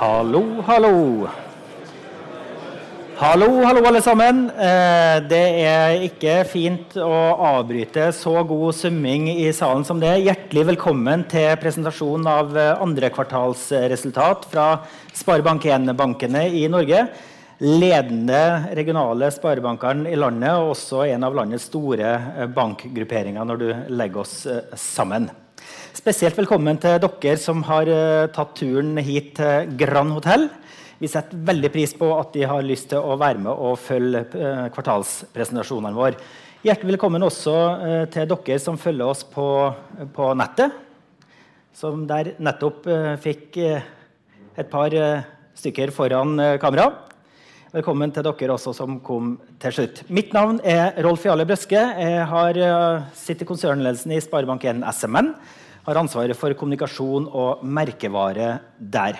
Hallo, hallo. Hallo, hallo alle sammen. Det er ikke fint å avbryte så god summing i salen som det. Hjertelig velkommen til presentasjonen av andre kvartalsresultat fra SpareBank 1-bankene i Norge. Ledende regionale SpareBank 1-bankene i landet og også en av landets store bankgrupperinger. Når du legger oss sammen. Spesielt velkommen til dere som har tatt turen hit til Grand Hotel. Vi setter veldig pris på at dere har lyst til å være med og følge kvartalspresentasjonene våre. Hjertelig velkommen også til dere som følger oss på nettet, som dere nettopp ser foran kamera. Velkommen til dere også som kom til slutt. Mitt navn er Rolf-Jarle Brøske. Jeg har sittet i konsernledelsen i SpareBank 1 SMN. Har ansvaret for kommunikasjon og merkevare der.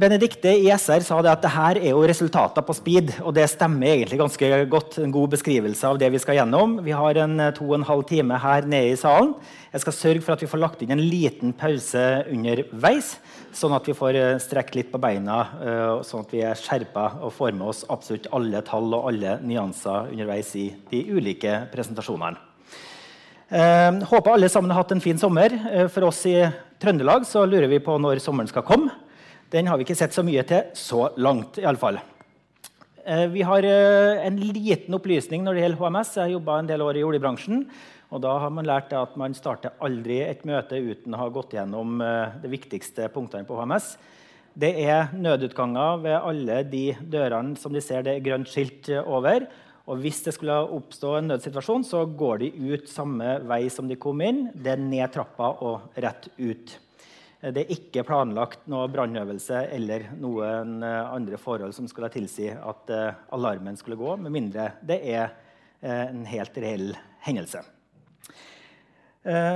Benedicte i SR sa det at det her er jo resultater på speed, og det stemmer egentlig ganske godt. En god beskrivelse av det vi skal gjennom. Vi har 2.5 time her nede i salen. Jeg skal sørge for at vi får lagt inn en liten pause underveis, sånn at vi får strekt litt på beina sånn at vi er skjerpet og får med oss absolutt alle tall og alle nyanser underveis i de ulike presentasjonene. Håper alle sammen har hatt en fin sommer. For oss i Trøndelag så lurer vi på når sommeren skal komme. Den har vi ikke sett så mye til så langt i alle fall. Vi har en liten opplysning når det gjelder HMS. Jeg jobbet en del år i oljebransjen, og da har man lært at man starter aldri et møte uten å ha gått gjennom de viktigste punktene på HMS. Det er nødutganger ved alle de dørene som de ser det grønt skilt over. Hvis det skulle oppstå en nødssituasjon, så går de ut samme vei som de kom inn. Det er ned trappa og rett ut. Det er ikke planlagt noe brannøvelse eller noen andre forhold som skulle tilsi at alarmen skulle gå, med mindre det er en helt reell hendelse.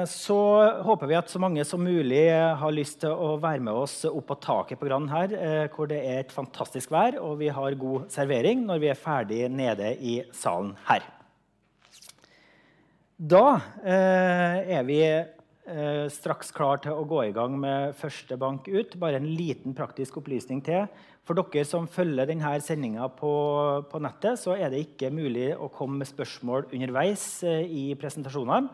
Så håper vi at så mange som mulig har lyst til å være med oss opp på taket på Grand her hvor det er et fantastisk vær og vi har god servering når vi er ferdig nede i salen her. Vi er straks klare til å gå i gang med første bank ut. Bare en liten praktisk opplysning til. For dere som følger den her sendingen på nettet så er det ikke mulig å komme med spørsmål underveis i presentasjonene.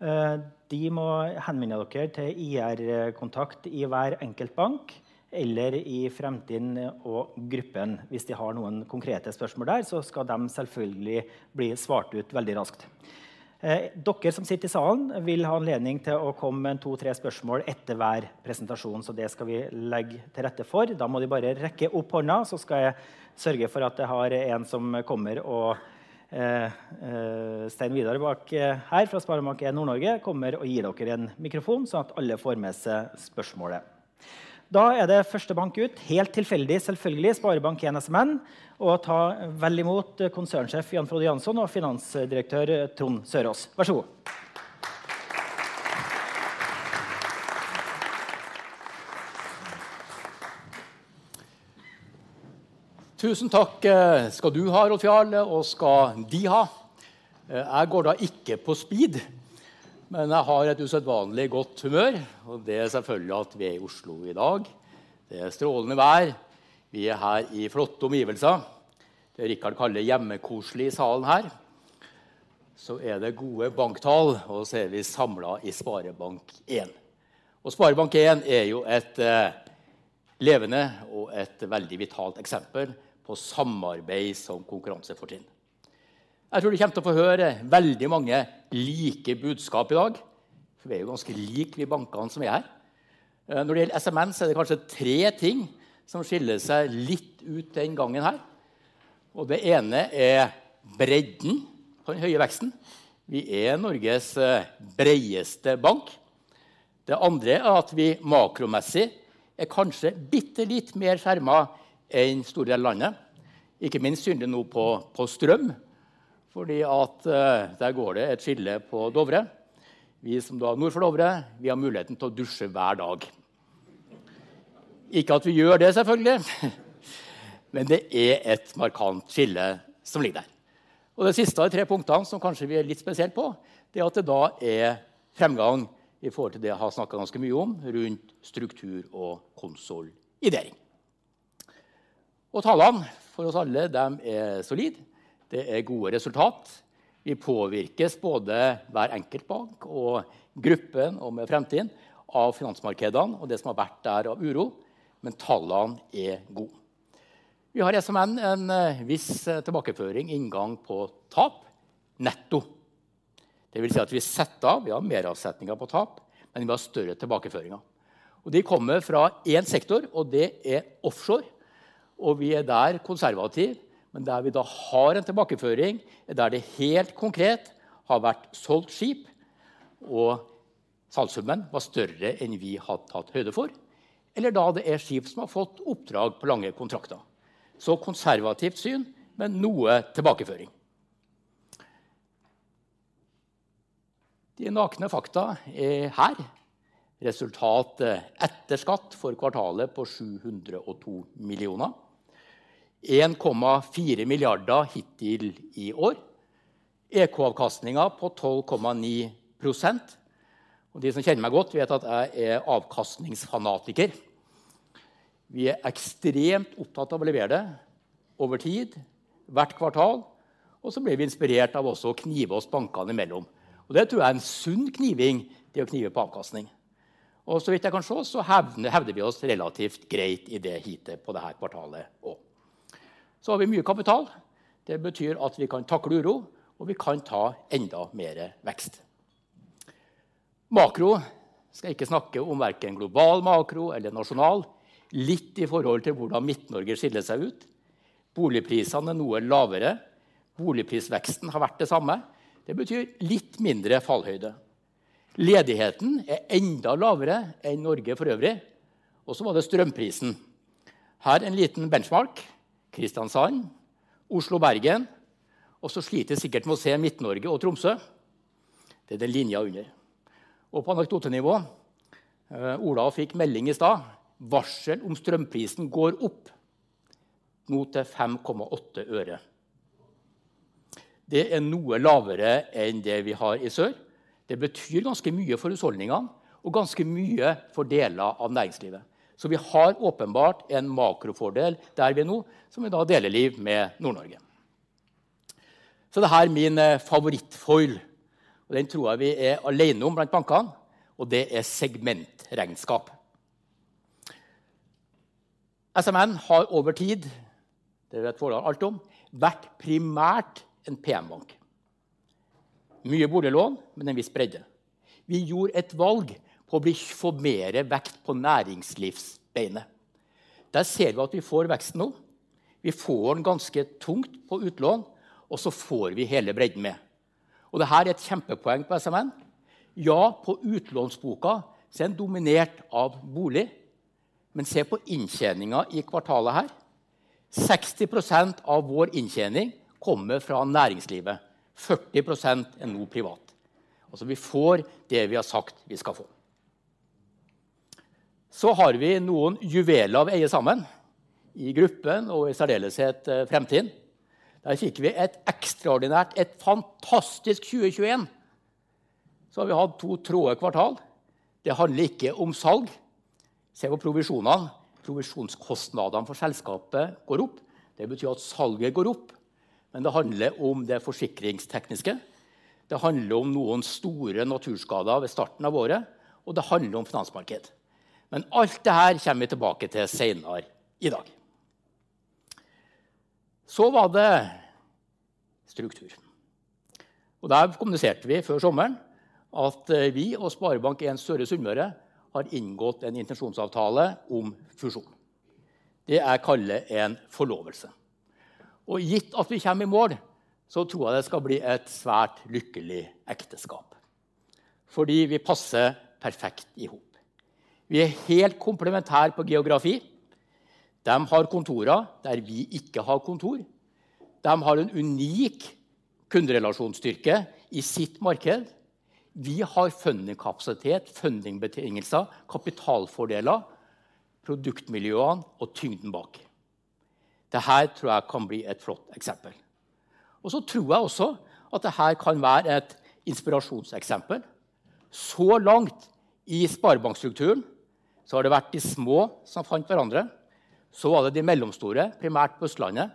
De må henvende seg til IR-kontakt i hver enkelt bank eller i Fremtind og Gruppen. Hvis de har noen konkrete spørsmål der, så skal de selvfølgelig bli svart ut veldig raskt. Dere som sitter i salen vil ha anledning til å komme med to tre spørsmål etter hver presentasjon. Det skal vi legge til rette for. Da må de bare rekke opp hånden, så skal jeg sørge for at jeg har en som kommer og Stein Vidar bak her fra SpareBank 1 Nord-Norge kommer og gir dere en mikrofon sånn at alle får med seg spørsmålet. Da er det første bank ut. Helt tilfeldig selvfølgelig. SpareBank 1 SMN og ta vel imot konsernsjef Jan-Frode Janson og finansdirektør Trond Søraas. Vær så god! Tusen takk skal du ha, Rolf-Jarle Brøske, og skal dere ha. Jeg går da ikke på speed, men jeg har et usedvanlig godt humør. Det er selvfølgelig at vi er i Oslo i dag. Det er strålende vær. Vi er her i flotte omgivelser. Det Richard Heiberg kaller hjemmekoselig i salen her. Det er gode banktall. Vi er samlet i SpareBank 1. SpareBank 1 er jo et levende og et veldig vitalt eksempel på samarbeid som konkurransefortrinn. Jeg tror du kommer til å få høre veldig mange like budskap i dag, for vi er jo ganske like de bankene som er her. Når det gjelder SMN, så er det kanskje tre ting som skiller seg litt ut denne gangen her, og det ene er bredden på den høye veksten. Vi er Norges bredeste bank. Det andre er at vi makromessig er kanskje bittelitt mer skjermet enn store deler av landet, ikke minst synlig nå på strøm, fordi der går det et skille på Dovre. Vi som da nord for Dovre. Vi har muligheten til å dusje hver dag. Ikke at vi gjør det, selvfølgelig. Det er et markant skille som ligger der. Det siste av de tre punktene som kanskje vi er litt spesielt på, det er at det da er fremgang i forhold til det jeg har snakket ganske mye om rundt struktur og konsolidering. Tallene for oss alle dem er solide. Det er gode resultater. Vi påvirkes både hver enkeltbank og gruppen og med Fremtind av finansmarkedene og det som har vært der av uro. Tallene er gode. Vi har i SMN en viss tilbakeføring inngang på tap netto. Det vil si at vi setter, vi har mer avsetninger på tap, men vi har større tilbakeføringer. De kommer fra en sektor, og det er offshore. Vi er der konservativ. Der vi da har en tilbakeføring, der det helt konkret har vært solgt skip, og salgssummen var større enn vi hadde tatt høyde for. Det er skip som har fått oppdrag på lange kontrakter. Konservativt syn, men noe tilbakeføring. De nakne fakta er her. Resultat etter skatt for kvartalet på 702 millioner. 1.4 milliarder hittil i år. EK-avkastningen på 12.9%. De som kjenner meg godt vet at jeg er avkastningsfanatiker. Vi er ekstremt opptatt av å levere over tid, hvert kvartal. Vi blir inspirert av også å knive oss bankene imellom. Det tror jeg er en sunn kniving til å knive på avkastning. Så vidt jeg kan se så hevder vi oss relativt greit i det hittil på det her kvartalet. Har vi mye kapital. Det betyr at vi kan takle uro og vi kan ta enda mer vekst. Makro, skal ikke snakke om verken global makro eller nasjonal. Litt i forhold til hvordan Midt-Norge skiller seg ut. Boligprisene er noe lavere. Boligprisveksten har vært det samme. Det betyr litt mindre fallhøyde. Ledigheten er enda lavere enn Norge for øvrig. Og så var det strømprisen. Her en liten benchmark. Kristiansand, Oslo, Bergen. Og så sliter vi sikkert med å se Midt-Norge og Tromsø. Det er den linjen under. Og på anekdotenivå. Olav fikk melding i dag, varsel om strømprisen går opp mot 0.058. Det er noe lavere enn det vi har i sør. Det betyr ganske mye for husholdningene og ganske mye for deler av næringslivet. Vi har åpenbart en makrofordel der vi nå, som vi da deler med Nord-Norge. Det her min favorittfolie, og den tror jeg vi er alene om blant bankene. Det er segmentregnskap. SMN har over tid, det vet Tor Arne alt om, vært primært en PM-bank. Mye boliglån, men en viss bredde. Vi gjorde et valg på å bli, få mer vekt på næringslivsbeinet. Der ser vi at vi får vekst nå. Vi får den ganske tungt på utlån, og så får vi hele bredden med. Det her er et kjempepoeng på SMN. Ja, på utlånsboka, se den dominert av bolig, men se på inntjeningen i kvartalet her. 60% av vår inntjening kommer fra næringslivet. 40% er nå privat. Altså vi får det vi har sagt vi skal få. Har vi noen juveler vi eier sammen i gruppen og i særdeleshet Fremtind. Der fikk vi et ekstraordinært, et fantastisk 2021. Har vi hatt to tøffe kvartal. Det handler ikke om salg. Se på provisjoner. Provisjonskostnadene for selskapet går opp. Det betyr at salget går opp. Det handler om det forsikringstekniske. Det handler om noen store naturskader ved starten av året, og det handler om finansmarked. Alt det her kommer vi tilbake til senere i dag. Var det struktur, og der kommuniserte vi før sommeren at vi og SpareBank 1 Søre Sunnmøre har inngått en intensjonsavtale om fusjon. Det jeg kaller en forlovelse, og gitt at vi kommer i mål, så tror jeg det skal bli et svært lykkelig ekteskap, fordi vi passer perfekt ihop. Vi er helt komplementære på geografi. De har kontorer der vi ikke har kontor. De har en unik kunderelasjonsstyrke i sitt marked. Vi har funding kapasitet, funding betingelser, kapitalfordeler, produktmiljøene og tyngden bak. Det her tror jeg kan bli et flott eksempel. Tror jeg også at det her kan være et inspirasjonseksempel. Så langt i sparebankstrukturen så har det vært de små som fant hverandre. Var det de mellomstore, primært på Østlandet.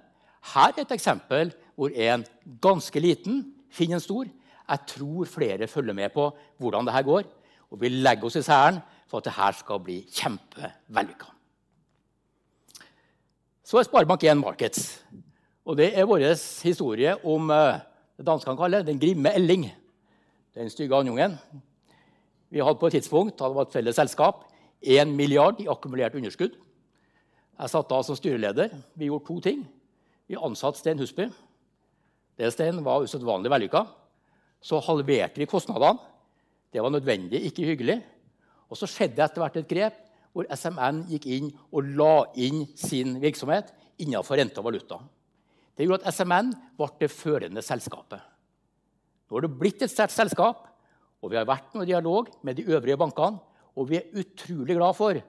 Her er et eksempel hvor en ganske liten finner en stor. Jeg tror flere følger med på hvordan det her går, og vi legger oss i selen for at det her skal bli kjempevellykket. Er SpareBank 1 Markets, og det er vår historie om det danskene kaller den grimme ælling. Den stygge andungen. Vi hadde på et tidspunkt da det var et felles selskap, 1 milliard i akkumulert underskudd. Jeg satt da som styreleder. Vi gjorde 2 ting. Vi ansatte Stein Husby. Det, Stein, var usedvanlig vellykket. Halverte vi kostnadene. Det var nødvendig, ikke hyggelig. Skjedde etter hvert et grep hvor SMN gikk inn og la inn sin virksomhet innenfor rente og valuta. Det gjorde at SMN vart det førende selskapet. Nå har det blitt et sterkt selskap, og vi har vært i dialog med de øvrige bankene, og vi er utrolig glade for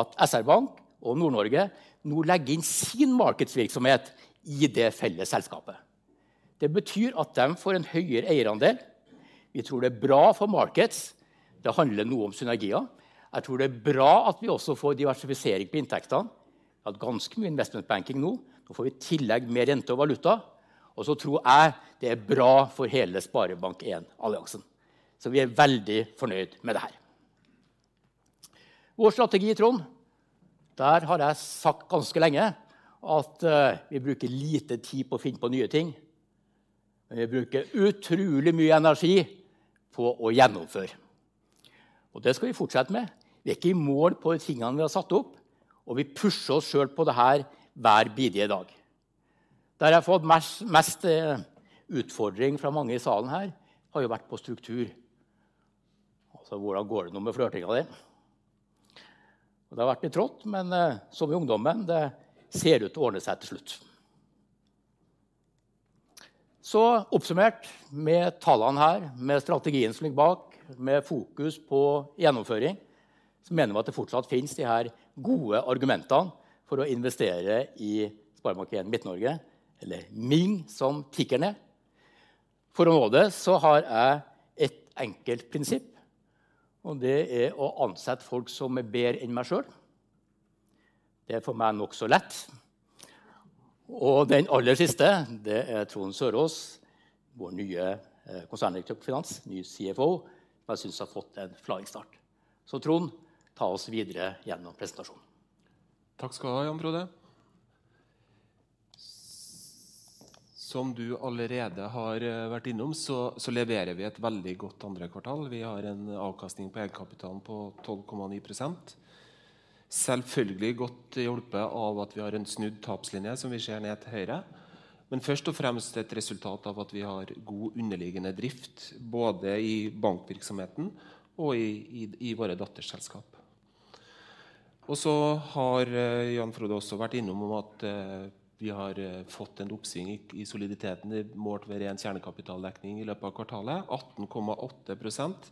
at SR-Bank og Nord-Norge nå legger inn sin markets virksomhet i det felles selskapet. Det betyr at de får en høyere eierandel. Vi tror det er bra for Markets. Det handler noe om synergier. Jeg tror det er bra at vi også får diversifisering på inntektene, vi har ganske mye investment banking nå. Nå får vi i tillegg mer rente og valuta, og så tror jeg det er bra for hele SpareBank 1-alliansen, så vi er veldig fornøyd med det her. Vår strategi i Trondheim. Der har jeg sagt ganske lenge at vi bruker lite tid på å finne på nye ting, men vi bruker utrolig mye energi på å gjennomføre, og det skal vi fortsette med. Vi er ikke i mål på tingene vi har satt opp, og vi pusher oss selv på det her hver bidige dag. Der jeg har fått mest utfordring fra mange i salen her har jo vært på struktur. Altså, hvordan går det nå med flytting av det. Det har vært litt trått. Som i ungdommen, det ser ut å ordne seg til slutt. Oppsummert med tallene her, med strategien som ligger bak, med fokus på gjennomføring, så mener vi at det fortsatt finnes de her gode argumentene for å investere i SpareBank 1 Midt-Norge eller MING som tikker ned. For å nå det så har jeg et enkelt prinsipp, og det er å ansette folk som er bedre enn meg selv. Det er for meg nokså lett. Den aller siste det er Trond Søraas, vår nye konserndirektør for finans ny CFO, som jeg synes har fått en flygende start. Trond ta oss videre gjennom presentasjonen. Takk skal du ha Jan-Frode Janson! Som du allerede har vært innom så leverer vi et veldig godt andre kvartal. Vi har en avkastning på egenkapitalen på 12.9%. Selvfølgelig godt hjulpet av at vi har en snudd tapslinje som vi ser ned til høyre. Men først og fremst et resultat av at vi har god underliggende drift både i bankvirksomheten og i våre datterselskap. Og så har Jan-Frode Janson også vært innom om at vi har fått en oppsving i soliditeten målt ved ren kjernekapitaldekning i løpet av kvartalet. 18.8%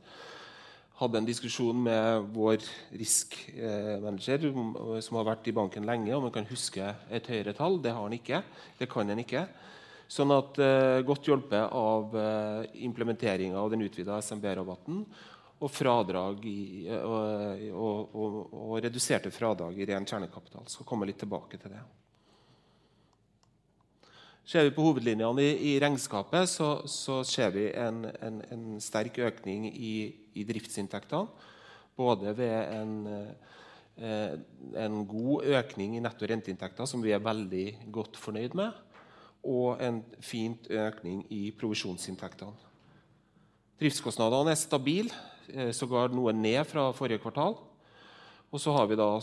hadde en diskusjon med vår risk manager som har vært i banken lenge om han kan huske et høyere tall. Det har han ikke. Det kan han ikke. Sånn at godt hjulpet av implementeringen av den utvidede SMB-rabatten og fradrag i og reduserte fradrag i ren kjernekapital. Skal komme litt tilbake til det. Ser vi på hovedlinjene i regnskapet, så ser vi en sterk økning i driftsinntektene både ved en god økning i netto renteinntekter som vi er veldig godt fornøyd med og en fin økning i provisjonsinntektene. Driftskostnadene er stabil, sågar noe ned fra forrige kvartal. Har vi da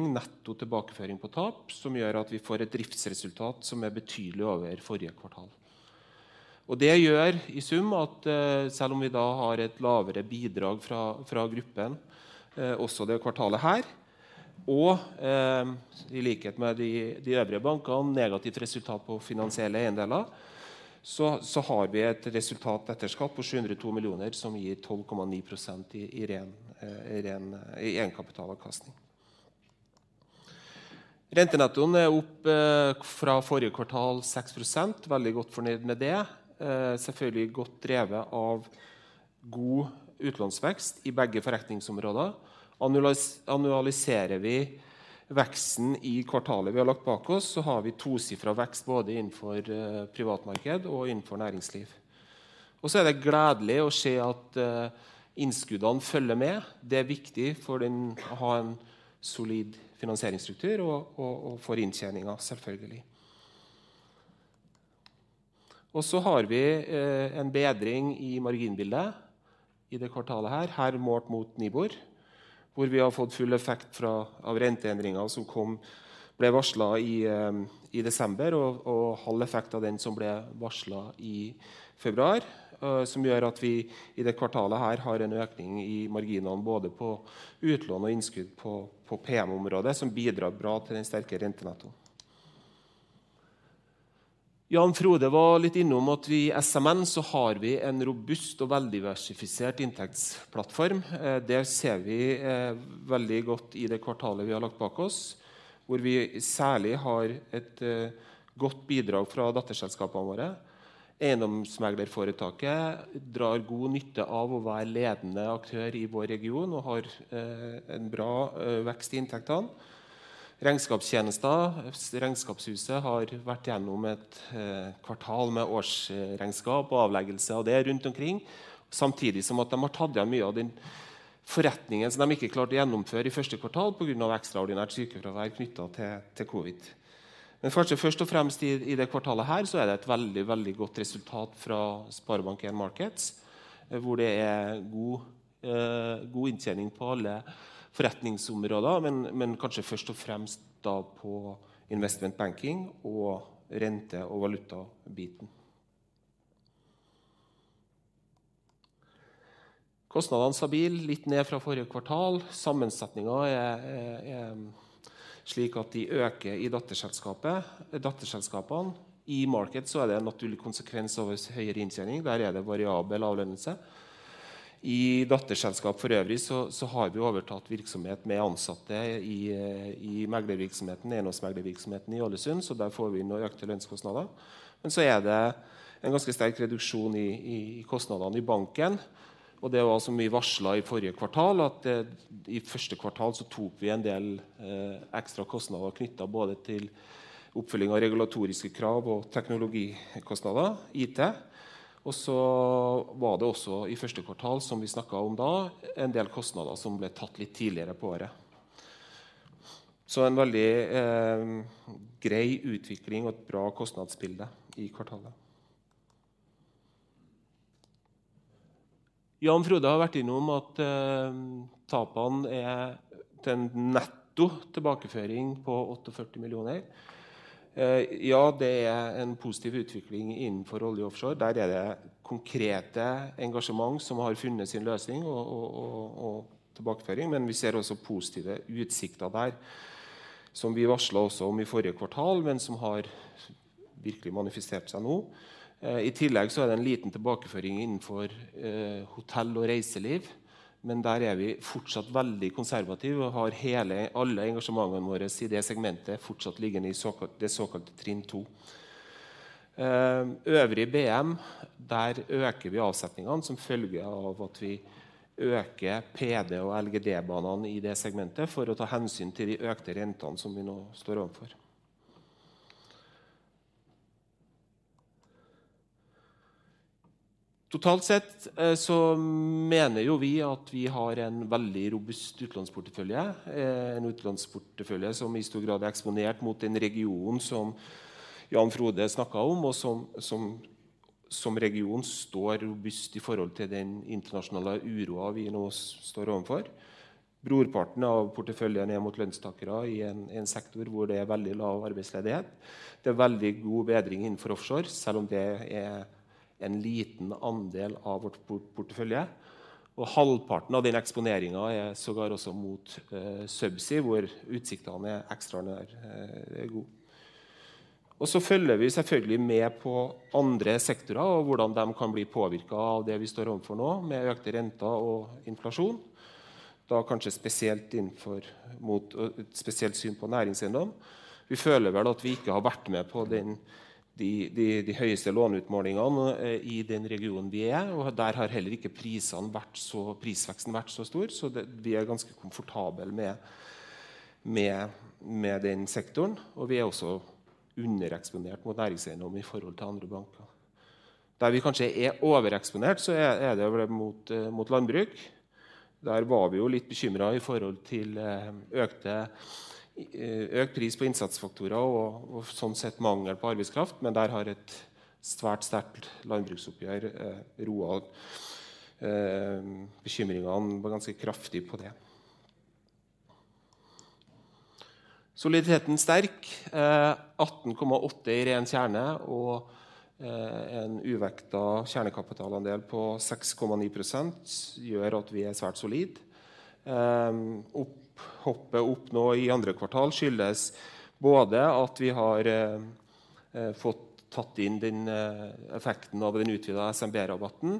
netto tilbakeføring på tap som gjør at vi får et driftsresultat som er betydelig over forrige kvartal. Det gjør i sum at selv om vi da har et lavere bidrag fra gruppen også det kvartalet her, og i likhet med de øvrige bankene negativt resultat på finansielle eiendeler, så har vi et resultat etter skatt på 702 million, som gir 12.9% i ren egenkapitalavkastning. Rentenettoen er opp fra forrige kvartal 6%. Veldig godt fornøyd med det. Selvfølgelig godt drevet av god utlånsvekst i begge forretningsområder. Annualiserer vi veksten i kvartalet vi har lagt bak oss, så har vi tosifret vekst både innenfor privatmarked og innenfor næringsliv. Det er gledelig å se at innskuddene følger med. Det er viktig for å ha en solid finansieringsstruktur og for inntjeningen selvfølgelig. Har vi en bedring i marginbildet i det kvartalet her målt mot Nibor, hvor vi har fått full effekt av renteendringen som ble varslet i desember og halv effekt av den som ble varslet i februar. Som gjør at vi i det kvartalet her har en økning i marginene både på utlån og innskudd på PM-området, som bidrar bra til den sterke rentenetto. Jan-Frode var litt innom at vi i SMN så har vi en robust og vel diversifisert inntektsplattform. Det ser vi veldig godt i det kvartalet vi har lagt bak oss, hvor vi særlig har et godt bidrag fra datterselskapene våre. EiendomsMegler 1 drar god nytte av å være ledende aktør i vår region og har en bra vekst i inntektene. Regnskapstjenester. Regnskapshuset har vært gjennom et kvartal med årsregnskap og avleggelse av det rundt omkring, samtidig som at de har tatt igjen mye av den forretningen som de ikke klarte å gjennomføre i første kvartal på grunn av ekstraordinært sykefravær knyttet til covid. Kanskje først og fremst i det kvartalet her så er det et veldig godt resultat fra SpareBank 1 Markets, hvor det er god inntjening på alle forretningsområder. Kanskje først og fremst da på investment banking og rente og valuta biten. Kostnadene stabil litt ned fra forrige kvartal. Sammensetningen er slik at de øker i datterselskapene. In Markets så er det en naturlig konsekvens av høyere inntjening. Der er det variabel avlønning. I datterselskap for øvrig så har vi overtatt virksomhet med ansatte i meglervirksomheten eiendomsmeglervirksomheten i Ålesund, så der får vi noe økte lønnskostnader. Det er en ganske sterk reduksjon i kostnadene i banken, og det var også som vi varslet i forrige kvartal at i første kvartal så tok vi en del ekstra kostnader knyttet både til oppfølging av regulatoriske krav og teknologikostnader IT. Det var også i første kvartal som vi snakket om da, en del kostnader som ble tatt litt tidligere på året. En veldig grei utvikling og et bra kostnadsbilde i kvartalet. Jan-Frode har vært innom at tapene er til en netto tilbakeføring på 48 million. Ja, det er en positiv utvikling innenfor olje og offshore. Der er det konkrete engasjement som har funnet sin løsning og tilbakeføring. Vi ser også positive utsikter der. Som vi varslet også om i forrige kvartal, men som har virkelig manifestert seg nå. I tillegg så er det en liten tilbakeføring innenfor hotell og reiseliv, men der er vi fortsatt veldig konservativ og har alle engasjementene våre i det segmentet fortsatt liggende i såkalt trinn to. Øvrig BM der øker vi avsetningene som følge av at vi øker PD og LGD banene i det segmentet for å ta hensyn til de økte rentene som vi nå står ovenfor. Totalt sett så mener jo vi at vi har en veldig robust utlånsportefølje. En utlånsportefølje som i stor grad er eksponert mot den regionen som Jan Frode snakket om, og som region står robust i forhold til den internasjonale uroen vi nå står ovenfor. Brorparten av porteføljen er mot lønnstakere i en sektor hvor det er veldig lav arbeidsledighet. Det er veldig god bedring innenfor offshore, selv om det er en liten andel av vårt portefølje, og halvparten av den eksponeringen er sågar også mot subsea hvor utsiktene er ekstraordinært god. Følger vi selvfølgelig med på andre sektorer og hvordan de kan bli påvirket av det vi står ovenfor nå med økte renter og inflasjon. Kanskje spesielt innenfor mot et spesielt syn på næringseiendom. Vi føler vel at vi ikke har vært med på de høyeste låneutmålingene i den regionen vi er, og der har heller ikke prisveksten vært så stor. Vi er ganske komfortable med den sektoren, og vi er også undereksponert mot næringseiendom i forhold til andre banker. Der vi kanskje er overeksponert, så er det vel mot landbruk. Der var vi jo litt bekymret i forhold til økte pris på innsatsfaktorer og sånn sett mangel på arbeidskraft. Der har et svært sterkt landbruksoppgjør roet bekymringene ganske kraftig på det. Soliditeten sterk 18.8 i ren kjerne og en uvektet kjernekapitalandel på 6.9% gjør at vi er svært solid. Hoppet opp nå i andre kvartal skyldes både at vi har fått tatt inn den effekten av den utvidede SMB-rabatten,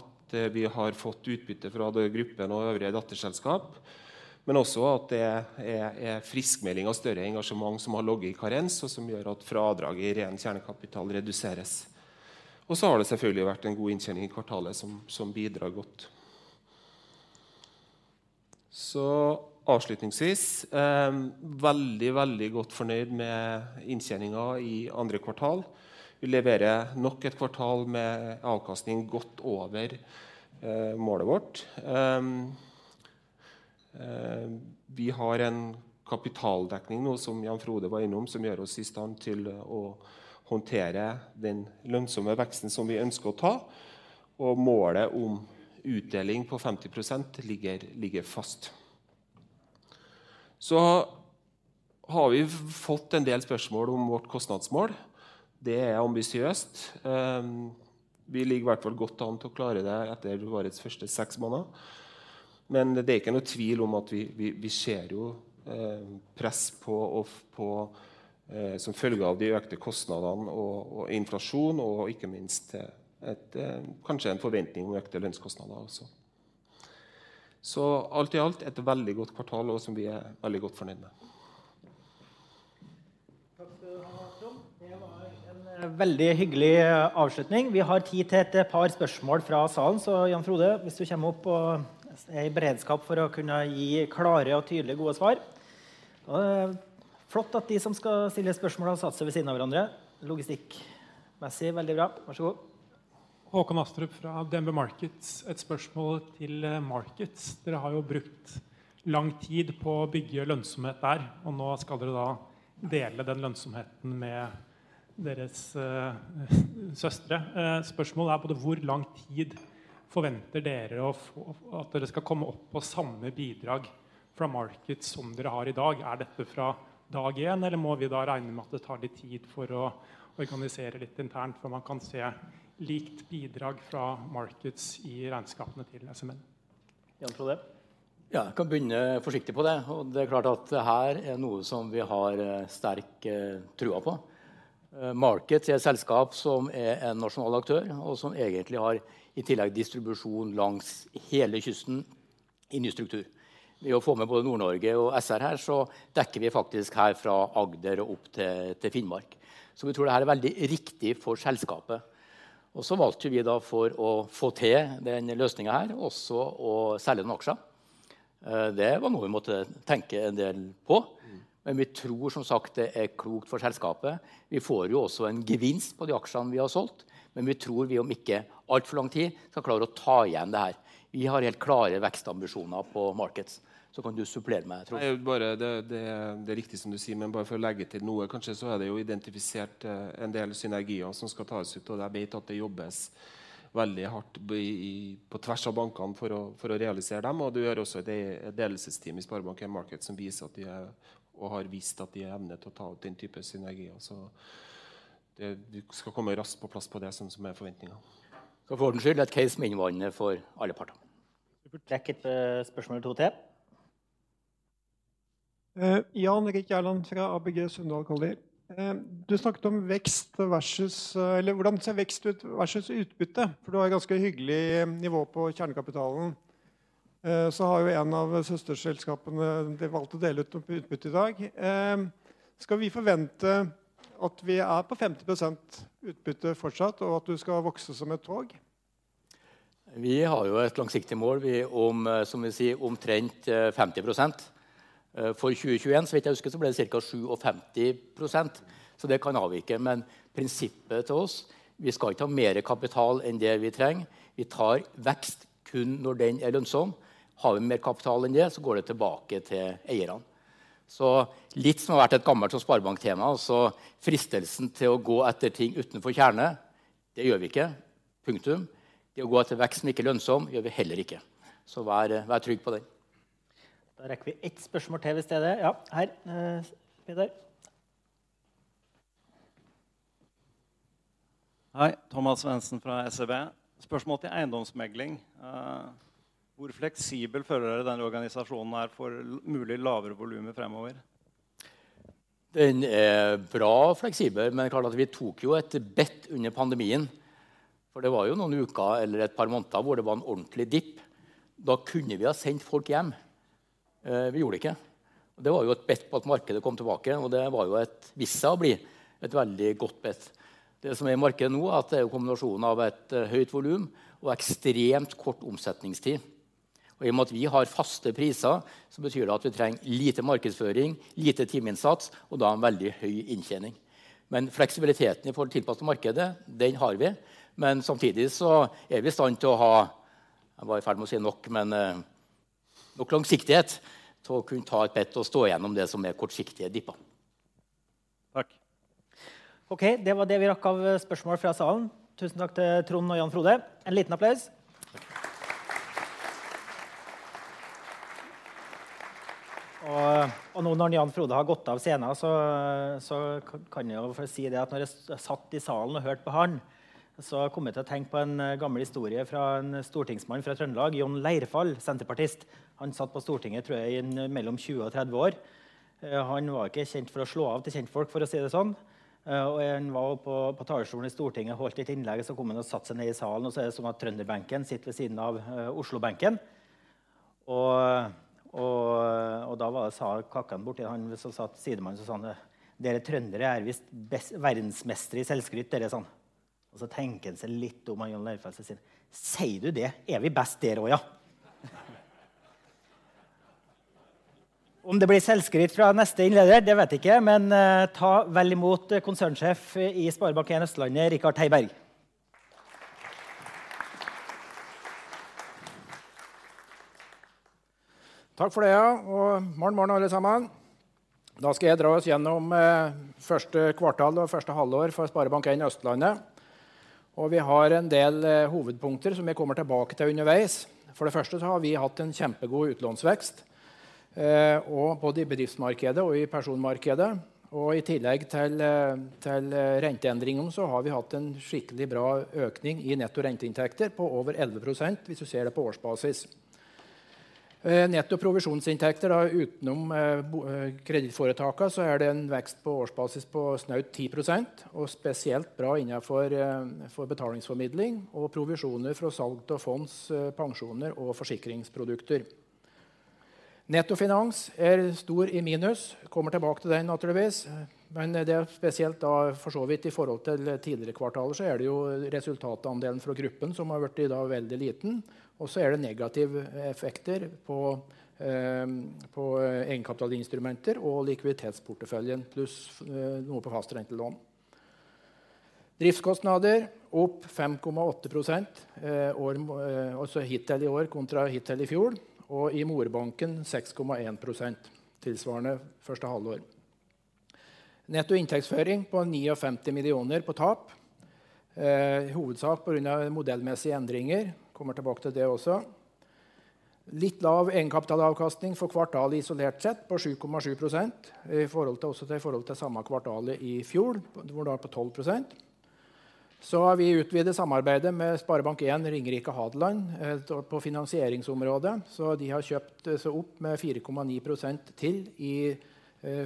at vi har fått utbytte fra gruppen og øvrige datterselskap, men også at det er friskmelding av større engasjement som har ligget i karens og som gjør at fradrag i ren kjernekapital reduseres. Har det selvfølgelig vært en god inntjening i kvartalet som bidrar godt. Avslutningsvis veldig godt fornøyd med inntjeningen i andre kvartal. Vi leverer nok et kvartal med avkastning godt over målet vårt. Vi har en kapitaldekning nå som Jan-Frode Janson var innom, som gjør oss i stand til å håndtere den lønnsomme veksten som vi ønsker å ta. Målet om utdeling på 50% ligger fast. Har vi fått en del spørsmål om vårt kostnadsmål. Det er ambisiøst. Vi ligger i hvert fall godt an til å klare det etter årets første 6 måneder. Det er ikke noe tvil om at vi ser jo press på som følge av de økte kostnadene og inflasjon, og ikke minst kanskje en forventning om økte lønnskostnader også. Alt i alt et veldig godt kvartal som vi er veldig godt fornøyd med. Takk skal du ha, Trond. Det var en veldig hyggelig avslutning. Vi har tid til et par spørsmål fra salen. Så Jan Frode, hvis du kommer opp og er i beredskap for å kunne gi klare og tydelige gode svar. Det er flott at de som skal stille spørsmål har satt seg ved siden av hverandre. Logistikkmessig veldig bra. Vær så god! Håkon Astrup fra DNB Markets. Et spørsmål til Markets. Dere har jo brukt lang tid på å bygge lønnsomhet der, og nå skal dere da dele den lønnsomheten med deres søstre. Spørsmålet er på hvor lang tid forventer dere å få at dere skal komme opp på samme bidrag fra Markets som dere har i dag? Er dette fra dag en, eller må vi da regne med at det tar litt tid for å organisere litt internt før man kan se likt bidrag fra Markets i regnskapene til SMN? Jan Frode. Ja, jeg kan begynne forsiktig på det. Det er klart at her er noe som vi har sterk tro på. Markets er et selskap som er en nasjonal aktør og som egentlig har i tillegg distribusjon langs hele kysten i ny struktur. Ved å få med både Nord-Norge og SR her så dekker vi faktisk her fra Agder og opp til Finnmark. Vi tror det er veldig riktig for selskapet. Valgte vi da for å få til den løsningen her også å selge noen aksjer. Det var noe vi måtte tenke en del på. Vi tror som sagt det er klokt for selskapet. Vi får jo også en gevinst på de aksjene vi har solgt, men vi tror vi om ikke altfor lang tid skal klare å ta igjen det her. Vi har helt klare vekstambisjoner på Markets. Kan du supplere meg Trond. Det er jo bare det er riktig som du sier, men bare for å legge til noe. Kanskje så er det jo identifisert en del synergier som skal tas ut, og jeg vet at det jobbes veldig hardt på tvers av bankene for å realisere dem. Du har også et delingsteam i SpareBank 1 Markets som viser at de er og har vist at de har evne til å ta ut den type synergi også. Det skal komme raskt på plass på det som er forventningene. For ordens skyld, det er et case med innvandring for alle parter. Det er et spørsmål 2 til. Jan-Erik Gjerland fra ABG Sundal Collier. Du snakket om vekst versus eller hvordan ser vekst versus utbytte? For du har et ganske hyggelig nivå på kjernekapitalen. Så har jo en av søsterselskapene valgt å dele ut utbytte i dag. Skal vi forvente at vi er på 50% utbytte fortsatt og at du skal vokse som et tog? Vi har jo et langsiktig mål om, som vil si omtrent 50%. For 2021 så vidt jeg husker, så ble det cirka 75%. Så det kan avvike. Men prinsippet til oss, vi skal ikke ta mer kapital enn det vi trenger. Vi tar vekst kun når den er lønnsom. Har vi mer kapital enn det, så går det tilbake til eierne. Så litt som har vært et gammelt sparebank tema, altså fristelsen til å gå etter ting utenfor kjerne, det gjør vi ikke. Punktum. Det å gå etter vekst som ikke er lønnsom, gjør vi heller ikke. Så vær trygg på det. Da rekker vi ett spørsmål til hvis det er det. Ja, her, Thomas Svendsen. Hei, Thomas Svendsen fra SEB. Spørsmål til EiendomsMegler 1. Hvor fleksibel føler dere denne organisasjonen er for mulig lavere volumet fremover? Den er bra fleksibel, men jeg vil kalle det at vi tok jo et bet under pandemien. For det var jo noen uker eller et par måneder hvor det var en ordentlig dipp. Da kunne vi ha sendt folk hjem. Vi gjorde det ikke, og det var jo et bet på at markedet kom tilbake. Og det var jo et, viste seg å bli et veldig godt bet. Det som er i markedet nå er at det er jo kombinasjonen av et høyt volum og ekstremt kort omsetningstid. Og i og med at vi har faste priser, så betyr det at vi trenger lite markedsføring, lite timeinnsats og da en veldig høy inntjening. Men fleksibiliteten i forhold til å tilpasse markedet, den har vi. Samtidig så er vi i stand til å ha nok langsiktighet til å kunne ta et bet og stå igjennom det som er kortsiktige dipper. Takk! Okay, det var det vi rakk av spørsmål fra salen. Tusen takk til Trond og Jan Frode. En liten applaus. Nå når Jan Frode har gått av scenen så kan jeg jo få si det at når jeg satt i salen og hørte på han, så kom jeg til å tenke på en gammel historie fra en stortingsmann fra Trøndelag, Jon Leirfall, Senterpartist. Han satt på Stortinget tror jeg i mellom 20 og 30 år. Han var ikke kjent for å slå av til kjente folk, for å si det sånn. Han var oppe på talerstolen i Stortinget og holdt et innlegg. Så kom han og satte seg ned i salen. Så er det sånn at Trønderbenken sitter ved siden av Oslobenken. Da var det sa Kåken borte, han som satt sidemann som sa det: "Dere trøndere er visst verdensmester i selvskryt. Er det sant?" Og så tenker han seg litt om, han Jon Leirfall, og sier "sier du det, er vi best der også ja". Om det blir selvskryt fra neste innleder, det vet jeg ikke. Ta vel i mot konsernsjef i SpareBank 1 Østlandet, Richard Heiberg. Takk for det ja. Morgen alle sammen. Da skal jeg dra oss gjennom første kvartal og første halvår for SpareBank 1 Østlandet, og vi har en del hovedpunkter som vi kommer tilbake til underveis. For det første så har vi hatt en kjempegod utlånsvekst, og både i bedriftsmarkedet og i personmarkedet. I tillegg til renteendringene så har vi hatt en skikkelig bra økning i netto renteinntekter på over 11% hvis du ser det på årsbasis. Netto provisjonsinntekter da utenom kredittforetakene så er det en vekst på årsbasis på snaut 10% og spesielt bra innenfor betalingsformidling og provisjoner fra salg av fonds, pensjoner og forsikringsprodukter. Nettofinans er stor i minus. Kommer tilbake til den naturligvis, men det er spesielt da. For så vidt i forhold til tidligere kvartaler så er det jo resultatandelen fra gruppen som har blitt da veldig liten. Det er negative effekter på egenkapitalinstrumenter og likviditetsporteføljen, pluss noe på fastrentelån. Driftskostnader opp 5.8% i år, altså hittil i år kontra hittil i fjor og i morbanken 6.1% tilsvarende første halvår. Netto inntektsføring på 95 millioner på tap, i hovedsak på grunn av modellmessige endringer. Kommer tilbake til det også. Litt lav egenkapitalavkastning for kvartalet isolert sett på 7.7% i forhold til, også i forhold til samme kvartalet i fjor, hvor da på 12%. Har vi utvidet samarbeidet med SpareBank 1 Ringerike Hadeland på finansieringsområdet, så de har kjøpt seg opp med 4.9% til i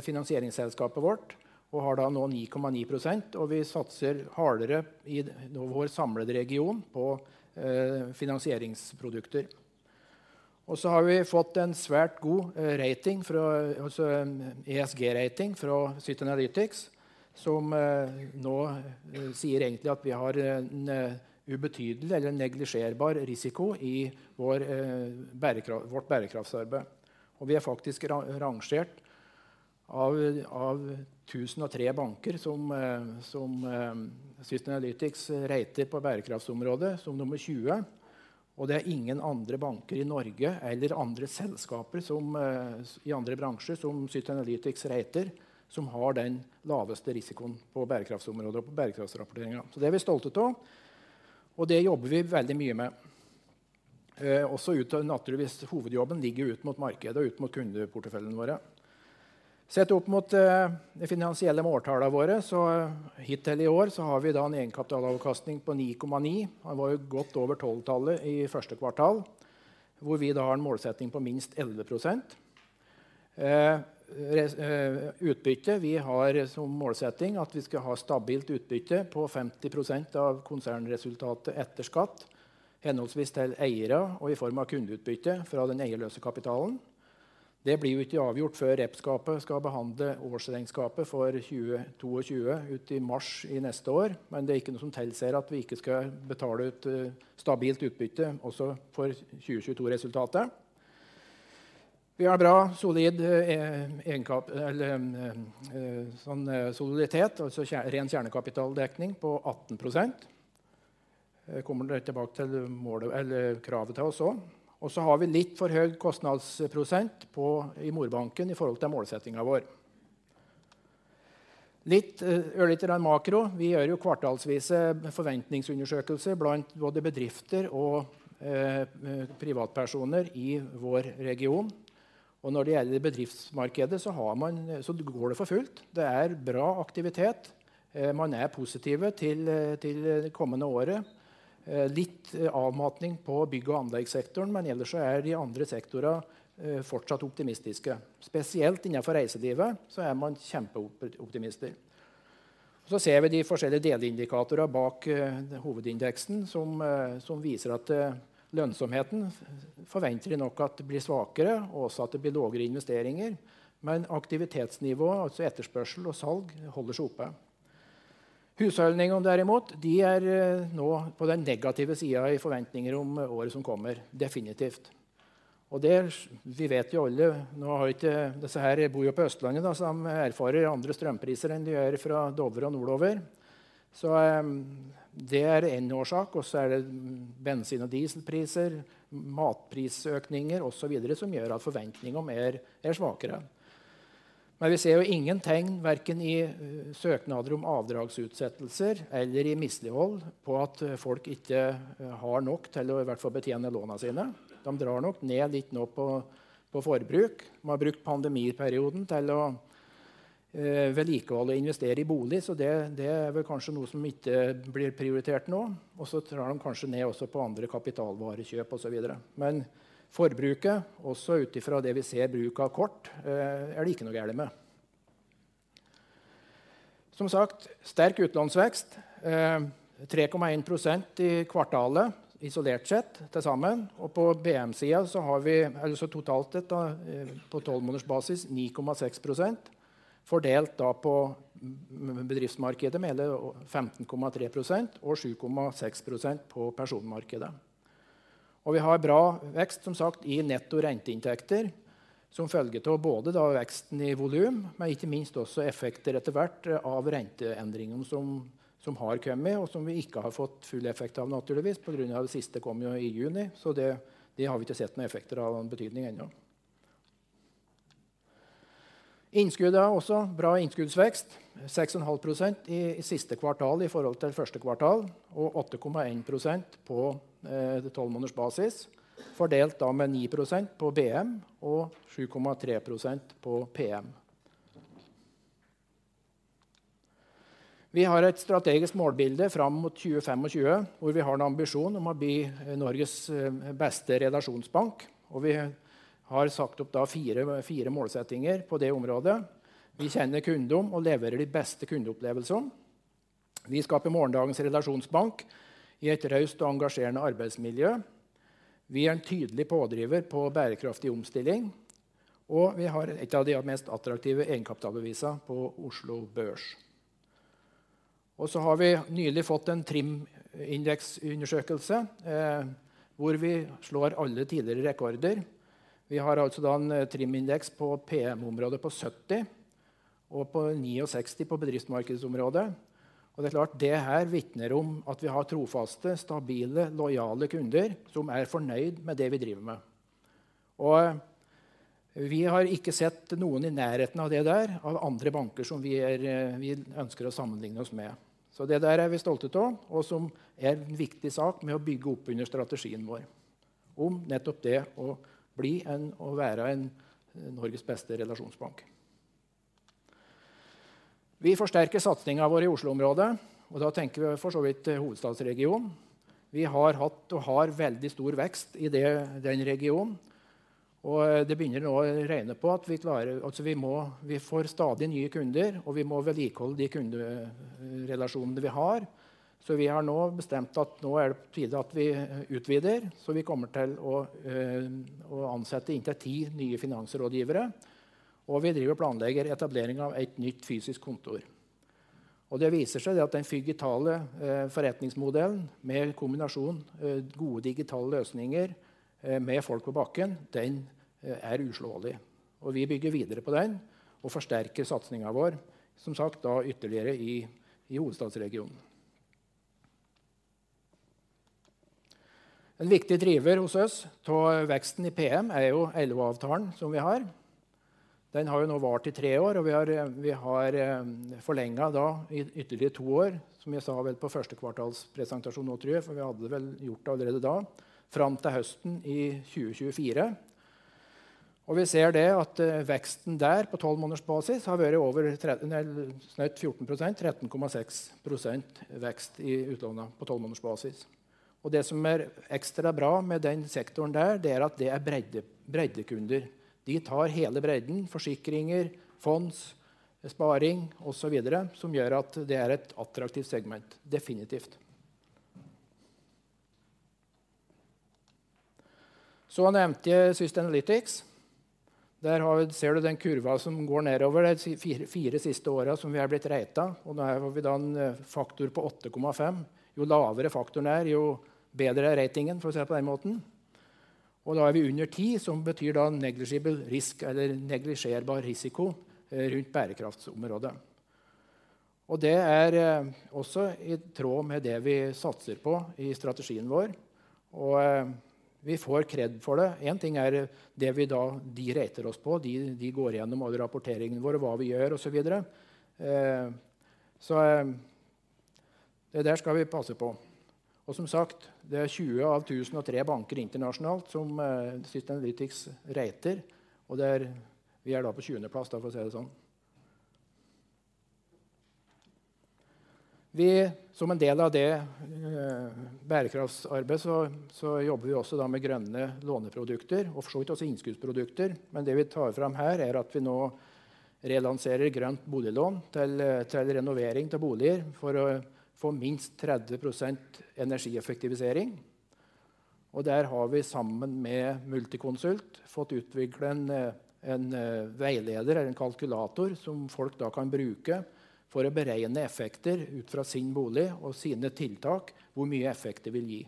finansieringsselskapet vårt, og har da nå 9.9%. Vi satser hardere i vår samlede region på finansieringsprodukter. Så har vi fått en svært god rating fra, altså ESG rating fra Sustainalytics, som nå sier egentlig at vi har en ubetydelig eller neglisjerbar risiko i vår bærekraft, vårt bærekraftsarbeid. Vi er faktisk rangert av 1,003 banker som Sustainalytics rater på bærekraftsområdet som nummer 20. Det er ingen andre banker i Norge eller andre selskaper som i andre bransjer som Sustainalytics rater som har den laveste risikoen på bærekraftsområdet og på bærekraftsrapporteringen. Det er vi stolte av, og det jobber vi veldig mye med. Utad naturligvis hovedjobben ligger ut mot markedet og ut mot kundeporteføljen våre. Sett opp mot de finansielle måltallene våre, hittil i år har vi da en egenkapitalavkastning på 9.9. Den var godt over 12-tallet i første kvartal, hvor vi da har en målsetting på minst 11%. Utbytte. Vi har som målsetting at vi skal ha stabilt utbytte på 50% av konsernresultatet etter skatt, henholdsvis til eiere og i form av kundeutbytte fra den egenløse kapitalen. Det blir jo ikke avgjort før Representantskapet skal behandle årsregnskapet for 2022 og 2023 ut i mars i neste år. Det er ikke noe som tilsier at vi ikke skal betale ut stabilt utbytte også for 2022-resultatet. Vi har bra soliditet, altså ren kjernekapitaldekning på 18%. Jeg kommer litt tilbake til målet eller kravet til oss også. Så har vi litt for høy kostnadsprosent på 60% i morbanken i forhold til målsettingen vår. Litt ørlite grann makro. Vi gjør jo kvartalsvise forventningsundersøkelser blant både bedrifter og privatpersoner i vår region. Når det gjelder bedriftsmarkedet så har man, så går det for fullt. Det er bra aktivitet. Man er positive til det kommende året. Litt avmatning på bygg og anleggssektoren, men ellers så er de andre sektorene fortsatt optimistiske. Spesielt innenfor reiselivet så er man kjempeoptimister. Ser vi de forskjellige delindikatorer bak hovedindeksen som viser at lønnsomheten forventer de nok at blir svakere, og også at det blir lavere investeringer. Aktivitetsnivået, altså etterspørsel og salg holder seg oppe. Husholdningene derimot, de er nå på den negative siden i forventninger om året som kommer. Definitivt. Det vi vet jo alle, nå har ikke disse her bor jo på Østlandet da, som erfarer andre strømpriser enn de gjør fra Dovre og nordover. Det er en årsak. Så er det bensin og dieselpriser, matprisøkninger og så videre som gjør at forventningene er svakere. Vi ser jo ingen tegn verken i søknader om avdragsutsettelser eller i mislighold på at folk ikke har nok til å i hvert fall betjene lånene sine. De drar nok ned litt nå på forbruk. Man har brukt pandemiperioden til å vedlikeholde og investere i bolig, så det er vel kanskje noe som ikke blir prioritert nå. De tar kanskje ned også på andre kapitalvarekjøp og så videre. Forbruket også ut ifra det vi ser bruk av kort er det ikke noe galt med. Som sagt, sterk utlånsvekst. 3,1% i kvartalet isolert sett til sammen. På BM-siden har vi altså totalt sett da på 12 måneders basis 9,6%, fordelt da på bedriftsmarkedet med hele 15,3% og 7,6% på personmarkedet. Vi har bra vekst som sagt i netto renteinntekter som følge av både den veksten i volum, men ikke minst også effekter etter hvert av renteendringene som har kommet og som vi ikke har fått full effekt av naturligvis på grunn av det siste kom jo i juni. Det har vi ikke sett noen effekter av noen betydning ennå. Innskudd er også bra innskuddsvekst, 6.5% i siste kvartal i forhold til første kvartal, og 8.1% på 12 måneders basis, fordelt da med 9% på BM og 7.3% på PM. Vi har et strategisk målbilde fram mot 2025 og 2030 hvor vi har en ambisjon om å bli Norges beste relasjonsbank, og vi har satt opp da fire målsettinger på det området. Vi kjenner kundene og leverer de beste kundeopplevelsene. Vi skaper morgendagens relasjonsbank i et raust og engasjerende arbeidsmiljø. Vi er en tydelig pådriver på bærekraftig omstilling, og vi har et av de mest attraktive egenkapitalbeviset på Oslo Børs. Vi har nylig fått en TRIM-indeksundersøkelse, hvor vi slår alle tidligere rekorder. Vi har altså da en TRIM-indeks på PM-området på 79 og 60 på bedriftsmarkedsområdet. Det er klart det her vitner om at vi har trofaste, stabile, lojale kunder som er fornøyde med det vi driver med. Vi har ikke sett noen i nærheten av det der av andre banker som vi er, vi ønsker å sammenligne oss med. Det der er vi stolte av og som er en viktig sak med å bygge opp under strategien vår om nettopp det å bli en og være en Norges beste relasjonsbank. Vi forsterker satsingen vår i Oslo-området, og da tenker vi for så vidt hovedstadsregionen. Vi har hatt og har veldig stor vekst i det, den regionen, og det begynner nå å regne på at vi klarer, altså vi må, vi får stadig nye kunder og vi må vedlikeholde de kunderelasjonene vi har. Vi har nå bestemt at nå er det på tide at vi utvider. Vi kommer til å å ansette inntil 10 nye finansrådgivere, og vi driver og planlegger etablering av et nytt fysisk kontor. Det viser seg at den digitale forretningsmodellen med kombinasjonen gode digitale løsninger med folk på bakken, den er uslåelig. Vi bygger videre på den og forsterker satsingen vår. Som sagt da ytterligere i hovedstadsregionen. En viktig driver hos oss til veksten i PM er jo LO-avtalen som vi har. Den har jo nå vart i 3 år, og vi har forlenget den i ytterligere 2 år, som jeg sa vel på førstekvartalspresentasjonen nå tror jeg, for vi hadde vel gjort det allerede da. Fram til høsten i 2024. Vi ser at veksten der på 12 måneders basis har vært over 30, nei 13, 14%. 13.6% vekst i utlånet på 12 måneders basis. Det som er ekstra bra med den sektoren der, det er at det er bredde, breddekunder. De tar hele bredden, forsikringer, fonder, sparing og så videre, som gjør at det er et attraktivt segment. Definitivt. Så nevnte jeg Sustainalytics. Der har vi, ser du den kurven som går nedover de fire siste årene som vi har blitt ratet, og der har vi da en faktor på 8.5. Jo lavere faktoren er, jo bedre er ratingen for å si det på den måten. Da er vi under 10, som betyr da neglisjerbar risiko rundt bærekraftsområdet. Det er også i tråd med det vi satser på i strategien vår. Vi får kred for det. En ting er det vi da de rater oss på. De går gjennom alle rapporteringene våre og hva vi gjør og så videre. Så det der skal vi passe på. Som sagt, det er 20 av 1,003 banker internasjonalt som Sustainalytics rater, og der vi er da på sjuende plass, for å si det sånn. Vi, som en del av det bærekraftsarbeidet så jobber vi også da med grønne låneprodukter og for så vidt også innskuddsprodukter. Det vi tar fram her er at vi nå relanserer grønt boliglån til renovering av boliger for å få minst 30% energieffektivisering. Der har vi sammen med Multiconsult fått utviklet en veileder eller en kalkulator som folk da kan bruke for å beregne effekter ut fra sin bolig og sine tiltak, hvor mye effekt det vil gi.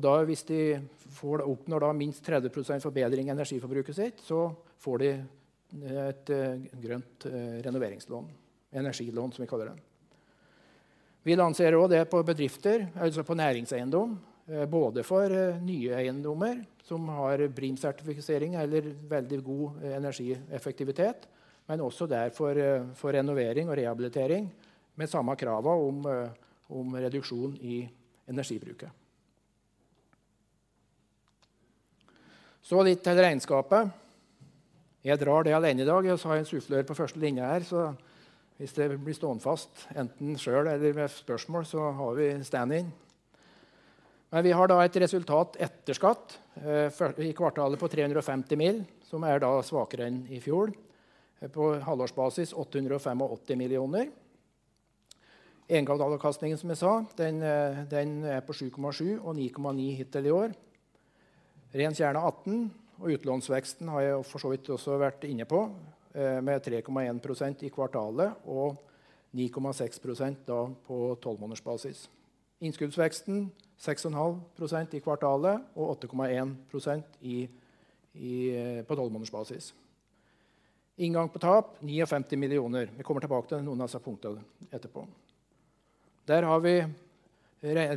Da, hvis de oppnår da minst 30% forbedring i energiforbruket sitt, så får de et grønt renoveringslån. Energilån som vi kaller det. Vi lanserer også det på bedrifter, altså på næringseiendom. Både for nye eiendommer som har BREEAM-sertifisering eller veldig god energieffektivitet, men også der for renovering og rehabilitering med samme krav om reduksjon i energibruket. Litt til regnskapet. Jeg drar det alene i dag. Så har jeg en sufflør på første linje her, så hvis jeg blir stående fast enten selv eller ved spørsmål, så har vi en stand-in. Vi har da et resultat etter skatt i kvartalet på 350 million, som er da svakere enn i fjor. På halvårsbasis 885 million. Eigenkapitalavkastningen som jeg sa, den er på 7.7% og 9.9% hittil i år. Ren kjerne 18. Utlånsveksten har jeg for så vidt også vært inne på med 3.1% i kvartalet og 9.6% da på 12 måneders basis. Innskuddsveksten 6.5% i kvartalet og 8.1% i på 12 månedersbasis. Inngang på tap 95 million. Vi kommer tilbake til noen av disse punktene etterpå. Der har vi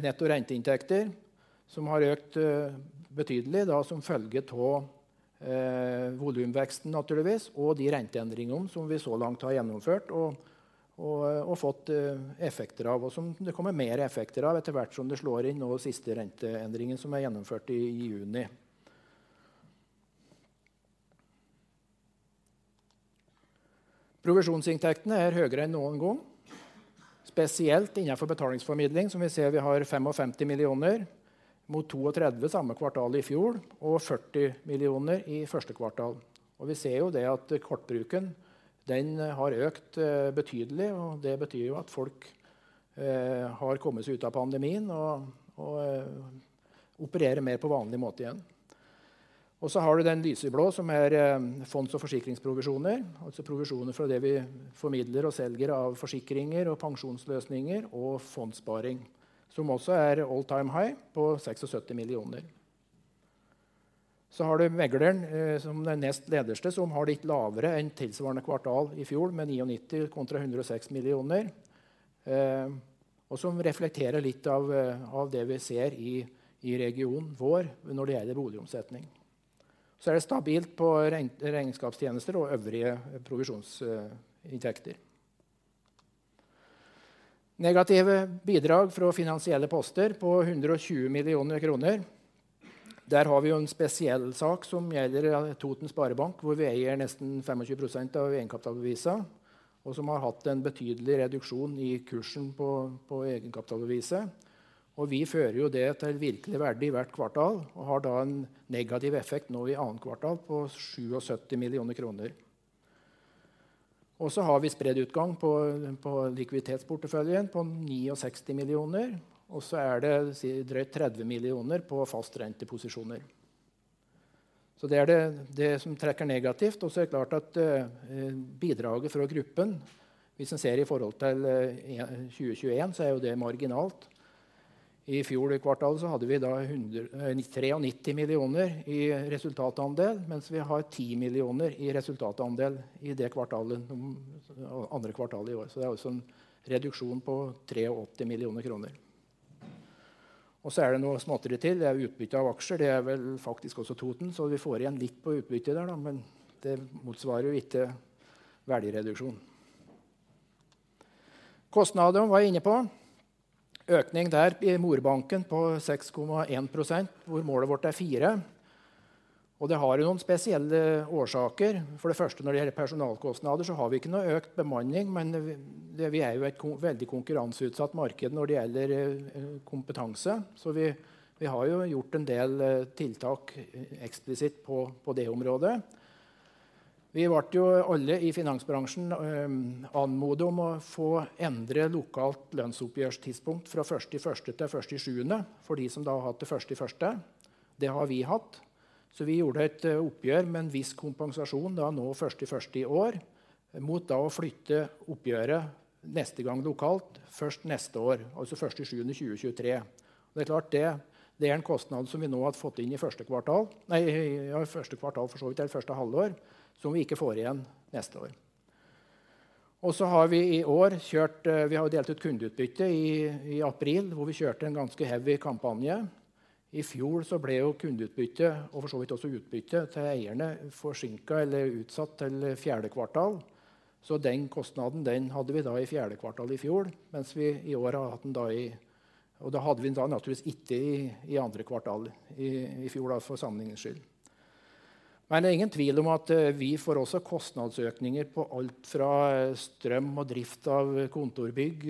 netto renteinntekter som har økt betydelig som følge av volumveksten naturligvis, og de renteendringene som vi så langt har gjennomført og fått effekter av, og som det kommer mer effekter av etter hvert som det slår inn nå siste renteendringen som vi gjennomførte i juni. Provisjonsinntektene er høyere enn noen gang. Spesielt innenfor betalingsformidling, som vi ser har 55 millioner mot 32 samme kvartal i fjor og 40 millioner i første kvartal. Vi ser jo det at kortbruken, den har økt betydelig. Det betyr jo at folk har kommet seg ut av pandemien og opererer mer på vanlig måte igjen. Så har du den lyseblå som er fonds- og forsikringsprovisjoner. Provisjoner fra det vi formidler og selger av forsikringer og pensjonsløsninger og fondssparing, som også er all time high på 60 million. Du har megleren som den nest nederste, som har litt lavere enn tilsvarende kvartal i fjor med 90 kontra 106 million. Som reflekterer litt av det vi ser i regionen vår når det gjelder boligomsetning. Det er stabilt på regnskapstjenester og øvrige provisjonsinntekter. Negative bidrag fra finansielle poster på 120 million kroner. Der har vi jo en spesiell sak som gjelder Totens Sparebank, hvor vi eier nesten 25% av egenkapitalbeviset, og som har hatt en betydelig reduksjon i kursen på egenkapitalbeviset. Vi fører jo det til virkelig verdi hvert kvartal, og har da en negativ effekt nå i annet kvartal på 70 million kroner. Har vi spredt utgang på likviditetsporteføljen på 96 millioner. Det er drøyt 30 millioner på fastrenteposisjoner. Det er det som trekker negativt. Det er klart at bidraget fra gruppen hvis en ser i forhold til 2021, så er jo det marginalt. I fjor i kvartalet hadde vi da 139 millioner i resultatandel, mens vi har 10 millioner i resultatandel i det kvartalet, andre kvartalet i år. Det er altså en reduksjon på 38 millioner kroner. Det er noe småtteri til. Det er utbytte av aksjer. Det er vel faktisk også Totens, så vi får igjen litt på utbytte der da. Men det motsvarer jo ikke verdireduksjon. Kostnadene var jeg inne på. Økning der i morbanken på 6.1%, hvor målet vårt er 4%. Det har jo noen spesielle årsaker. For det første når det gjelder personalkostnader, så har vi ikke noen økt bemanning. Men vi er jo i et veldig konkurranseutsatt marked når det gjelder kompetanse, så vi har jo gjort en del tiltak eksplisitt på det området. Vi ble jo alle i finansbransjen anmodet om å få endre lokalt lønnsoppgjør tidspunkt fra første i første til første i sjuende. For de som da har hatt det første i første. Det har vi hatt, så vi gjorde et oppgjør med en viss kompensasjon da nå første i første i år mot da å flytte oppgjøret neste gang lokalt først neste år, altså første i sjuende 2023. Det er klart det. Det er en kostnad som vi nå har fått inn i første kvartal, nei, i første kvartal for så vidt hele første halvår, som vi ikke får igjen neste år. Vi har i år kjørt, vi har delt ut kundeutbytte i april hvor vi kjørte en ganske heavy kampanje. I fjor ble jo kundeutbyttet og for så vidt også utbyttet til eierne forsinket eller utsatt til fjerde kvartal. Den kostnaden hadde vi da i fjerde kvartal i fjor, mens vi i år har hatt den da i. Da hadde vi naturligvis ikke i andre kvartalet i fjor da, for sammenlignings skyld. Det er ingen tvil om at vi får også kostnadsøkninger på alt fra strøm og drift av kontorbygg.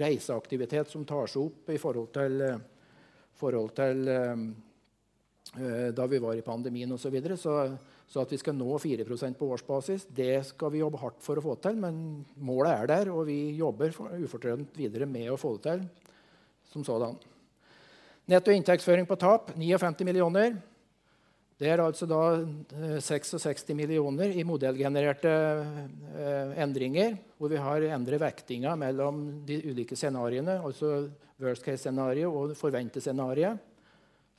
Reiseaktivitet som tar seg opp i forhold til da vi var i pandemien og så videre, så at vi skal nå 4% på årsbasis. Det skal vi jobbe hardt for å få til. Målet er der, og vi jobber ufortrødent videre med å få det til som sådan. Netto inntektsføring på tap 95 million. Det er altså da 66 million i modellgenererte endringer hvor vi har endret vektingen mellom de ulike scenariene. Altså worst case scenario og forventet scenario.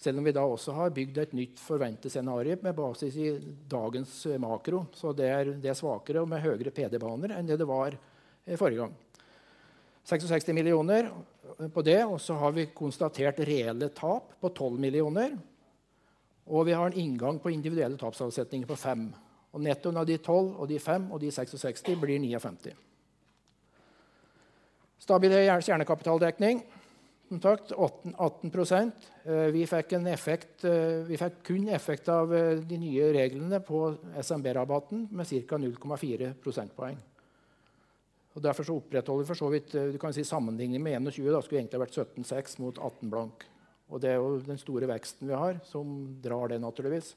Selv om vi da også har bygd et nytt forventet scenario med basis i dagens makro, så det er det svakere og med høyere PD baner enn det var forrige gang. 66 million på det, og så har vi konstatert reelle tap på 12 million, og vi har en inngang på individuelle tapsavsetninger på 5 og netto av de 12 og de 5. De 66 blir 95. Stabil kjernekapitaldekning 0.8, 18%. Vi fikk en effekt, vi fikk kun effekt av de nye reglene på SMB-rabatten med cirka 0.4 prosentpoeng. Derfor opprettholder vi for så vidt du kan si sammenligning med 21 da skulle egentlig vært 17.6 mot 18.0. Det er jo den store veksten vi har som drar det naturligvis.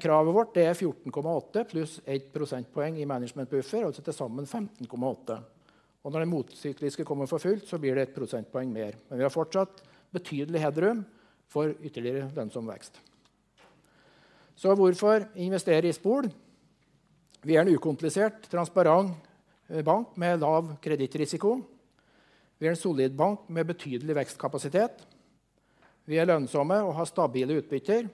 Kravet vårt det er 14.8 pluss 1 prosentpoeng i management buffer, altså til sammen 15.8. Når den motsykliske kommer for fullt, så blir det 1 prosentpoeng mer. Vi har fortsatt betydelig hoderom for ytterligere lønnsom vekst. Så hvorfor investere i Spor? Vi er en ukomplisert, transparent bank med lav kredittrisiko. Vi er en solid bank med betydelig vekstkapasitet. Vi er lønnsomme og har stabile utbytter.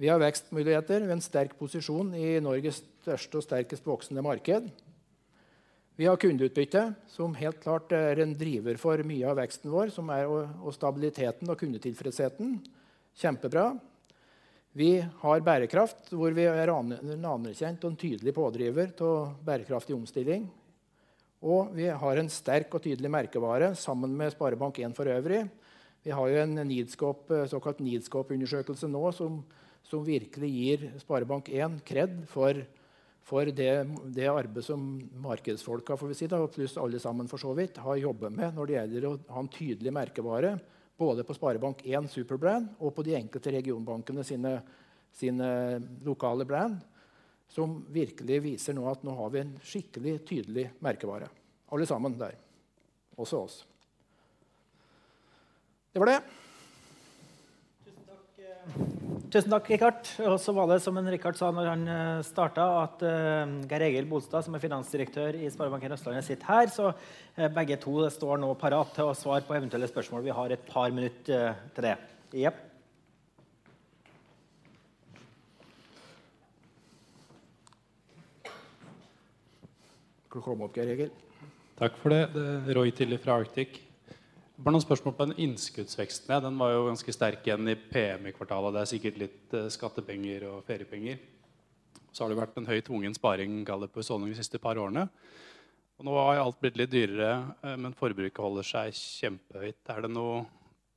Vi har vekstmuligheter ved en sterk posisjon i Norges største og sterkest voksende marked. Vi har kundeutbytte som helt klart er en driver for mye av veksten vår som er, og stabiliteten og kundetilfredsheten. Kjempebra. Vi har bærekraft hvor vi er en anerkjent og en tydelig pådriver til bærekraftig omstilling, og vi har en sterk og tydelig merkevare sammen med SpareBank 1 for øvrig. Vi har jo en Nitoskop, såkalt Nitoskop undersøkelse nå som virkelig gir SpareBank 1 kred for det arbeidet som markedsfolka, får vi si da, pluss alle sammen for så vidt har jobbet med når det gjelder å ha en tydelig merkevare både på SpareBank 1 Superbrand og på de enkelte regionbankene sine lokale brand som virkelig viser nå at nå har vi en skikkelig tydelig merkevare alle sammen der også oss. Det var det. Tusen takk! Tusen takk, Richard Heiberg. Så var det som Richard Heiberg sa da han startet, at Geir Egil Bolstad, som er finansdirektør i SpareBank 1 Østlandet, sitter her. Begge to står nå parat til å svare på eventuelle spørsmål. Vi har et par minutter til det. Jepp. Du kan komme opp, Geir Egil. Takk for det. Roy Tilley from Arctic. Bare noen spørsmål på innskuddsveksten. Ja, den var jo ganske sterk igjen i PM i kvartalet. Det er sikkert litt skattepenger og feriepenger. Så har det vært en høy tvungen sparing, kall det på sånn i de siste par årene, og nå har jo alt blitt litt dyrere. Men forbruket holder seg kjempehøyt. Er det noe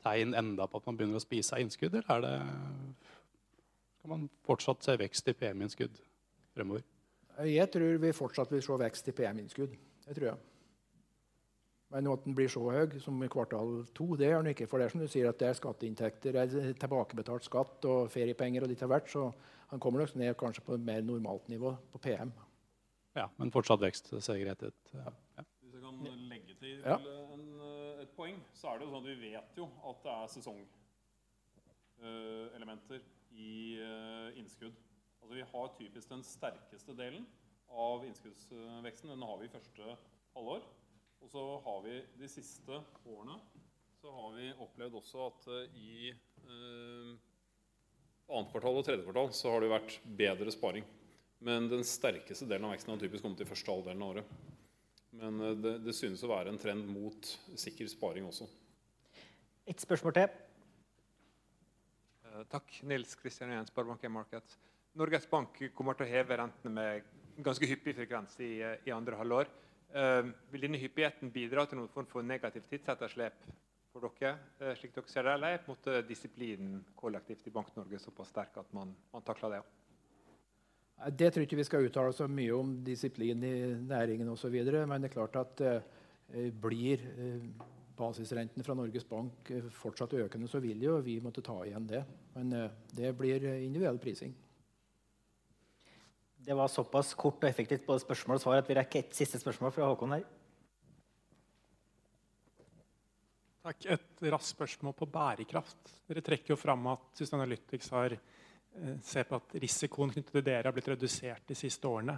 tegn enda på at man begynner å spise av innskudd, eller er det kan man fortsatt se vekst i PM innskudd fremover. Jeg tror vi fortsatt vil se vekst i PM-innskudd. Det tror jeg. At den blir så høy som i kvartal to, det er den ikke. For det som du sier at det er skatteinntekter eller tilbakebetalt skatt og feriepenger og ditter og datt, så den kommer nok ned, kanskje på et mer normalt nivå på PM. Ja, men fortsatt vekst. Det ser greit ut. Ja. Hvis jeg kan legge til. Ja. Et poeng, så er det jo sånn at vi vet jo at det er sesongelementer i innskudd. Altså, vi har typisk den sterkeste delen av innskuddsveksten. Den har vi i første halvår, og så har vi de siste årene så har vi opplevd også at i andre kvartal og tredje kvartal så har det jo vært bedre sparing. Den sterkeste delen av veksten har typisk kommet i første halvdelen av året. Det synes å være en trend mot sikker sparing også. Et spørsmål til. Takk. Nils Christian Jensen, SpareBank 1 Markets. Norges Bank kommer til å heve rentene med ganske hyppig frekvens i andre halvår. Vil denne hyppigheten bidra til noen form for negativt tidsetterslep for dere slik dere ser det, eller er disciplinen kollektivt i Finans Norge såpass sterk at man takler det? Det tror jeg ikke vi skal uttale oss så mye om disiplin i næringen og så videre. Det er klart at blir basisrenten fra Norges Bank fortsatt økende, så vil jo vi måtte ta igjen det. Det blir individuell prising. Det var såpass kort og effektivt både spørsmål og svar at vi rekker et siste spørsmål fra Håkon her. Takk. Et raskt spørsmål på bærekraft. Dere trekker jo fram at Sustainalytics har sett på at risikoen knyttet til dere har blitt redusert de siste årene.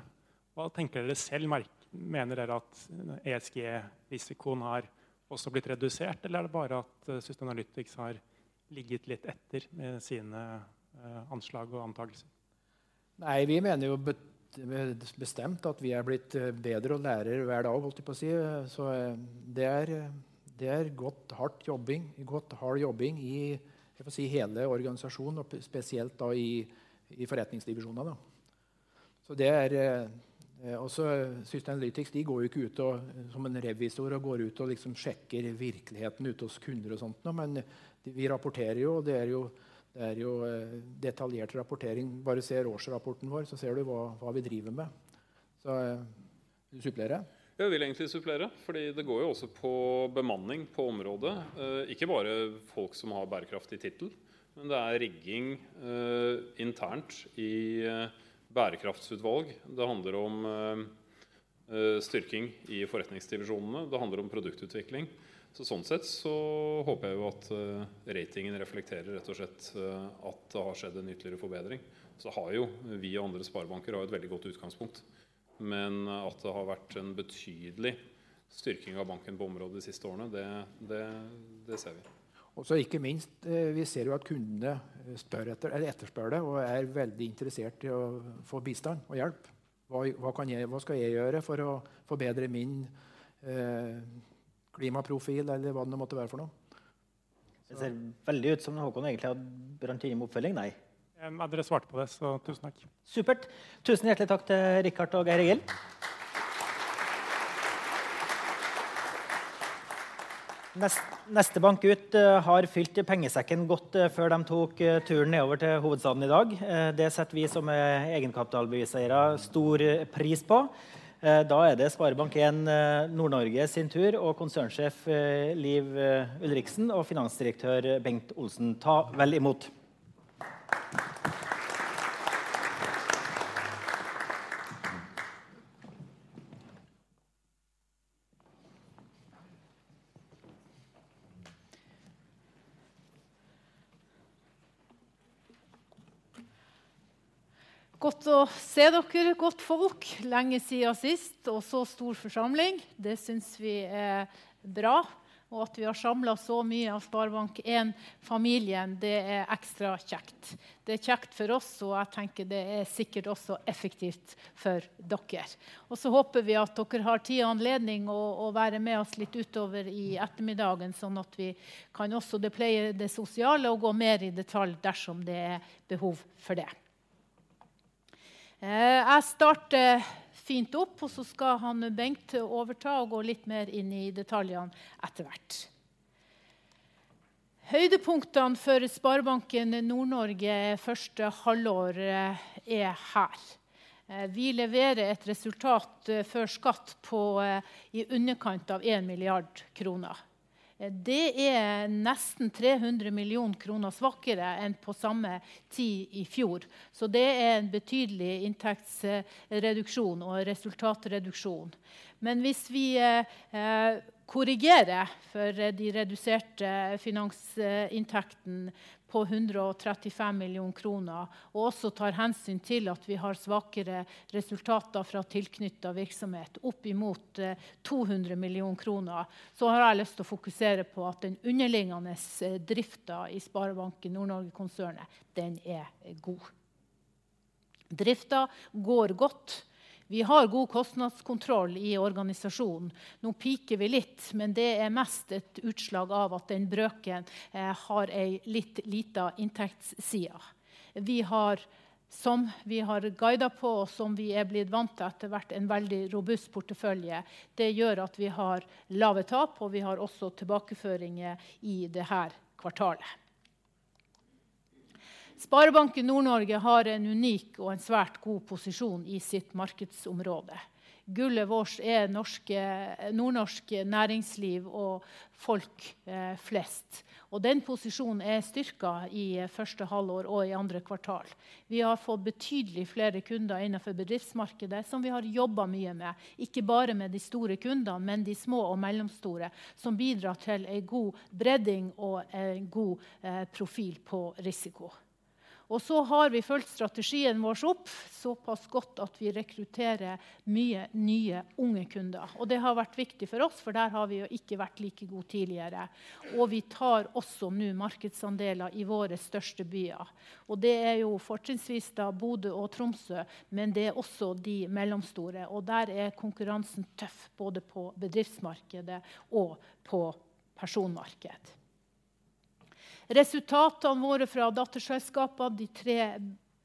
Hva tenker dere selv mener dere at ESG risikoen har også blitt redusert, eller er det bare at Sustainalytics har ligget litt etter med sine anslag og antakelser? Nei, vi mener jo bestemt at vi er blitt bedre og lærer hver dag, holdt jeg på å si. Det er godt hardt jobbing i jeg får si i hele organisasjonen, og spesielt i forretningsdivisjoner. Sustainalytics de går jo ikke ut og som en revisor og går ut og liksom sjekker virkeligheten ute hos kunder og sånt noe, men vi rapporterer jo, og det er jo detaljert rapportering. Bare ser årsrapporten vår, så ser du hva vi driver med. Vil du supplere? Ja, jeg vil egentlig supplere fordi det går jo også på bemanning på området, ikke bare folk som har bærekraft i titel, men det er rigging internt i bærekraftsutvalg. Det handler om styrking i forretningsdivisjonene. Det handler om produktutvikling. Sånn sett håper jeg jo at ratingen reflekterer rett og slett at det har skjedd en ytterligere forbedring. Vi og andre sparbanker har jo et veldig godt utgangspunkt. Men at det har vært en betydelig styrking av banken på området de siste årene, det ser vi. Ikke minst, vi ser jo at kundene spør etter eller etterspør det og er veldig interessert i å få bistand og hjelp. Hva kan jeg, hva skal jeg gjøre for å forbedre min klimaprofil eller hva det nå måtte være for noe. Det ser veldig ut som Håkon egentlig har garantimoppfølging. Nei. Dere svarte på det, så tusen takk. Supert. Tusen hjertelig takk til Richard og Geir Gill. Neste bank ut har fylt pengesekken godt før de tok turen nedover til hovedstaden i dag. Det setter vi som er egenkapitalbevis eiere stor pris på. Da er det SpareBank 1 Nord-Norge sin tur og konsernsjef Liv Ulriksen og finansdirektør Bengt Olsen. Ta vel imot. Godt å se dere godt folk. Lenge siden sist og så stor forsamling. Det synes vi er bra. At vi har samlet så mye av SpareBank 1 familien, det er ekstra kjekt. Det er kjekt for oss, og jeg tenker det er sikkert også effektivt for dere. Håper vi at dere har tid og anledning og være med oss litt utover i ettermiddagen, sånn at vi kan også pleie det sosiale og gå mer i detalj dersom det er behov for det. Jeg starter fint opp og så skal han Bengt overta og gå litt mer inn i detaljene etter hvert. Høydepunktene for SpareBank 1 Nord-Norge første halvår er her. Vi leverer et resultat før skatt på i underkant av 1 milliard kroner. Det er nesten 300 million kroner svakere enn på samme tid i fjor. Det er en betydelig inntektsreduksjon og resultatreduksjon. Hvis vi korrigerer for de reduserte finansinntektene på 135 million kroner, og også tar hensyn til at vi har svakere resultater fra tilknyttet virksomhet oppimot 200 million kroner, så har jeg lyst til å fokusere på at den underliggende driften i SpareBank 1 Nord-Norge-konsernet den er god. Driften går godt. Vi har god kostnadskontroll i organisasjonen. Nå peaker vi litt, men det er mest et utslag av at den brøken har en litt lav inntektssiden vi har som vi har guidet på, og som vi er blitt vant til etter hvert, en veldig robust portefølje. Det gjør at vi har lave tap, og vi har også tilbakeføringer i det her kvartalet. SpareBank 1 Nord-Norge har en unik og en svært god posisjon i sitt markedsområde. Gullet vårt er norske, nordnorske næringsliv og folk flest, og den posisjonen er styrket i første halvår og i andre kvartal. Vi har fått betydelig flere kunder innenfor bedriftsmarkedet som vi har jobbet mye med. Ikke bare med de store kundene, men de små og mellomstore som bidrar til en god bredding og en god profil på risiko. Så har vi fulgt strategien vår opp såpass godt at vi rekrutterer mye nye unge kunder. Det har vært viktig for oss, for der har vi jo ikke vært like god tidligere. Vi tar også nå markedsandeler i våre største byer. Det er jo fortrinnsvis da Bodø og Tromsø. Det er også de mellomstore, og der er konkurransen tøff både på bedriftsmarkedet og på personmarkedet. Resultatene våre fra datterselskapene, de tre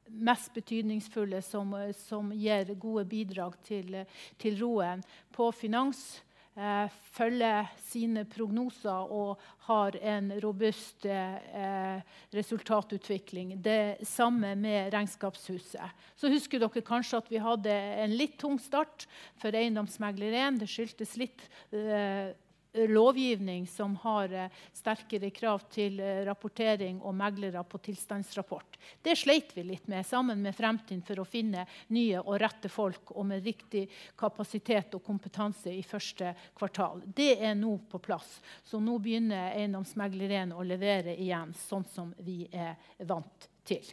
mest betydningsfulle som gir gode bidrag til ROE. På Finans følger sine prognoser og har en robust resultatutvikling. Det samme med Regnskapshuset. Husker dere kanskje at vi hadde en litt tung start for EiendomsMegler 1. Det skyldtes litt lovgivning som har sterkere krav til rapportering og meglere på tilstandsrapport. Det slet vi litt med sammen med Fremtind for å finne nye og rette folk og med riktig kapasitet og kompetanse i første kvartal. Det er nå på plass. Nå begynner EiendomsMegler 1 å levere igjen, sånn som vi er vant til.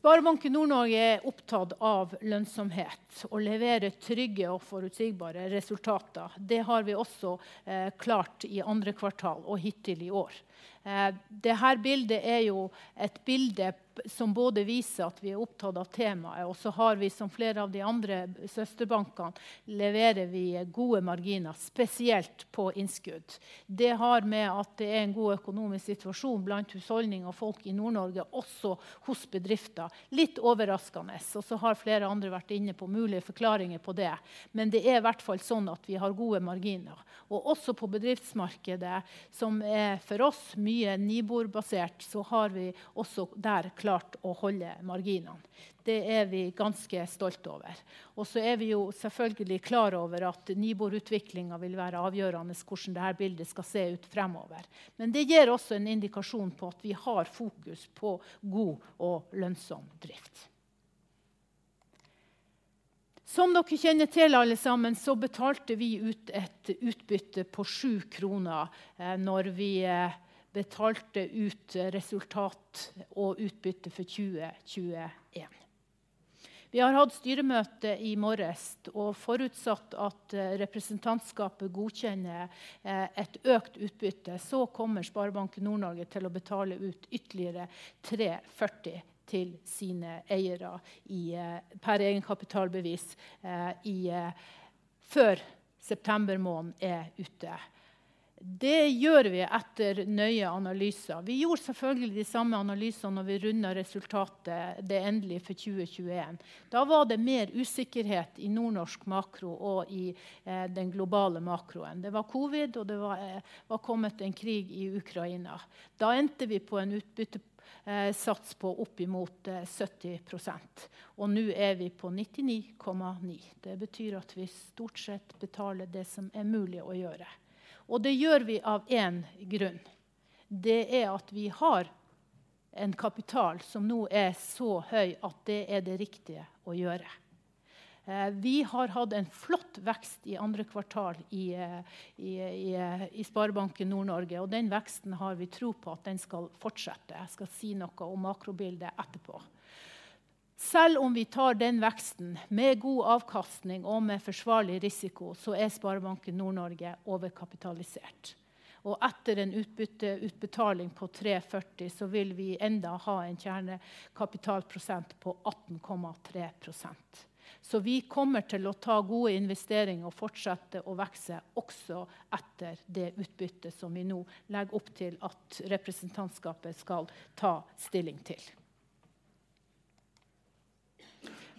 SpareBank 1 Nord-Norge er opptatt av lønnsomhet og levere trygge og forutsigbare resultater. Det har vi også klart i andre kvartal og hittil i år. Det her bildet er jo et bilde som både viser at vi er opptatt av temaet, og så har vi som flere av de andre søsterbankene leverer vi gode marginer, spesielt på innskudd. Det har med at det er en god økonomisk situasjon blant husholdninger og folk i Nord-Norge, også hos bedrifter. Litt overraskende. Flere andre har vært inne på mulige forklaringer på det. Det er i hvert fall sånn at vi har gode marginer. Også på bedriftsmarkedet som er for oss mye Nibor-basert. Har vi også der klart å holde marginene. Det er vi ganske stolt over. Er vi jo selvfølgelig klar over at Nibor-utviklingen vil være avgjørende hvordan det her bildet skal se ut fremover. Det gir også en indikasjon på at vi har fokus på god og lønnsom drift. Som dere kjenner til alle sammen, så betalte vi ut et utbytte på NOK 7 når vi betalte ut resultat og utbytte for 2021. Vi har hatt styremøte i morges, og forutsatt at representantskapet godkjenner et økt utbytte, så kommer SpareBank 1 Nord-Norge til å betale ut ytterligere NOK 3.40 til sine eiere per egenkapitalbevis før september måned er ute. Det gjør vi etter nøye analyser. Vi gjorde selvfølgelig de samme analysene da vi rundet resultatet, det endelige for 2021. Da var det mer usikkerhet i nordnorsk makro og i den globale makroen. Det var covid, og det var kommet en krig i Ukraina. Da endte vi på en utbyttesats oppmot 70%, og nå er vi på 99.9. Det betyr at vi stort sett betaler det som er mulig å gjøre, og det gjør vi av en grunn. Det er at vi har en kapital som nå er så høy at det er det riktige å gjøre. Vi har hatt en flott vekst i andre kvartal i SpareBank 1 Nord-Norge, og den veksten har vi tro på at den skal fortsette. Jeg skal si noe om makrobildet etterpå. Selv om vi tar den veksten med god avkastning og med forsvarlig risiko, så er SpareBank 1 Nord-Norge overkapitalisert. Etter en utbytteutbetaling på 3.40 vil vi enda ha en kjernekapitalprosent på 18.3%. Vi kommer til å ta gode investeringer og fortsette å vokse også etter det utbyttet som vi nå legger opp til at Representantskapet skal ta stilling til.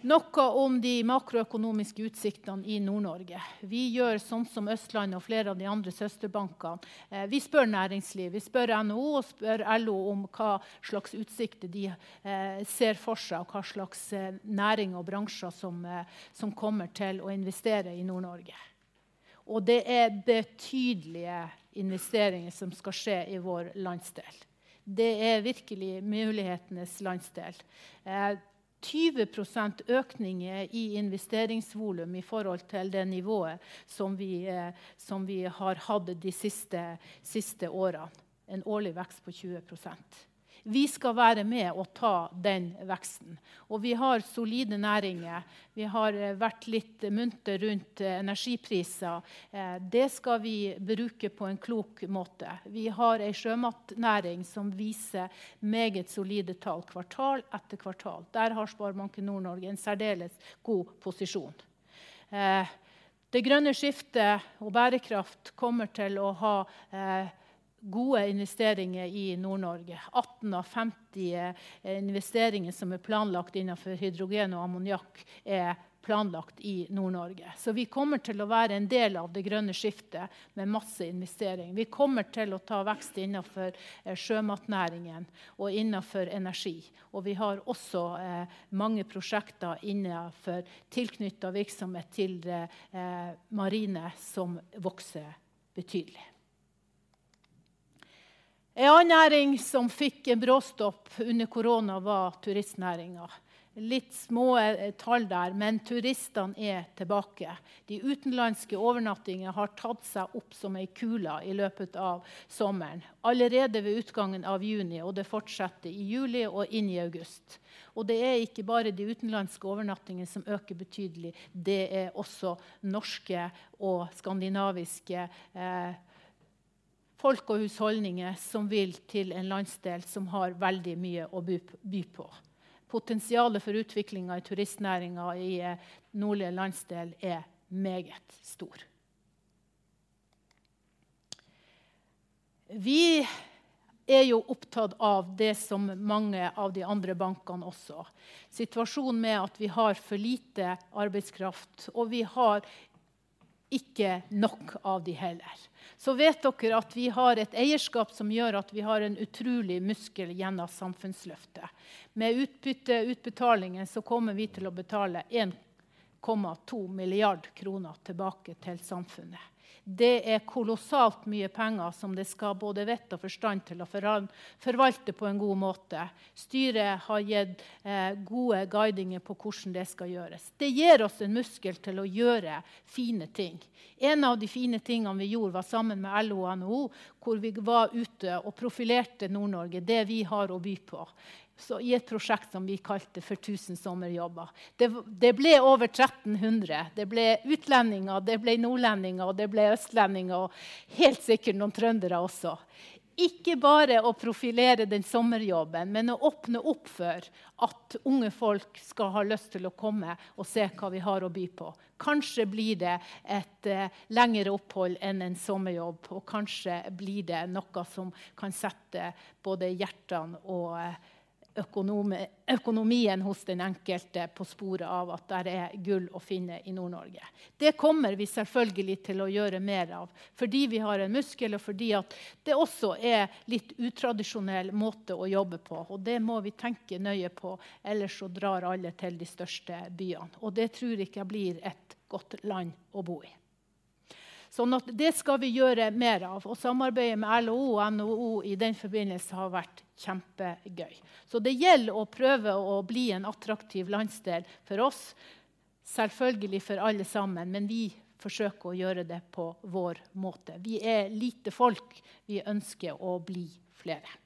Noe om de makroøkonomiske utsiktene i Nord-Norge. Vi gjør sånn som Østlandet og flere av de andre søsterbankene. Vi spør næringsliv, vi spør NHO og spør LO om hva slags utsikter de ser for seg og hva slags næringer og bransjer som kommer til å investere i Nord-Norge. Det er betydelige investeringer som skal skje i vår landsdel. Det er virkelig mulighetenes landsdel. 20% økning i investeringsvolum i forhold til det nivået som vi har hatt de siste årene. En årlig vekst på 20%. Vi skal være med å ta den veksten, og vi har solide næringer. Vi har vært litt munter rundt energipriser. Det skal vi bruke på en klok måte. Vi har ei sjømatnæring som viser meget solide tall kvartal etter kvartal. Der har SpareBank 1 Nord-Norge en særdeles god posisjon. Det grønne skiftet og bærekraft kommer til å ha gode investeringer i Nord-Norge. 18 av 50 investeringer som er planlagt innenfor hydrogen og ammoniakk er planlagt i Nord-Norge, så vi kommer til å være en del av det grønne skiftet med masse investering. Vi kommer til å ta vekst innenfor sjømatnæringen og innenfor energi, og vi har også mange prosjekter innenfor tilknyttet virksomhet til marine som vokser betydelig. En annen næring som fikk en bråstopp under korona var turistnæringen. Litt små tall der, men turistene er tilbake. De utenlandske overnattingene har tatt seg opp som en kule i løpet av sommeren. Allerede ved utgangen av juni, og det fortsatte i juli og inn i august. Det er ikke bare de utenlandske overnattingene som øker betydelig. Det er også norske og skandinaviske turister. Folk og husholdninger som vil til en landsdel som har veldig mye å by på. Potensialet for utvikling av turistnæringen i nordlige landsdel er meget stor. Vi er jo opptatt av det som mange av de andre bankene også. Situasjonen med at vi har for lite arbeidskraft, og vi har ikke nok av de heller. Vet dere at vi har et eierskap som gjør at vi har en utrolig muskel gjennom samfunnsløftet. Med utbytte utbetalingen så kommer vi til å betale 1.2 billion kroner tilbake til samfunnet. Det er kolossalt mye penger som det skal både vett og forstand til å forvalte på en god måte. Styret har gitt gode guidinger på hvordan det skal gjøres. Det gir oss en muskel til å gjøre fine ting. En av de fine tingene vi gjorde var sammen med LO og NHO, hvor vi var ute og profilerte Nord-Norge. Det vi har å by på. I et prosjekt som vi kalte for 1000 sommerjobber. Det ble over 1300. Det ble utlendinger, det ble nordlendinger, og det ble østlendinger og helt sikkert noen trøndere også. Ikke bare å profilere den sommerjobben, men å åpne opp for at unge folk skal ha lyst til å komme og se hva vi har å by på. Kanskje blir det et lengre opphold enn en sommerjobb, og kanskje blir det noe som kan sette både hjertene og økonomien hos den enkelte på sporet av at der er gull å finne i Nord-Norge. Det kommer vi selvfølgelig til å gjøre mer av, fordi vi har en muskel, og fordi at det også er litt utradisjonell måte å jobbe på. Det må vi tenke nøye på, ellers så drar alle til de største byene. Det tror jeg ikke blir et godt land å bo i. Sånn at det skal vi gjøre mer av. Samarbeidet med LO og NHO i den forbindelse har vært kjempegøy. Det gjelder å prøve å bli en attraktiv landsdel for oss. Selvfølgelig for alle sammen. Men vi forsøker å gjøre det på vår måte. Vi er lite folk. Vi ønsker å bli flere.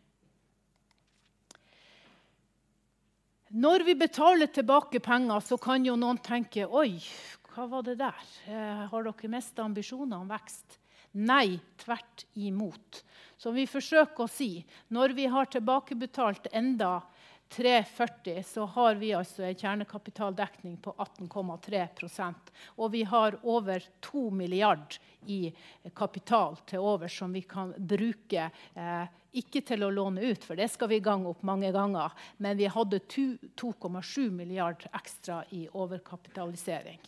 Når vi betaler tilbake penger, så kan jo noen tenke oi, hva var det der? Har dere mistet ambisjonene om vekst? Nei, tvert imot. Vi forsøker å si når vi har tilbakebetalt enda 340, så har vi altså en kjernekapitaldekning på 18.3%, og vi har over 2 milliard i kapital til overs som vi kan bruke, ikke til å låne ut, for det skal vi gange opp mange ganger. Men vi hadde 2.7 milliard ekstra i overkapitalisering.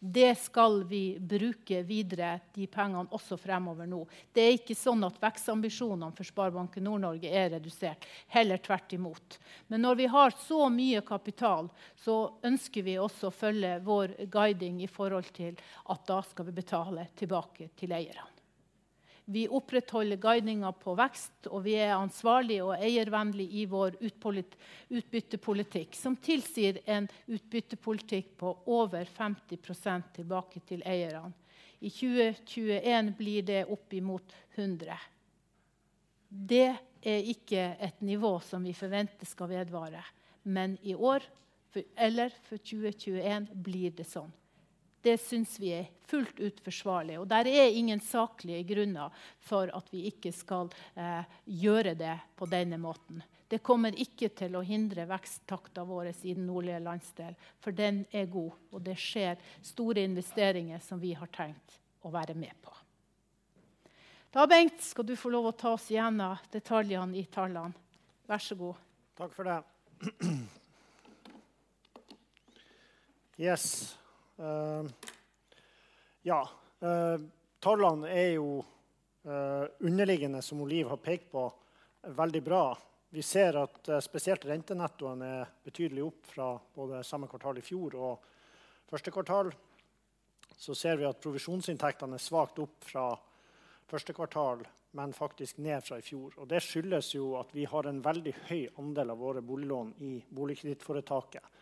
Det skal vi bruke videre de pengene også fremover nå. Det er ikke sånn at vekstambisjonene for SpareBank 1 Nord-Norge er redusert. Heller tvert imot. Når vi har så mye kapital, så ønsker vi også å følge vår guiding i forhold til at da skal vi betale tilbake til eierne. Vi opprettholder guidningen på vekst, og vi er ansvarlig og eiervennlig i vår utbyttepolitikk, som tilsier en utbyttepolitikk på over 50% tilbake til eierne. I 2021 blir det opp imot 100. Det er ikke et nivå som vi forventer skal vedvare. I år eller for 2021 blir det sånn. Det synes vi er fullt ut forsvarlig, og der er ingen saklige grunner for at vi ikke skal gjøre det på denne måten. Det kommer ikke til å hindre veksttakten vår i den nordlige landsdel, for den er god, og det skjer store investeringer som vi har tenkt å være med på. Da Bengt, skal du få lov å ta oss gjennom detaljene i tallene. Vær så god. Takk for det! Yes. Ja, tallene er jo underliggende som Liv Ulriksen har pekt på. Veldig bra. Vi ser at spesielt rentenettoen er betydelig opp fra både samme kvartal i fjor og første kvartal. Så ser vi at provisjonsinntektene er svakt opp fra første kvartal, men faktisk ned fra i fjor. Og det skyldes jo at vi har en veldig høy andel av våre boliglån i boligkredittforetaket.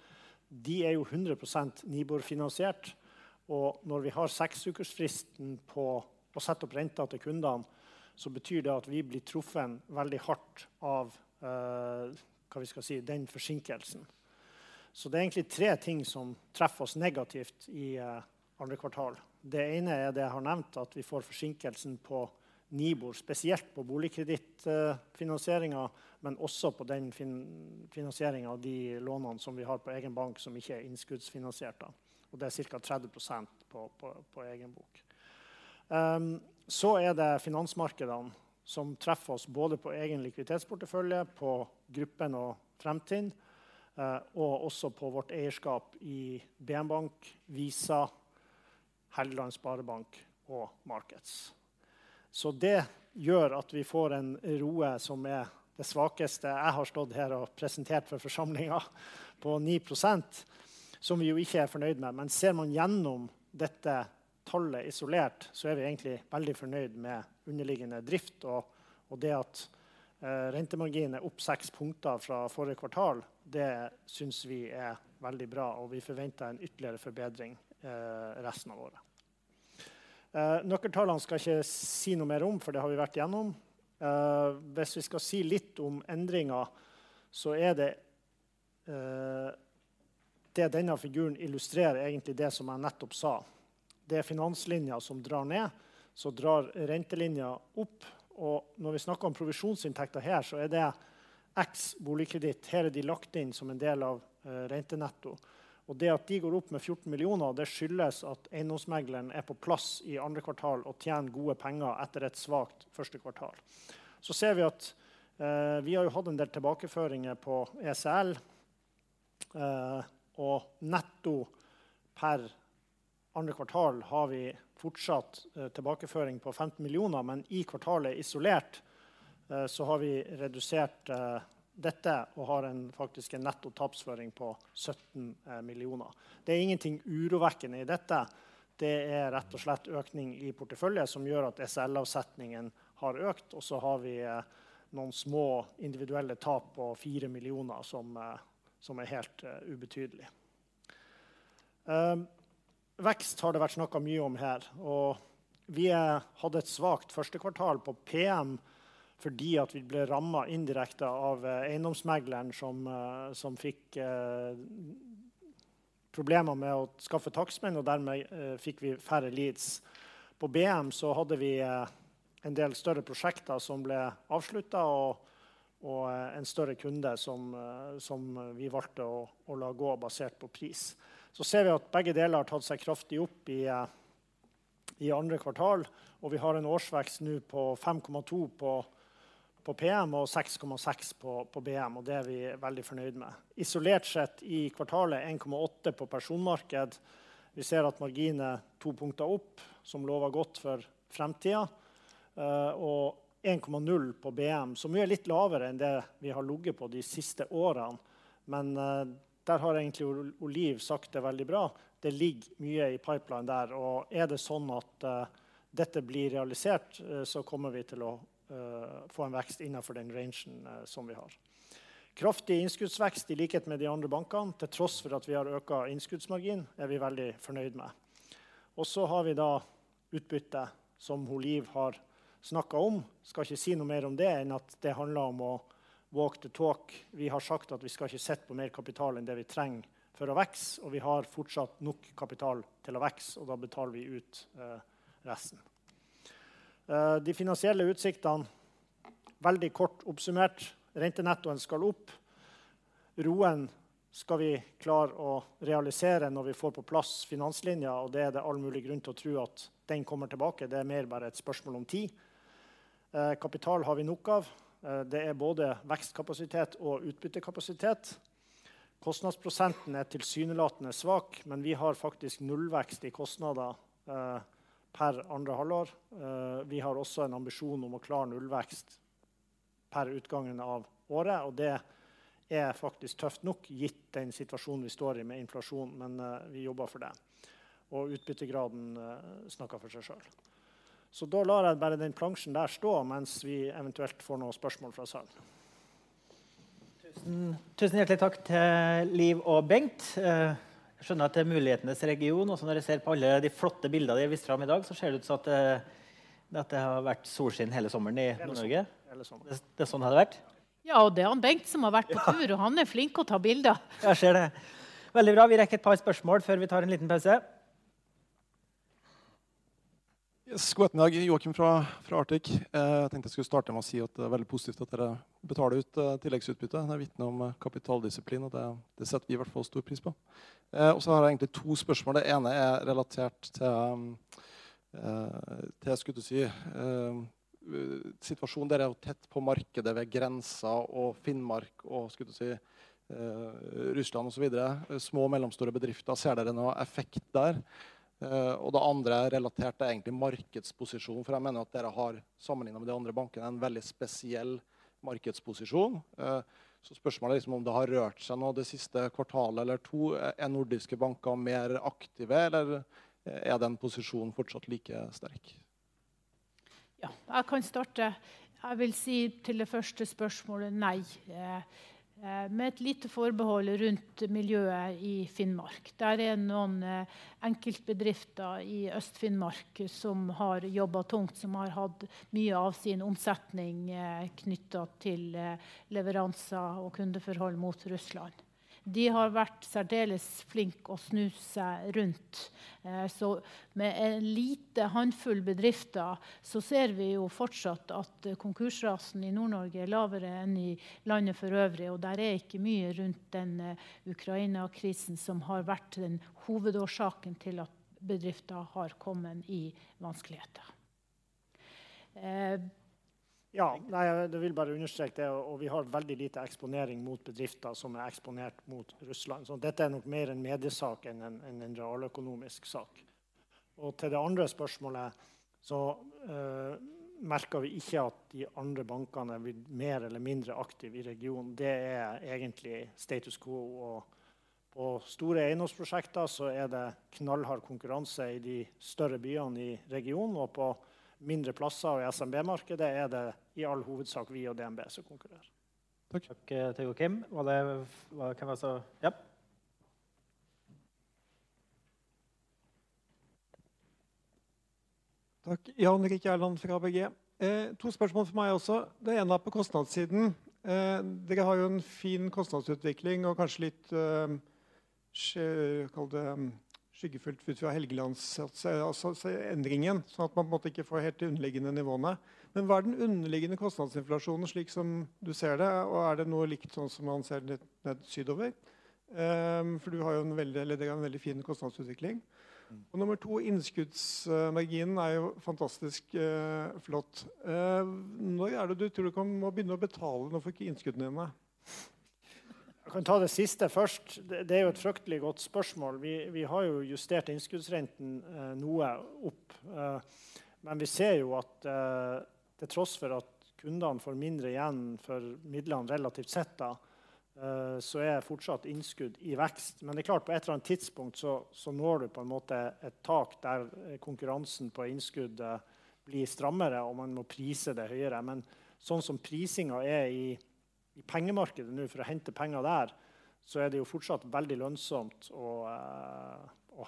De er jo 100% Nibor finansiert, og når vi har 6 ukers fristen på å sette opp renten til kundene, så betyr det at vi blir truffet veldig hardt av, hva vi skal si, den forsinkelsen. Så det er egentlig tre ting som treffer oss negativt i andre kvartal. Det ene er det jeg har nevnt at vi får forsinkelsen på Nibor, spesielt på boligkredittfinansieringen, men også på den finansieringen av de lånene som vi har på egen bank som ikke er innskuddsfinansierte. Det er cirka 30% på egen bok. Så er det finansmarkedene som treffer oss både på egen likviditetsportefølje, på gruppen og Fremtind, og også på vårt eierskap i BN Bank, Visa, Helgeland Sparebank og Markets. Så det gjør at vi får en ROE som er det svakeste jeg har stått her og presentert for forsamlingen på 9%, som vi jo ikke er fornøyd med. Men ser man gjennom dette tallet isolert, så er vi egentlig veldig fornøyd med underliggende drift og det at rentemarginen er opp 6 punkter fra forrige kvartal. Det synes vi er veldig bra, og vi forventer en ytterligere forbedring resten av året. Nøkkeltallene skal jeg ikke si noe mer om, for det har vi vært igjennom. Hvis vi skal si litt om endringer så er det. Denne figuren illustrerer egentlig det som jeg nettopp sa. Det er finanslinja som drar ned, så drar rentelinja opp. Når vi snakker om provisjonsinntekter her, så er det ekskl. boligkreditt. Her har de lagt inn som en del av rentenetto. Det at de går opp med 14 million, det skyldes at EiendomsMegler 1 er på plass i andre kvartal og tjener gode penger etter et svakt første kvartal. Ser vi at vi har jo hatt en del tilbakeføringer på ECL, og netto per andre kvartal har vi fortsatt tilbakeføring på 15 million. I kvartalet isolert så har vi redusert dette og har faktisk en netto tapsføring på 17 million. Det er ingenting urovekkende i dette. Det er rett og slett økning i portefølje som gjør at ECL avsetningen har økt. Vi har noen små individuelle tap på 4 million som er helt ubetydelig. Vekst har det vært snakket mye om her, og vi hadde et svakt første kvartal på PM fordi at vi ble rammet indirekte av EiendomsMegler 1 som fikk problemer med å skaffe takstmenn og dermed fikk vi færre leads. På BM hadde vi en del større prosjekter som ble avsluttet og en større kunde som vi valgte å la gå basert på pris. Vi ser at begge deler har tatt seg kraftig opp i andre kvartal, og vi har en årsvekst nå på 5.2% på PM og 6.6% på BM, og det er vi veldig fornøyd med. Isolert sett i kvartalet 1.8% på personmarked. Vi ser at margin er 2 punkter opp som lover godt for fremtiden og 1.0 på BM, som jo er litt lavere enn det vi har ligget på de siste årene. Der har egentlig Liv sagt det veldig bra. Det ligger mye i pipeline der, og er det sånn at dette blir realisert, så kommer vi til å få en vekst innenfor den rangen som vi har. Kraftig innskuddsvekst i likhet med de andre bankene. Til tross for at vi har øket innskuddsmargin, er vi veldig fornøyd med. Så har vi da utbyttet som Liv har snakket om. Skal ikke si noe mer om det enn at det handler om å walk the talk. Vi har sagt at vi skal ikke sitte på mer kapital enn det vi trenger for å vokse, og vi har fortsatt nok kapital til å vokse, og da betaler vi ut resten. De finansielle utsiktene veldig kort oppsummert. Rentenettoen skal opp. ROE'n skal vi klare å realisere når vi får på plass finanslinja, og det er det all mulig grunn til å tro at den kommer tilbake. Det er mer bare et spørsmål om tid. Kapital har vi nok av. Det er både vekstkapasitet og utbyttekapasitet. Kostnadsprosenten er tilsynelatende svak, men vi har faktisk nullvekst i kostnader per andre halvår. Vi har også en ambisjon om å klare nullvekst per utgangen av året, og det er faktisk tøft nok gitt den situasjonen vi står i med inflasjon, men vi jobber for det. Og utbyttegraden snakker for seg selv. Da lar jeg bare den plansjen der stå mens vi eventuelt får noen spørsmål fra salen. Tusen, tusen hjertelig takk til Liv og Bengt. Skjønner at det er mulighetenes region og sånn. Når jeg ser på alle de flotte bildene de viste fram i dag, så ser det ut til at det har vært solskinn hele sommeren i Nord-Norge. Det er sånn det har vært. Ja, og det er han Bengt som har vært på tur, og han er flink å ta bilder. Jeg ser det. Veldig bra. Vi rekker et par spørsmål før vi tar en liten pause. Yes. God ettermiddag, Joakim fra Arctic. Jeg tenkte jeg skulle starte med å si at det er veldig positivt at dere betaler ut tilleggsutbytte. Det vitner om kapitaldisiplin, og det setter vi i hvert fall stor pris på. Har jeg egentlig to spørsmål. Det ene er relatert til situasjonen. Dere er tett på markedet ved grensen og Finnmark og Russland og så videre. Små og mellomstore bedrifter. Ser dere noen effekt der? Det andre er relatert til egentlig markedsposisjon. For jeg mener at dere har, sammenlignet med de andre bankene, en veldig spesiell markedsposisjon. Spørsmålet er liksom om det har rørt seg noe det siste kvartalet eller to. Er nordiske banker mer aktive, eller er den posisjonen fortsatt like sterk? Ja, jeg kan starte. Jeg vil si til det første spørsmålet: nei. Med et lite forbehold rundt miljøet i Finnmark. Der er noen enkeltbedrifter i Øst-Finnmark som har jobbet tungt, som har hatt mye av sin omsetning knyttet til leveranser og kundeforhold mot Russland. De har vært særdeles flinke å snu seg rundt. Med en liten håndfull bedrifter ser vi jo fortsatt at konkursraten i Nord-Norge er lavere enn i landet for øvrig, og der er ikke mye rundt den Ukraina-krisen som har vært den hovedårsaken til at bedrifter har kommet i vanskeligheter. Ja, nei, jeg vil bare understreke det. Vi har veldig lite eksponering mot bedrifter som er eksponert mot Russland. Dette er nok mer en mediesak enn en realøkonomisk sak. Til det andre spørsmålet merker vi ikke at de andre bankene blir mer eller mindre aktive i regionen. Det er egentlig status quo. På store eiendomsprosjekter så er det knallhard konkurranse i de større byene i regionen og på mindre plasser. I SMB-markedet er det i all hovedsak vi og DNB som konkurrerer. Takk. Takk til Joakim. Jan Erik Gjerland fra ABG Sundal Collier. To spørsmål fra meg også. Det ene er på kostnadssiden. Dere har jo en fin kostnadsutvikling og kanskje litt kalle det skyggefullt for å si Helgeland-satsingen endringen sånn at man på en måte ikke får helt de underliggende nivåene. Men hva er den underliggende kostnadsinflasjonen slik som du ser det, og er det noe likt sånn som man ser litt ned sydover? For dere har en veldig fin kostnadsutvikling. Nummer to innskuddsmarginen er jo fantastisk flott. Når er det du tror du må begynne å betale noe for innskuddene dine? Jeg kan ta det siste først. Det er jo et fryktelig godt spørsmål. Vi har jo justert innskuddsrenten noe opp, men vi ser jo at til tross for at kundene får mindre igjen for midlene relativt sett da, så er fortsatt innskudd i vekst. Men det er klart, på et eller annet tidspunkt så når du på en måte et tak der konkurransen på innskudd blir strammere og man må prise det høyere. Men sånn som prisingen er i pengemarkedet nå for å hente penger der, så er det jo fortsatt veldig lønnsomt å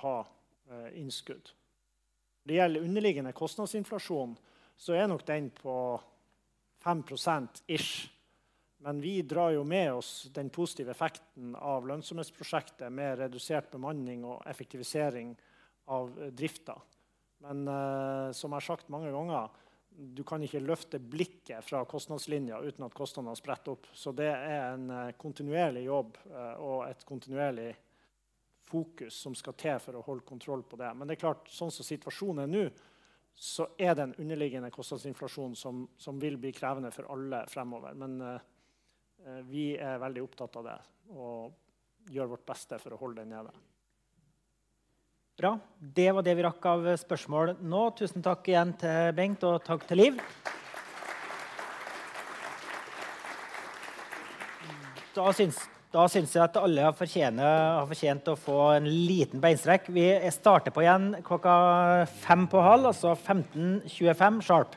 ha innskudd. Når det gjelder underliggende kostnadsinflasjon så er nok den på 5% ish. Men vi drar jo med oss den positive effekten av lønnsomhetsprosjektet med redusert bemanning og effektivisering av driften. Men som jeg har sagt mange ganger, du kan ikke løfte blikket fra kostnadslinjen uten at kostnadene spretter opp. Det er en kontinuerlig jobb og et kontinuerlig fokus som skal til for å holde kontroll på det. Det er klart, sånn som situasjonen er nå, så er det en underliggende kostnadsinflasjon som vil bli krevende for alle fremover. Vi er veldig opptatt av det og gjør vårt beste for å holde den nede. Bra. Det var det vi rakk av spørsmål nå. Tusen takk igjen til Bengt og takk til Liv. Da synes jeg at alle har fortjent å få en liten beinstrekk. Vi starter igjen klokken 5 på halv, altså 15:25 sharp.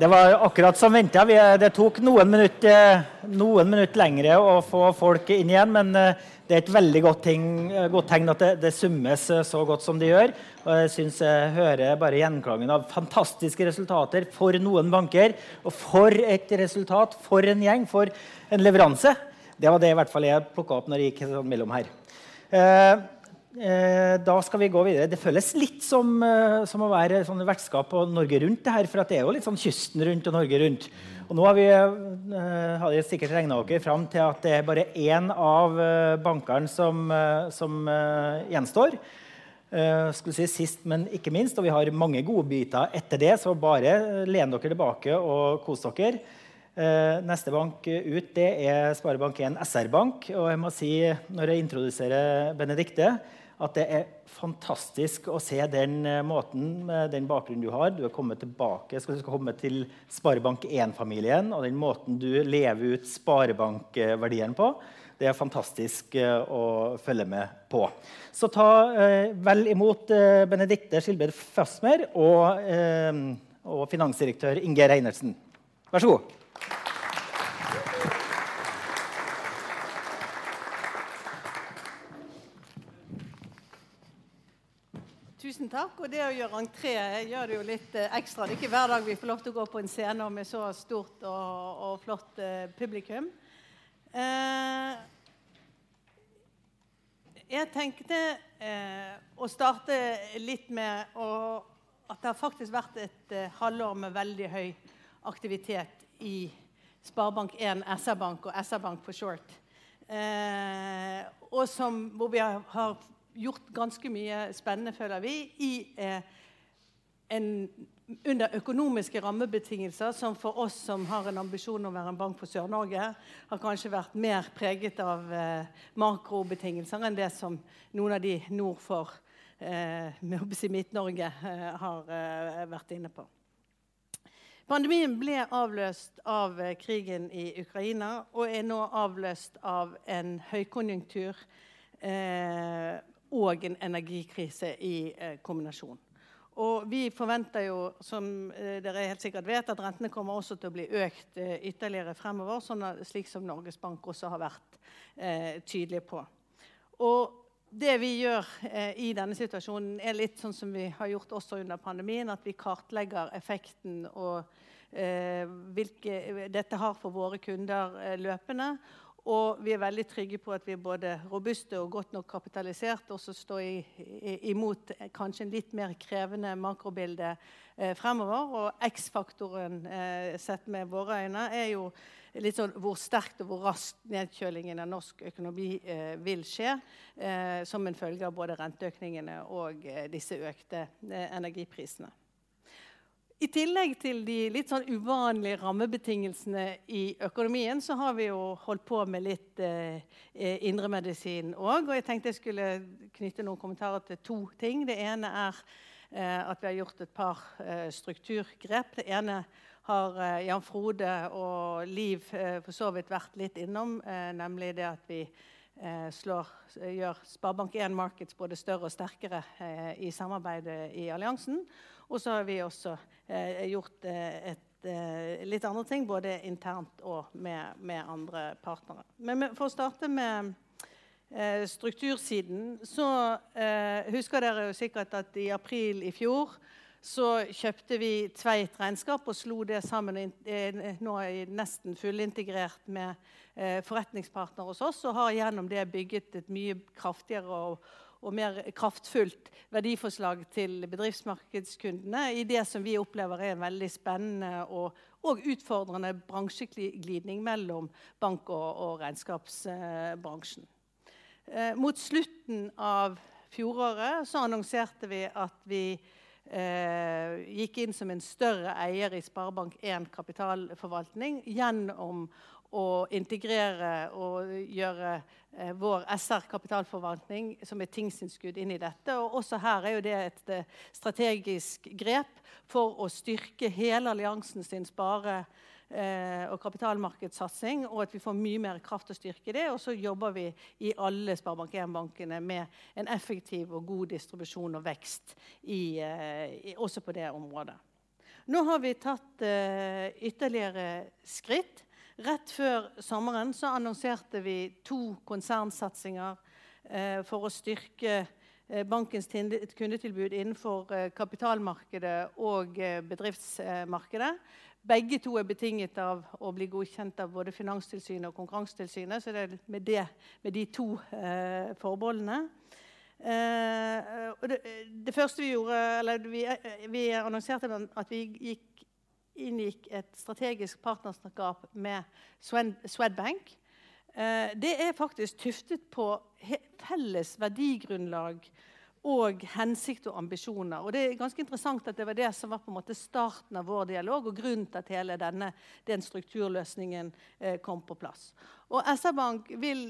Det var akkurat som ventet. Det tok noen minutter lengre å få folk inn igjen. Men det er et veldig godt tegn at det summes så godt som det gjør, og jeg synes jeg hører bare gjenklangen av fantastiske resultater for noen banker og et resultat for en gjeng, for en leveranse. Det var det i hvert fall jeg plukket opp når jeg gikk mellom her. Da skal vi gå videre. Det føles litt som å være sånn vertskap på Norge rundt det her, for det er jo litt sånn kysten rundt og Norge rundt. Nå har dere sikkert regnet dere frem til at det er bare en av bankene som gjenstår. Skulle si sist, men ikke minst og vi har mange gode biter etter det, så bare lene dere tilbake og kos dere. Neste bank ut, det er SpareBank 1 SR-Bank, og jeg må si når jeg introduserer Benedicte at det er fantastisk å se den måten med den bakgrunnen du har. Du har kommet tilbake, skal komme til SpareBank 1 familien og den måten du lever ut sparebankverdiene på. Det er fantastisk å følge med på. Så ta vel i mot Benedicte Schilbred Fasmer og Finansdirektør Inge Reinertsen. Vær så god. Tusen takk. Det å gjøre entré gjør det jo litt ekstra. Det er ikke hver dag vi får lov til å gå på en scene med så stort og flott publikum. Jeg tenkte å starte litt med at det har faktisk vært et halvår med veldig høy aktivitet i SpareBank 1 SR-Bank og SR-Bank for short. Og som hvor vi har gjort ganske mye spennende føler vi i en under økonomiske rammebetingelser som for oss som har en ambisjon om å være en bank for Sør-Norge, har kanskje vært mer preget av makrobetingelser enn det som noen av de nord for med å si Midt-Norge har vært inne på. Pandemien ble avløst av krigen i Ukraina og er nå avløst av en høykonjunktur og en energikrise i kombinasjon. Vi forventer jo, som dere helt sikkert vet, at rentene kommer også til å bli økt ytterligere fremover, sånn som Norges Bank også har vært tydelige på. Det vi gjør i denne situasjonen er litt sånn som vi har gjort også under pandemien. Vi kartlegger effekten og hvilke dette har for våre kunder løpende. Vi er veldig trygge på at vi er både robuste og godt nok kapitalisert også å stå imot kanskje en litt mer krevende makrobilde fremover. X-faktoren sett med våre øyne er jo litt sånn hvor sterkt og hvor raskt nedkjølingen i norsk økonomi vil skje som en følge av både renteøkningene og disse økte energiprisene. I tillegg til de litt sånn uvanlige rammebetingelsene i økonomien, så har vi jo holdt på med litt indremedisin og jeg tenkte jeg skulle knytte noen kommentarer til to ting. Det ene er at vi har gjort et par strukturgrep. Det ene har Jan-Frode Janson og Liv Ulriksen for så vidt vært litt innom. Nemlig det at vi gjør SpareBank 1 Markets både større og sterkere i samarbeidet i alliansen. Har vi også gjort et litt andre ting, både internt og med andre partnere. For å starte med struktursiden så husker dere sikkert at i april i fjor så kjøpte vi Tveit Regnskap og slo det sammen, nå nesten fullintegrert med SpareBank 1 Forretningspartner hos oss, og har gjennom det bygget et mye kraftigere og mer kraftfullt verdiforslag til bedriftsmarkedskundene i det som vi opplever er en veldig spennende og utfordrende bransje-glidning mellom bank og regnskapsbransjen. Mot slutten av fjoråret så annonserte vi at vi gikk inn som en større eier i SpareBank 1 Kapitalforvaltning gjennom å integrere og gjøre vår SR-Forvaltning som et apportinnskudd inn i dette. Også her er jo det et strategisk grep for å styrke hele alliansens spare- og kapitalmarkedssatsing, og at vi får mye mer kraft til å styrke det. Vi jobber i alle SpareBank 1-bankene med en effektiv og god distribusjon og vekst i, også på det området. Nå har vi tatt ytterligere skritt. Rett før sommeren annonserte vi to konsernsatsinger for å styrke bankens kundetilbud innenfor kapitalmarkedet og bedriftsmarkedet. Begge to er betinget av å bli godkjent av både Finanstilsynet og Konkurransetilsynet. Så det med de to forbeholdene. Det første vi gjorde, eller vi annonserte at vi inngikk et strategisk partnerskap med Swedbank. Det er faktisk tuftet på felles verdigrunnlag og hensikt og ambisjoner, og det er ganske interessant at det var det som var på en måte starten av vår dialog, og grunnen til at hele denne strukturløsningen kom på plass. SpareBank 1 SR-Bank vil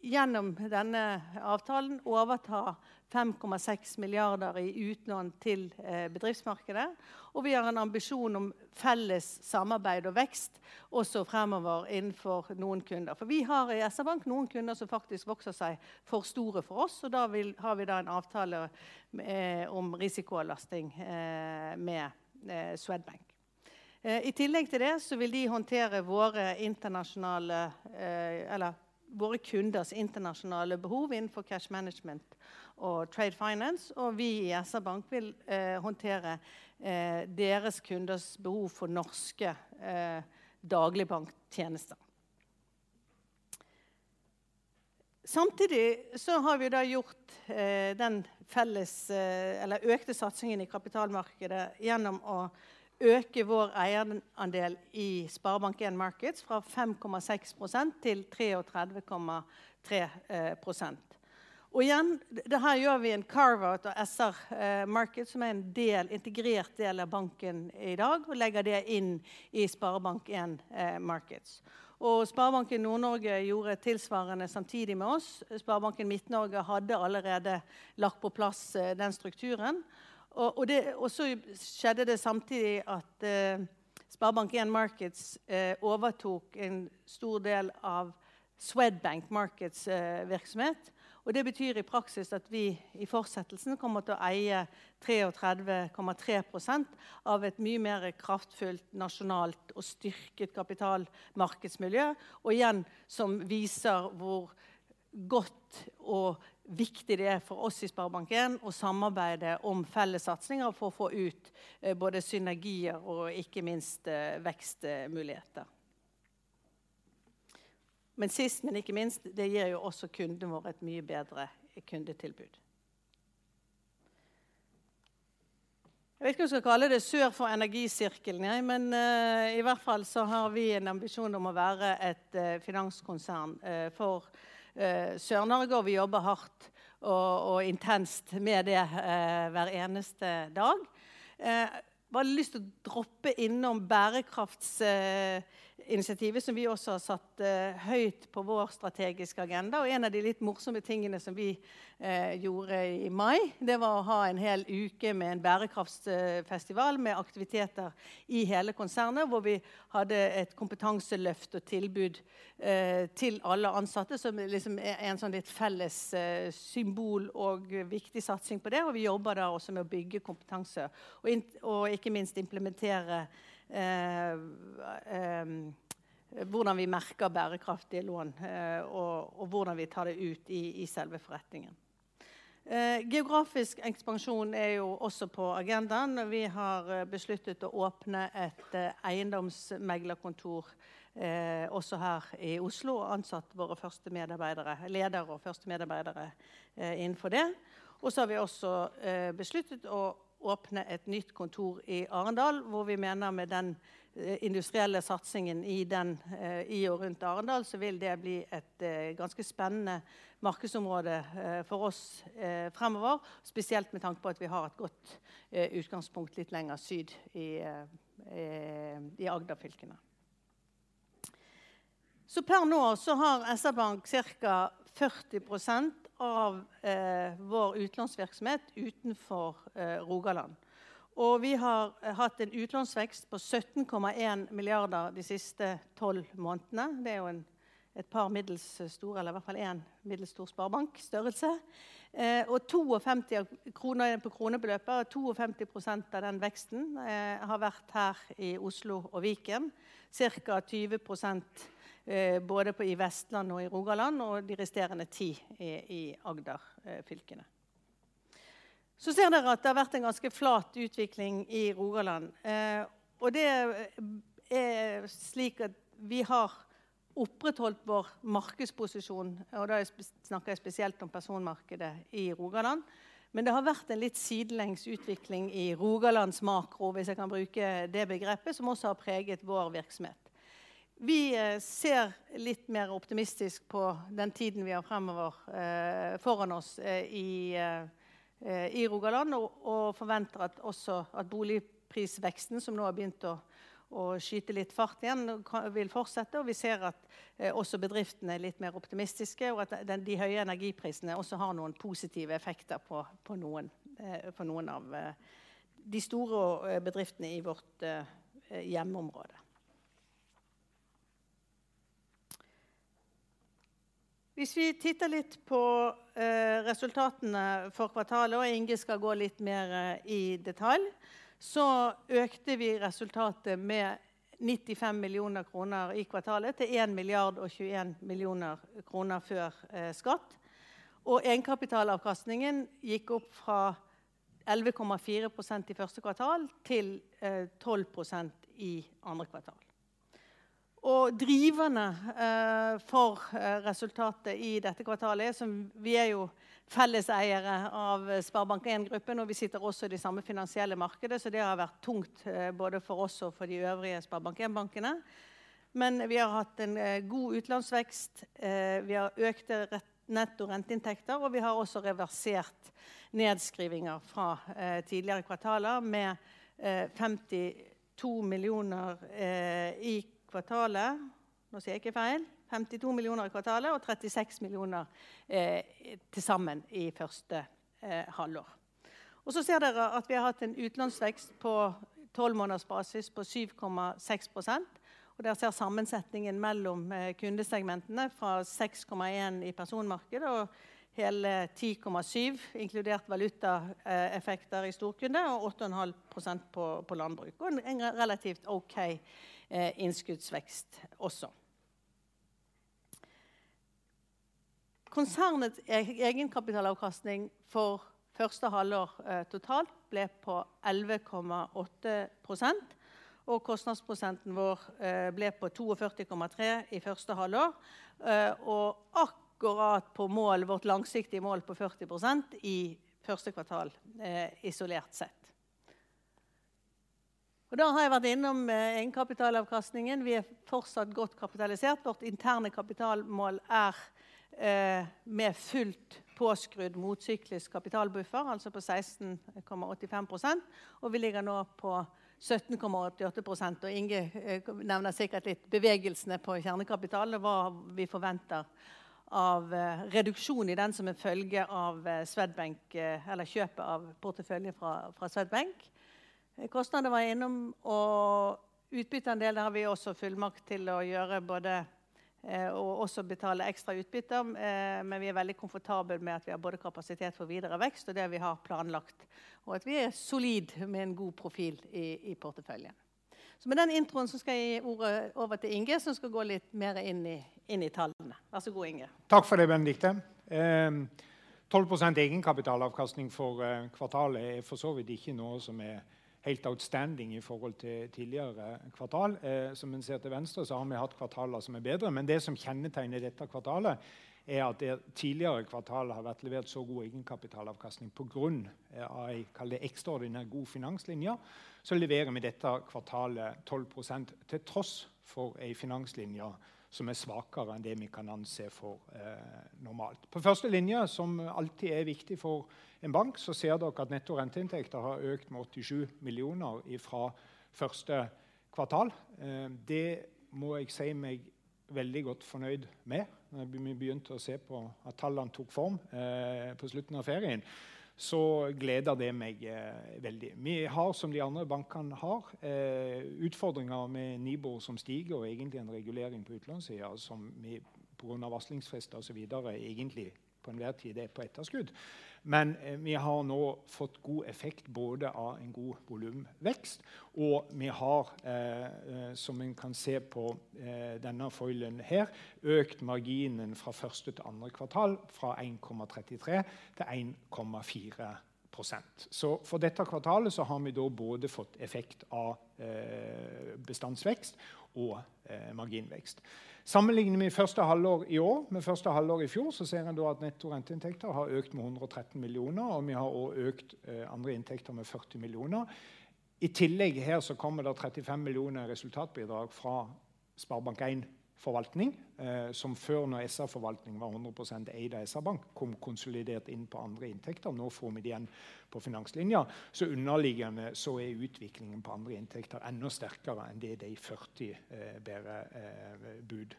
gjennom denne avtalen overta 5.6 billion i utlån til bedriftsmarkedet, og vi har en ambisjon om felles samarbeid og vekst også fremover innenfor noen kunder. For vi har i SpareBank 1 SR-Bank noen kunder som faktisk vokser seg for store for oss, og har vi en avtale om risikoavlastning med Swedbank. I tillegg til det vil de håndtere våre kunders internasjonale behov innenfor cash management og trade finance, og vi i SpareBank 1 SR-Bank vil håndtere deres kunders behov for norske dagligbanktjenester. Samtidig har vi gjort den felles eller økte satsingen i kapitalmarkedet gjennom å øke vår eierandel i SpareBank 1 Markets fra 5.6% til 33.3%. Igjen, det her gjør vi en carve out av SR-Bank, som er en del, integrert del av banken i dag, og legger det inn i SpareBank 1 Markets. SpareBank 1 Nord-Norge gjorde tilsvarende samtidig med oss. SpareBank 1 SMN hadde allerede lagt på plass den strukturen. Så skjedde det samtidig at SpareBank 1 Markets overtok en stor del av Swedbank Markets virksomhet. Det betyr i praksis at vi i fortsettelsen kommer til å eie 33.3% av et mye mer kraftfullt nasjonalt og styrket kapitalmarkedsmiljø. Igjen, som viser hvor godt og viktig det er for oss i SpareBank 1 å samarbeide om felles satsinger for å få ut både synergier og ikke minst vekstmuligheter. Sist, men ikke minst, det gir jo også kunden vår et mye bedre kundetilbud. Jeg vet ikke hva jeg skal kalle det sør for energisirkelen jeg, men i hvert fall så har vi en ambisjon om å være et finanskonsern for Sør-Norge, og vi jobber hardt og intenst med det hver eneste dag. Bare lyst å droppe innom bærekraftsinitiativet som vi også har satt høyt på vår strategiske agenda. En av de litt morsomme tingene som vi gjorde i mai, det var å ha en hel uke med en bærekraftsfestival med aktiviteter i hele konsernet, hvor vi hadde et kompetanseløft og tilbud til alle ansatte. Som liksom er en sånn litt felles symbol og viktig satsing på det. Vi jobber da også med å bygge kompetanse og ikke minst implementere, hvordan vi merker bærekraftige lån, og hvordan vi tar det ut i i selve forretningen. Geografisk ekspansjon er jo også på agendaen, og vi har besluttet å åpne et eiendomsmeglerkontor, også her i Oslo og ansatt våre første medarbeidere, ledere og første medarbeidere innenfor det. Vi har også besluttet å åpne et nytt kontor i Arendal, hvor vi mener med den industrielle satsingen i den i og rundt Arendal, så vil det bli et ganske spennende markedsområde for oss fremover. Spesielt med tanke på at vi har et godt utgangspunkt litt lenger syd i Agderfylkene. Per nå har SR Bank cirka 40% av vår utlånsvirksomhet utenfor Rogaland. Vi har hatt en utlånsvekst på 17.1 billion de siste 12 månedene. Det er jo et par middels store eller i hvert fall en middelsstor sparebankstørrelse. 2.50 NOK av krone på kronebeløp og 2.50% av den veksten har vært her i Oslo og Viken. Cirka 20% både i Vestland og i Rogaland og de resterende 10% i Agderfylkene. Ser dere at det har vært en ganske flat utvikling i Rogaland, og det er slik at vi har opprettholdt vår markedsposisjon. Da snakker jeg spesielt om personmarkedet i Rogaland. Det har vært en litt sidelengs utvikling i Rogalandsmakro, hvis jeg kan bruke det begrepet som også har preget vår virksomhet. Vi ser litt mer optimistisk på den tiden vi har fremover foran oss i Rogaland, og forventer at boligprisveksten som nå har begynt å skyte litt fart igjen vil fortsette. Vi ser at også bedriftene er litt mer optimistiske og at de høye energiprisene også har noen positive effekter på noen for noen av de store bedriftene i vårt hjemmeområde. Hvis vi titter litt på resultatene for kvartalet, og Inge skal gå litt mer i detalj. Økte vi resultatet med 95 millioner kroner i kvartalet til 1,021 millioner kroner før skatt, og egenkapitalavkastningen gikk opp fra 11.4% i første kvartal til 12% i andre kvartal. Driverne for resultatet i dette kvartalet er som vi er jo felleseiere av SpareBank 1 Gruppen, og vi sitter også i de samme finansielle markedene, så det har vært tungt både for oss og for de øvrige SpareBank 1-bankene. Vi har hatt en god utlånsvekst. Vi har økte netto renteinntekter, og vi har også reversert nedskrivninger fra tidligere kvartaler med 50 million, i kvartalet. Nå sier jeg ikke feil. 50 million i kvartalet og 36 million til sammen i første halvår. Og så ser dere at vi har hatt en utlånsvekst på 12 måneders basis på 7.6%. Og der ser sammensetningen mellom kundesegmentene fra 6.1 i personmarkedet og hele 10.7, inkludert valutaeffekter i storkunde og 8.5% på landbruk og en relativt okay innskuddsvekst også. Konsernets egenkapitalavkastning for første halvår totalt ble på 11.8%, og kostnadsprosenten vår ble på 42.3 i første halvår. Og akkurat på mål, vårt langsiktige mål på 40% i første kvartal, isolert sett. Da har jeg vært innom egenkapitalavkastningen. Vi er fortsatt godt kapitalisert. Vårt interne kapitalmål er, med fullt påskrudd motsyklisk kapitalbuffer, altså på 16.85%. Vi ligger nå på 17.88%. Inge nevner sikkert litt bevegelsene på kjernekapitalen og hva vi forventer av reduksjon i den som en følge av Swedbank-kjøpet av portefølje fra Swedbank. Kostnader var jeg innom og utbyttedelen har vi også fullmakt til å gjøre både, og også betale ekstra utbytter. Men vi er veldig komfortabel med at vi har både kapasitet for videre vekst og det vi har planlagt, og at vi er solid med en god profil i porteføljen. Med den introen så skal jeg gi ordet over til Inge som skal gå litt mer inn i tallene. Vær så god, Inge! Takk for det, Benedicte. 12% egenkapitalavkastning for kvartalet er for så vidt ikke noe som er helt outstanding i forhold til tidligere kvartal. Som en ser til venstre så har vi hatt kvartaler som er bedre, men det som kjennetegner dette kvartalet er at i tidligere kvartaler har vært levert så god egenkapitalavkastning på grunn av en, kall det ekstraordinær god finanslinje. Så leverer vi dette kvartalet 12%, til tross for en finanslinje som er svakere enn det vi kan anse for normalt. På første linje, som alltid er viktig for en bank, så ser dere at netto renteinntekter har økt med NOK 87 million fra første kvartal. Det må jeg si meg veldig godt fornøyd med. Når vi begynte å se på at tallene tok form, på slutten av ferien, så gledet det meg veldig. Vi har, som de andre bankene har, utfordringer med Nibor som stiger, og egentlig en regulering på utlånssiden som vi på grunn av varslingsfrister og så videre, egentlig på enhver tid er på etterskudd. Vi har nå fått god effekt både av en god volumvekst og vi har, som en kan se på, denne foilen her økt marginen fra første til andre kvartal fra 1.33 til 1.4%. For dette kvartalet har vi da både fått effekt av bestandsvekst og marginvekst. Sammenligner vi første halvår i år med første halvår i fjor, så ser en da at netto renteinntekter har økt med 113 million og vi har også økt andre inntekter med 40 million. I tillegg her så kommer det 35 millioner i resultatbidrag fra SpareBank 1 Forvaltning som før når SR-Forvaltning var 100% eid av SpareBank 1 SR-Bank kom konsolidert inn på andre inntekter. Nå får vi de igjen på finanslinjen, så underliggende så er utviklingen på andre inntekter enda sterkere enn det 40 bærer bud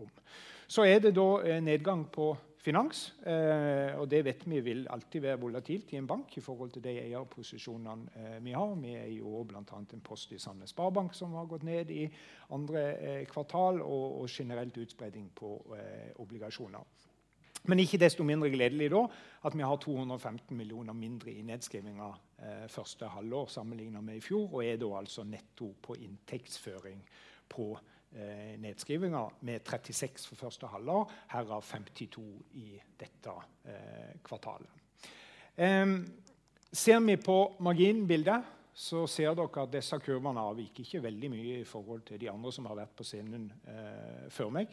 om. Så er det da nedgang på finans, og det vet vi vil alltid være volatilt i en bank i forhold til de eierposisjonene vi har. Vi eier jo blant annet en post i Sandnes Sparebank som har gått ned i andre kvartal og generelt spread på obligasjoner. Men ikke desto mindre gledelig da at vi har 215 millioner mindre i nedskrivninger første halvår sammenlignet med i fjor. Og er det da altså netto på inntektsføring på nedskrivninger med NOK 36 for første halvår, herav NOK 50 i dette kvartalet. Ser vi på marginbildet så ser dere at disse kurvene avviker ikke veldig mye i forhold til de andre som har vært på scenen før meg.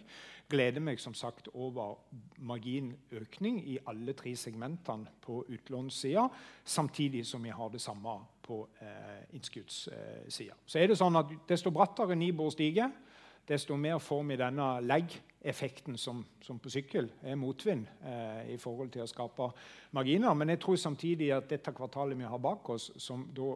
Gleder meg som sagt over marginøkning i alle tre segmentene på utlånssiden, samtidig som vi har det samme på innskuddssiden. Er det sånn at desto brattere Nibor stiger, desto mer får vi denne leggeffekten som på sykkel er motvind i forhold til å skape marginer. Jeg tror samtidig at dette kvartalet vi har bak oss, som da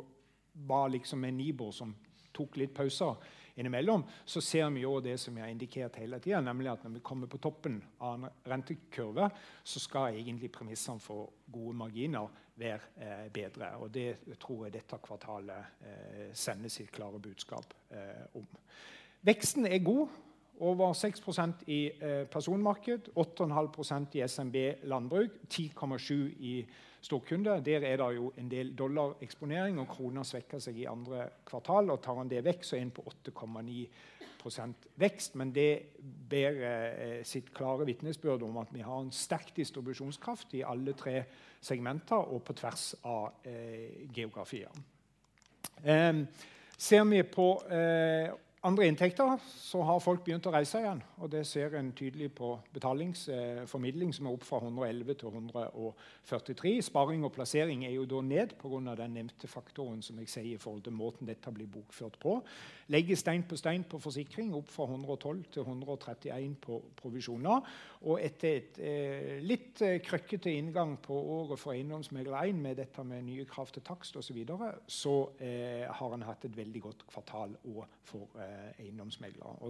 var liksom en Nibor som tok litt pauser innimellom. Ser vi jo det som jeg har indikert hele tiden, nemlig at når vi kommer på toppen av rentekurve, så skal egentlig premissene for gode marginer være bedre. Det tror jeg dette kvartalet sender sitt klare budskap om. Veksten er god, over 6% i personmarked, 8.5% i SMB landbruk, 10.7 i storkunde. Der er det jo en del dollareksponering og kronen svekker seg i andre kvartal. Tar en det vekk så ender på 8.9% vekst. Men det bærer sitt klare vitnesbyrd om at vi har en sterk distribusjonskraft i alle tre segmenter og på tvers av geografi. Ser vi på andre inntekter så har folk begynt å reise igjen, og det ser en tydelig på betalingsformidling som er opp fra 111 til 143. Sparing og plassering er jo da ned på grunn av den nevnte faktoren som jeg sier i forhold til måten dette blir bokført på. Legges stein på stein på forsikring opp fra 112 til 131 på provisjoner og etter et litt krøkkete inngang på året for EiendomsMegler 1 med dette med nye krav til takst og så videre, så har en hatt et veldig godt kvartal også for eiendomsmeglere.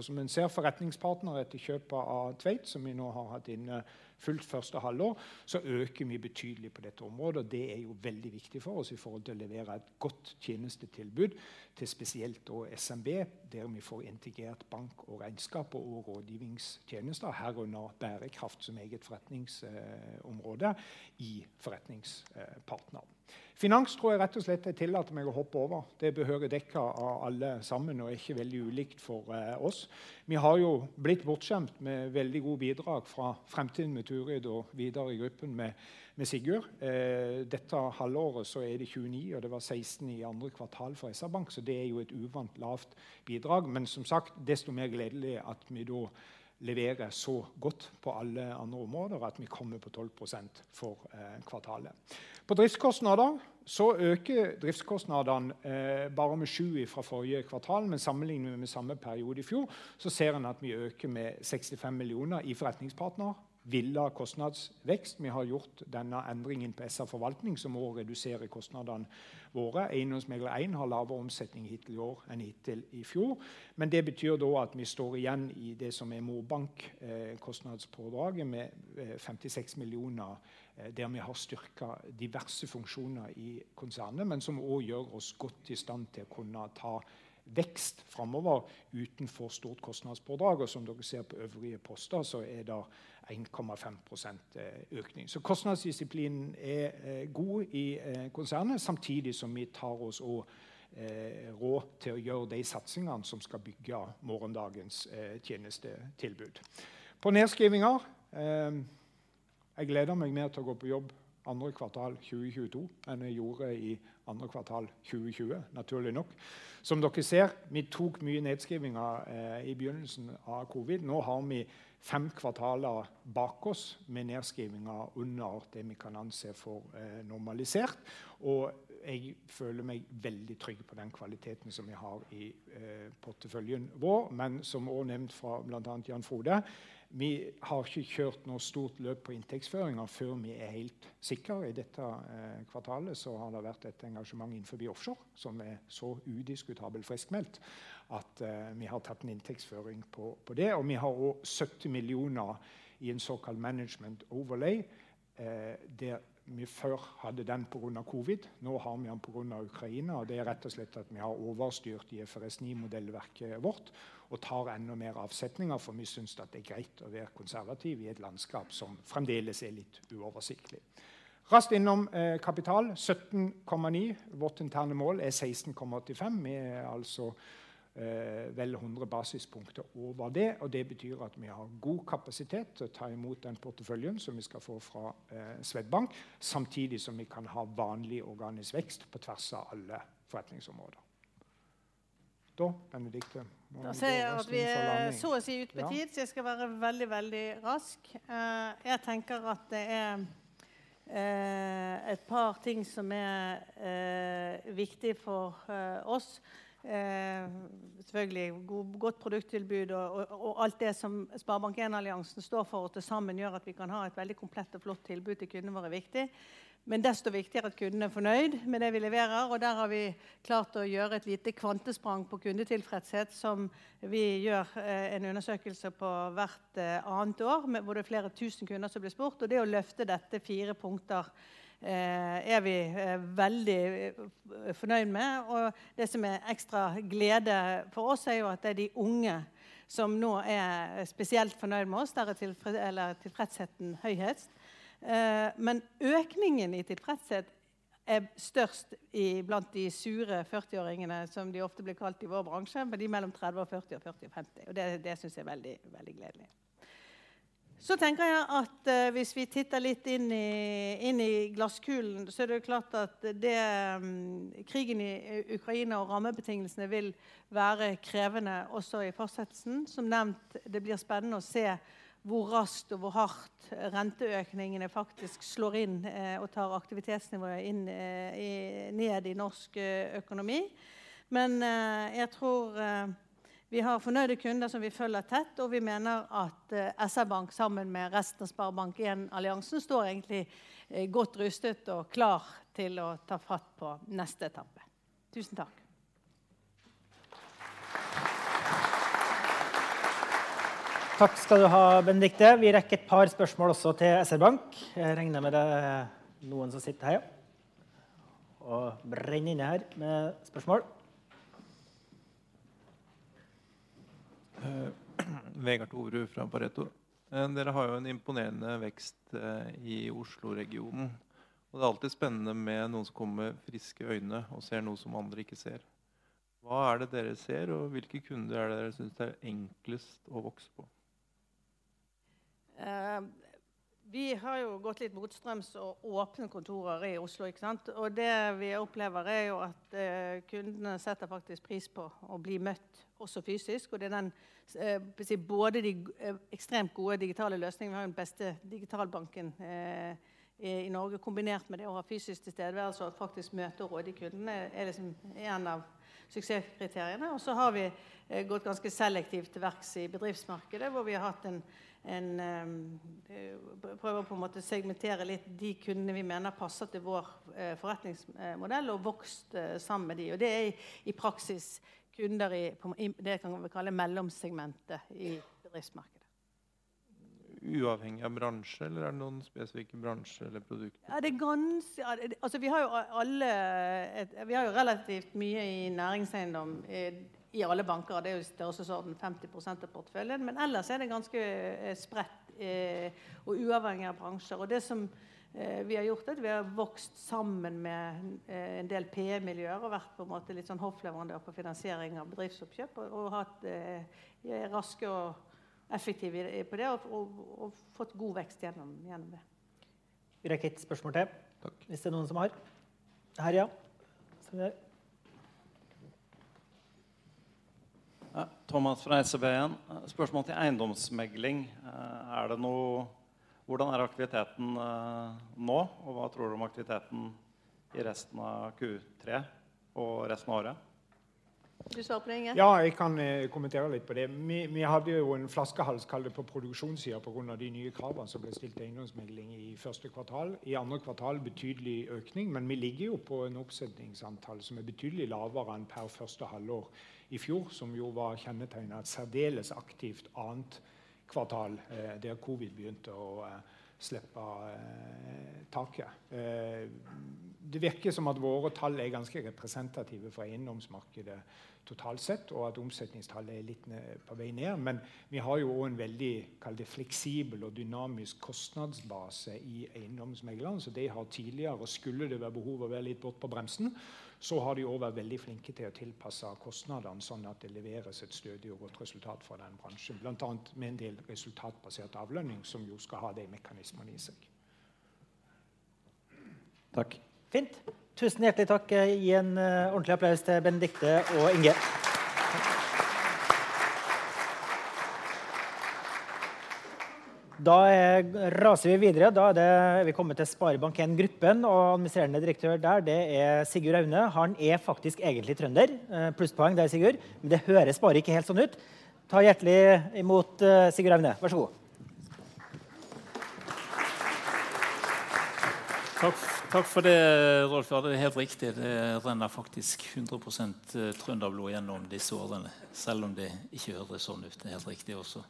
Som en ser Forretningspartner etter kjøpet av Tveit som vi nå har hatt inne fullt første halvår, så øker vi betydelig på dette området, og det er jo veldig viktig for oss i forhold til å levere et godt tjenestetilbud til spesielt da SMB, der vi får integrert bank og regnskap og rådgivningstjenester, herunder bærekraft som eget forretningsområde i Forretningspartner. Finans tror jeg rett og slett jeg tillater meg å hoppe over. Det behøver dekkes av alle sammen og er ikke veldig ulikt for oss. Vi har jo blitt bortskjemt med veldig gode bidrag fra Fremtind med Turid og videre i gruppen med Sigurd. Dette halvåret så er det 29, og det var 16 i andre kvartal for SR-Bank, så det er jo et uvant lavt bidrag. Men som sagt desto mer gledelig at vi da leverer så godt på alle andre områder og at vi kommer på 12% for kvartalet. På driftskostnader så øker driftskostnadene bare med 7 fra forrige kvartal. Men sammenligner vi med samme periode i fjor så ser en at vi øker med 65 million i Forretningspartner. Ville ha kostnadsvekst. Vi har gjort denne endringen på SR-Forvaltning, som også reduserer kostnadene våre. EiendomsMegler 1 har lavere omsetning hittil i år enn hittil i fjor, men det betyr da at vi står igjen i det som er morbank kostnadspådraget med 56 million der vi har styrket diverse funksjoner i konsernet, men som også gjør oss godt i stand til å kunne ta vekst framover uten for stort kostnadspådrag. Som dere ser på øvrige poster så er det en 0.5% økning, så kostnadsdisiplinen er god i konsernet, samtidig som vi tar oss også råd til å gjøre de satsingene som skal bygge morgendagens tjenestetilbud. På nedskrivninger, jeg gleder meg mer til å gå på jobb andre kvartal 2022 enn jeg gjorde i andre kvartal 2020. Naturlig nok. Som dere ser, vi tok mye nedskrivninger i begynnelsen av COVID. Nå har vi 5 kvartaler bak oss med nedskrivninger under det vi kan anse for normalisert, og jeg føler meg veldig trygg på den kvaliteten som vi har i porteføljen vår. Som også nevnt fra blant annet Jan-Frode Janson. Vi har ikke kjørt noe stort løp på inntektsføringer før vi er helt sikre. I dette kvartalet så har det vært et engasjement innenfor offshore som er så udiskutabel friskmeldt at vi har tatt en inntektsføring på det, og vi har også 70 millioner i en såkalt management overlay der vi før hadde den på grunn av covid. Nå har vi den på grunn av Ukraina, og det er rett og slett at vi har overstyrt IFRS 9 modellverket vårt og tar enda mer avsetninger fordi vi synes det er greit å være konservativ i et landskap som fremdeles er litt uoversiktlig. Raskt innom kapital. 17.9%. Vårt interne mål er 16.85. Vi er altså vel 100 basispunkter over det, og det betyr at vi har god kapasitet til å ta imot den porteføljen som vi skal få fra Swedbank, samtidig som vi kan ha vanlig organisk vekst på tvers av alle forretningsområder. Da ser jeg at vi er så å si ute på tid, så jeg skal være veldig rask. Jeg tenker at det er, et par ting som er, viktig for oss. Selvfølgelig godt produkttilbud og alt det som SpareBank 1 Alliansen står for og til sammen gjør at vi kan ha et veldig komplett og flott tilbud til kundene våre er viktig, men desto viktigere at kunden er fornøyd med det vi leverer. Der har vi klart å gjøre et lite kvantesprang på kundetilfredshet som vi gjør en undersøkelse på hvert annet år hvor det er flere tusen kunder som blir spurt. Det å løfte dette 4 punkter, er vi veldig fornøyd med. Det som er ekstra glede for oss er jo at det er de unge som nå er spesielt fornøyd med oss. Tilfredsheten er høyest, men økningen i tilfredshet er størst blant de sure førtiåringene som de ofte blir kalt i vår bransje. For de mellom 30 og 40 og 40 og 50. Det synes jeg er veldig gledelig. Tenker jeg at hvis vi titter litt inn i glasskulen, så er det jo klart at krigen i Ukraina og rammebetingelsene vil være krevende også i fortsettelsen. Som nevnt. Det blir spennende å se hvor raskt og hvor hardt renteøkningene faktisk slår inn og tar aktivitetsnivået ned i norsk økonomi. Jeg tror vi har fornøyde kunder som vi følger tett, og vi mener at SR-Bank, sammen med resten av SpareBank 1 Alliansen, står egentlig godt rustet og klar til å ta fatt på neste etappe. Tusen takk. Takk skal du ha, Benedicte! Vi rekker et par spørsmål også til SpareBank 1 SR-Bank. Jeg regner med det er noen som sitter her, ja, og brenner inne med spørsmål. Vegard Toverud fra Pareto. Dere har jo en imponerende vekst i Osloregionen, og det er alltid spennende med noen som kommer med friske øyne og ser noe som andre ikke ser. Hva er det dere ser og hvilke kunder er det dere synes det er enklest å vokse på? Vi har jo gått litt motstrøms og åpnet kontorer i Oslo, ikke sant. Det vi opplever er jo at kundene setter faktisk pris på å bli møtt også fysisk. Det er både de ekstremt gode digitale løsningene. Vi har den beste digitalbanken i Norge, kombinert med det å ha fysisk tilstedeværelse og faktisk møte og rådgi kundene, er en av suksesskriteriene. Så har vi gått ganske selektivt til verks i bedriftsmarkedet, hvor vi har hatt en prøvd på en måte å segmentere litt de kundene vi mener passer til vår forretningsmodell og vokst sammen med de. Det er i praksis kunder i det som vi kaller mellomsegmentet i bedriftsmarkedet. Uavhengig av bransje eller er det noen spesifikke bransjer eller produkter? Ja, det er ganske altså, vi har jo alle, vi har jo relativt mye i næringseiendom i alle banker, og det er i størrelsesorden 50% av porteføljen. Men ellers er det ganske spredt og uavhengig av bransjer. Det som vi har gjort er at vi har vokst sammen med en del PM miljøer og vært på en måte litt sånn hoffleverandør på finansiering av bedriftsoppkjøp og hatt raske og effektive på det og fått god vekst gjennom det. Vi rekker et spørsmål til. Takk. Hvis det er noen som har. Her ja. Thomas fra E24. Spørsmål til eiendomsmegling. Er det noe nå? Hvordan er aktiviteten nå, og hva tror du om aktiviteten i resten av Q3 og resten av året? Vil du svare på Inge? Ja, jeg kan kommentere litt på det. Vi hadde jo en flaskehals kalt på produksjonssiden på grunn av de nye kravene som ble stilt til eiendomsmegling i første kvartal. I andre kvartal betydelig økning, men vi ligger jo på en omsetningsantall som er betydelig lavere enn i første halvår i fjor, som jo var kjennetegnet av et særdeles aktivt andre kvartal der covid begynte å slippe taket. Det virker som at våre tall er ganske representative for eiendomsmarkedet totalt sett, og at omsetningstall er litt ned, på vei ned. Vi har jo også en veldig kall det fleksibel og dynamisk kostnadsbase i eiendomsmeglerne, så de har tidligere og skulle det være behov å være litt på bremsen, så har de også vært veldig flinke til å tilpasse kostnadene sånn at det leveres et stødig og godt resultat fra den bransjen, blant annet med en del resultatbasert avlønning som jo skal ha de mekanismene i seg. Takk. Fint. Tusen hjertelig takk. Gi en ordentlig applaus til Benedicte og Inge. Da raser vi videre. Da er det vi kommet til SpareBank 1 Gruppen og administrerende direktør der det er Sigurd Aune. Han er faktisk egentlig trønder. Plusspoeng der, Sigurd, men det høres bare ikke helt sånn ut. Ta hjertelig i mot Sigurd Aune. Vær så god. Takk. Takk for det, Rolf. Ja, det er helt riktig. Det renner faktisk 100% trønderblod gjennom disse årene, selv om det ikke høres sånn ut. Det er helt riktig også.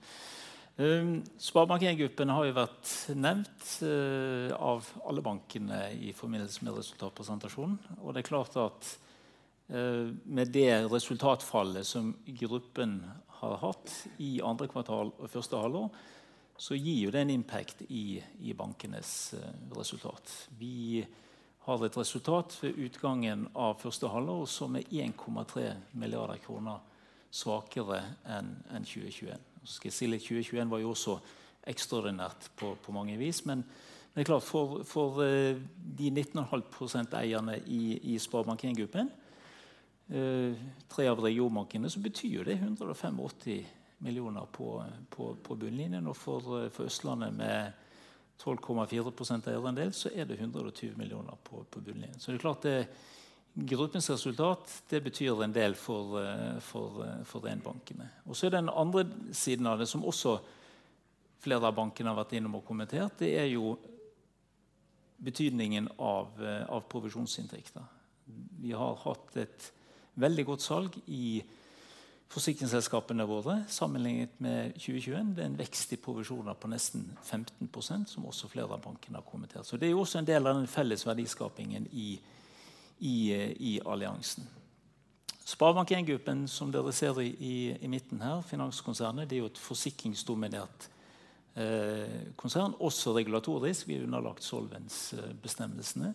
SpareBank 1 Gruppen har jo vært nevnt av alle bankene i forbindelse med resultatpresentasjonen, og det er klart at med det resultatfallet som gruppen har hatt i andre kvartal og første halvår, så gir jo det en impact i bankenes resultat. Vi har et resultat ved utgangen av første halvår som er 1.3 billion kroner. Svakere enn 2022. Nå skal jeg si det, 2022 var jo også ekstraordinært på mange vis. Men det er klart for de 19.5% eierne i SpareBank 1 Gruppen. Tre av regionbankene, så betyr jo det 150 million på bunnlinjen og for Østlandet med 12.4% eierandel, så er det 120 million på bunnlinjen. Det er klart det gruppens resultat, det betyr en del for bankene. Den andre siden av det som også flere av bankene har vært innom og kommentert. Det er jo betydningen av provisjonsinntekter. Vi har hatt et veldig godt salg i forsikringsselskapene våre sammenlignet med 2017. Det er en vekst i provisjoner på nesten 15% som også flere av bankene har kommentert. Det er jo også en del av den felles verdiskapingen i alliansen. SpareBank 1 Gruppen som dere ser i midten her. Finanskoncern. Det er jo et forsikringsdominert konsern, også regulatorisk. Vi er underlagt solvensbestemmelsene.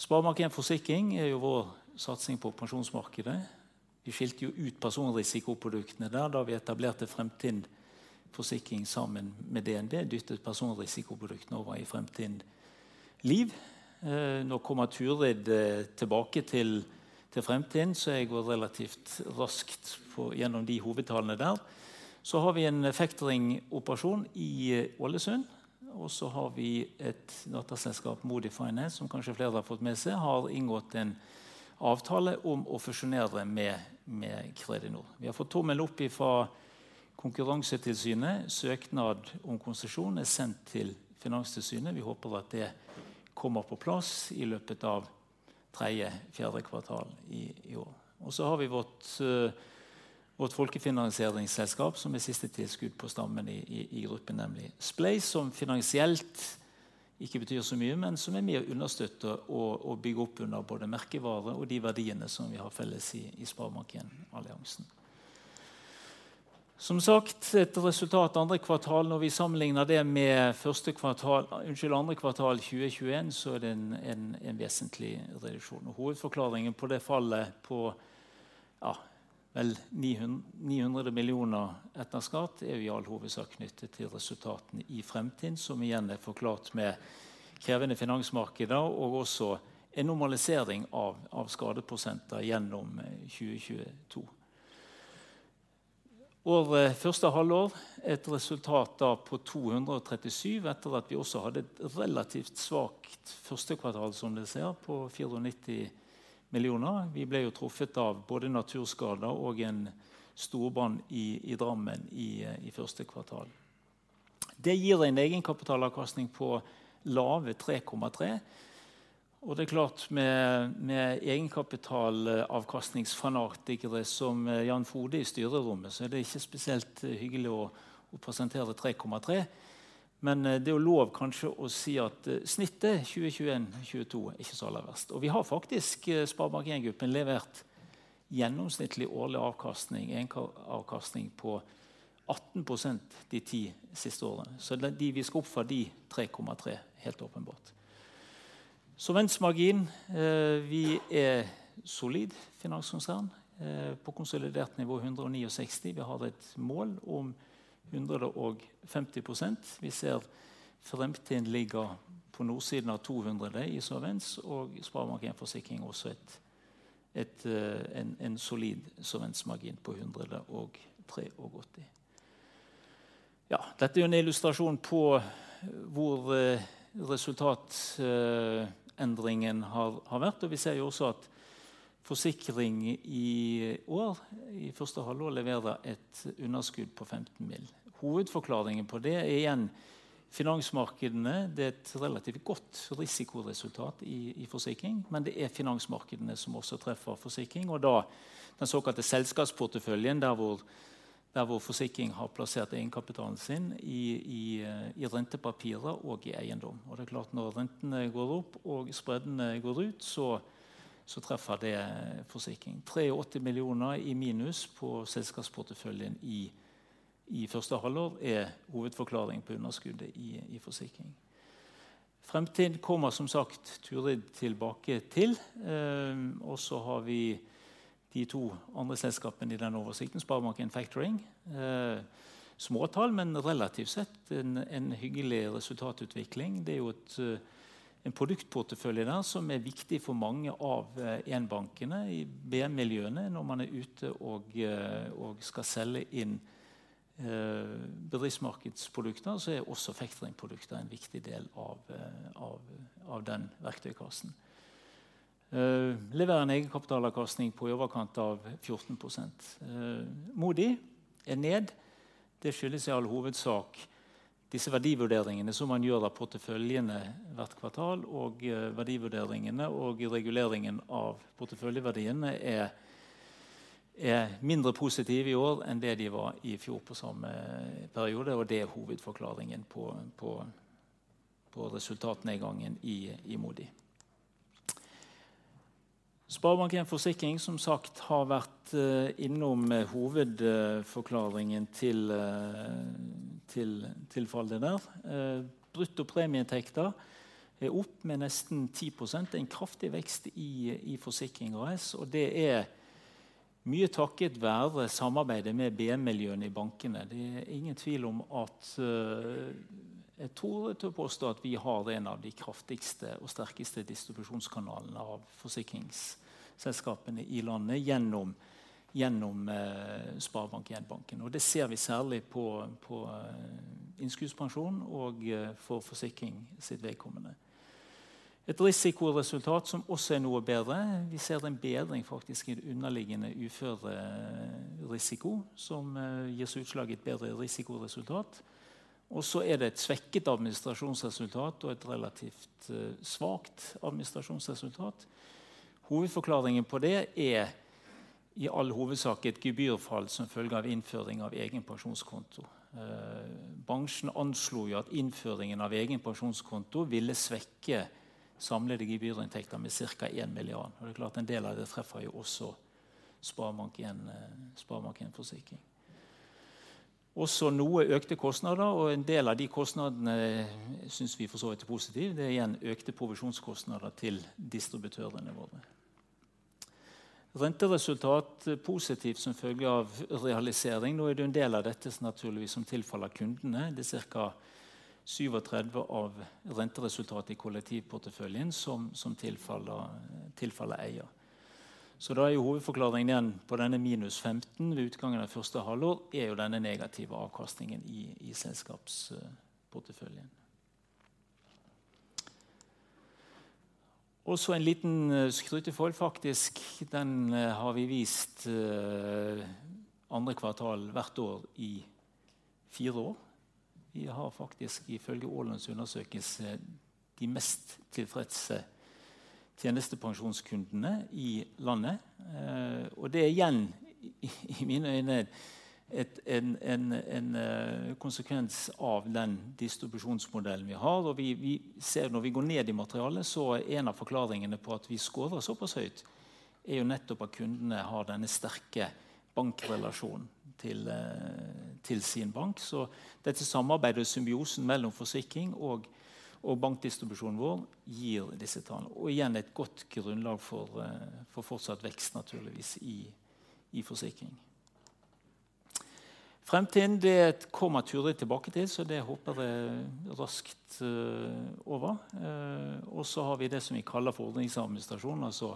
SpareBank 1 Forsikring er jo vår satsing på pensjonsmarkedet. Vi skilte jo ut personrisiko produktene der da vi etablerte Fremtind Forsikring sammen med DNB, dyttet personrisiko produktene over i Fremtind Liv. Nå kommer Turid tilbake til Fremtind, så jeg går relativt raskt gjennom de hovedtallene der. Så har vi en factoring operasjon i Ålesund, og så har vi et datterselskap. Modhi Finance, som kanskje flere har fått med seg, har inngått en avtale om å fusjonere med Kredinor. Vi har fått tommelen opp fra Konkurransetilsynet. Søknad om konsesjon er sendt til Finanstilsynet. Vi håper at det kommer på plass i løpet av tredje, fjerde kvartal i år. Så har vi vårt folkefinansieringsselskap som er siste tilskudd på stammen i gruppen, nemlig Spleis, som finansielt ikke betyr så mye, men som er med å understøtte og bygge opp under både merkevare og de verdiene som vi har felles i SpareBank 1 Alliansen. Som sagt etter resultatet andre kvartal. Når vi sammenligner det med første kvartal, unnskyld, andre kvartal 2021, så er det en vesentlig reduksjon. Hovedforklaringen på det fallet på 900 million etter skatt er i all hovedsak knyttet til resultatene i Fremtind, som igjen er forklart med krevende finansmarkeder og også en normalisering av skadeprosenter gjennom 2022. Årets første halvår. Et resultat da på NOK 237 million. Etter at vi også hadde et relativt svakt første kvartal, som dere ser, på 49 million. Vi ble jo truffet av både naturskader og en storbrann i Drammen i første kvartal. Det gir en egenkapitalavkastning på lave 3.3. Det er klart med egenkapitalavkastning fanatikere som Jan-Frode Janson i styrerommet, så er det ikke spesielt hyggelig å presentere 3.3. Det er lov kanskje å si at snittet 2021, 2022 ikke så aller verst, og vi har faktisk SpareBank 1 Gruppen levert gjennomsnittlig årlig avkastning egenkapitalavkastning på 18% de ti siste årene. Vi skal opp fra de 3.3 helt åpenbart. Solvensmargin. Vi er solid finanskonsern på konsolidert nivå 196. Vi har et mål om 150%. Vi ser fremtiden ligger på nordsiden av 200 i solvens og SpareBank 1 Forsikring. Også en solid solvensmargin på 183. Ja, dette er en illustrasjon på hvor resultatendringen har vært, og vi ser jo også at forsikring i år i første halvår leverer et underskudd på NOK 15 million. Hovedforklaringen på det er igjen finansmarkedene. Det er et relativt godt risiko resultat i forsikring, men det er finansmarkedene som også treffer forsikring, og da den såkalte selskapsporteføljen der hvor forsikring har plassert egenkapitalen sin i rentepapirer og i eiendom. Det er klart, når rentene går opp og spredene går ut, så treffer det forsikring. -NOK 83 million på selskapsporteføljen i første halvår er hovedforklaringen på underskuddet i forsikring. Fremtiden kommer som sagt Turid tilbake til. Så har vi de to andre selskapene i den oversikten. SpareBank 1 Factoring, små tall, men relativt sett en hyggelig resultatutvikling. Det er jo en produktportefølje der som er viktig for mange av SpareBank 1-bankene i BM-miljøene. Når man er ute og skal selge inn bedriftsmarkedsprodukter, så er også factoringprodukter en viktig del av den verktøykassen. Den leverer en egenkapitalavkastning på i overkant av 14%. Modhi er ned. Det skyldes i all hovedsak disse verdivurderingene som man gjør av porteføljene hvert kvartal og verdivurderingene og reguleringen av porteføljeverdiene er mindre positive i år enn det de var i fjor på samme periode. Det er hovedforklaringen på resultatnedgangen i Modhi. SpareBank 1 Forsikring, som sagt, har vært innom hovedforklaringen til tilfallet der. Brutto premieinntekter er opp med nesten 10%. En kraftig vekst i SpareBank 1 Forsikring AS. Det er mye takket være samarbeidet med BM-miljøene i bankene. Det er ingen tvil om at jeg tør å påstå at vi har en av de kraftigste og sterkeste distribusjonskanalene av forsikringsselskapene i landet gjennom SpareBank 1-banken. Det ser vi særlig på innskuddspensjon og for forsikring sitt vedkommende. Et risikoresultat som også er noe bedre. Vi ser en bedring faktisk i underliggende uførerisiko som gir seg utslag i et bedre risikoresultat. Så er det et svekket administrasjonsresultat og et relativt svakt administrasjonsresultat. Hovedforklaringen på det er i all hovedsak et gebyrfall som følge av innføring av egen pensjonskonto. Bransjen anslo jo at innføringen av egen pensjonskonto ville svekke samlede gebyrinntekter med cirka 1 milliard. Det er klart, en del av det treffer jo også SpareBank 1, SpareBank 1 Forsikring. Også noe økte kostnader og en del av de kostnadene synes vi for så vidt er positiv. Det er igjen økte provisjonskostnader til distributørene våre. Renteresultat positivt som følge av realisering. Nå er det en del av dette naturligvis som tilfaller kundene. Det er cirka 37% av renteresultatet i kollektivporteføljen som tilfaller eier. Så da er jo hovedforklaringen igjen på denne -15% ved utgangen av første halvår er jo denne negative avkastningen i selskapsporteføljen. Også en liten skrytefold faktisk, den har vi vist andre kvartal hvert år i 4 år. Vi har faktisk ifølge Aarland's undersøkelse de mest tilfredse tjenestepensjonskundene i landet, og det er igjen i mine øyne en konsekvens av den distribusjonsmodellen vi har. Vi ser når vi går ned i materialet. Så en av forklaringene på at vi skårer såpass høyt er jo nettopp at kundene har denne sterke bankrelasjonen til sin bank. Dette samarbeidet og symbiosen mellom forsikring og bankdistribusjonen vår gir disse tallene og igjen et godt grunnlag for fortsatt vekst naturligvis i forsikring. Fremtind, det kommer jeg til å ta tilbake til, så det håper jeg raskt over. Har vi det som vi kaller for ordningsadministrasjon, altså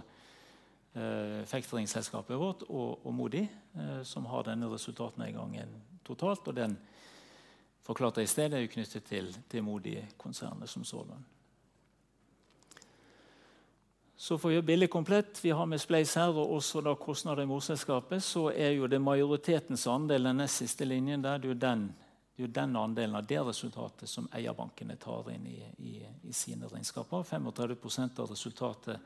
factoring-selskapet vårt og Modhi, som har denne resultatnedgangen totalt, og den forklaringen i stedet er jo knyttet til Modhi-konsernet som sådant. For å gjøre bildet komplett. Vi har med Spleis her og også da kostnader i morselskapet, så er jo det majoritetens andel den nest siste linjen der det er jo den andelen av det resultatet som eierbankene tar inn i sine regnskaper. 35% av resultatet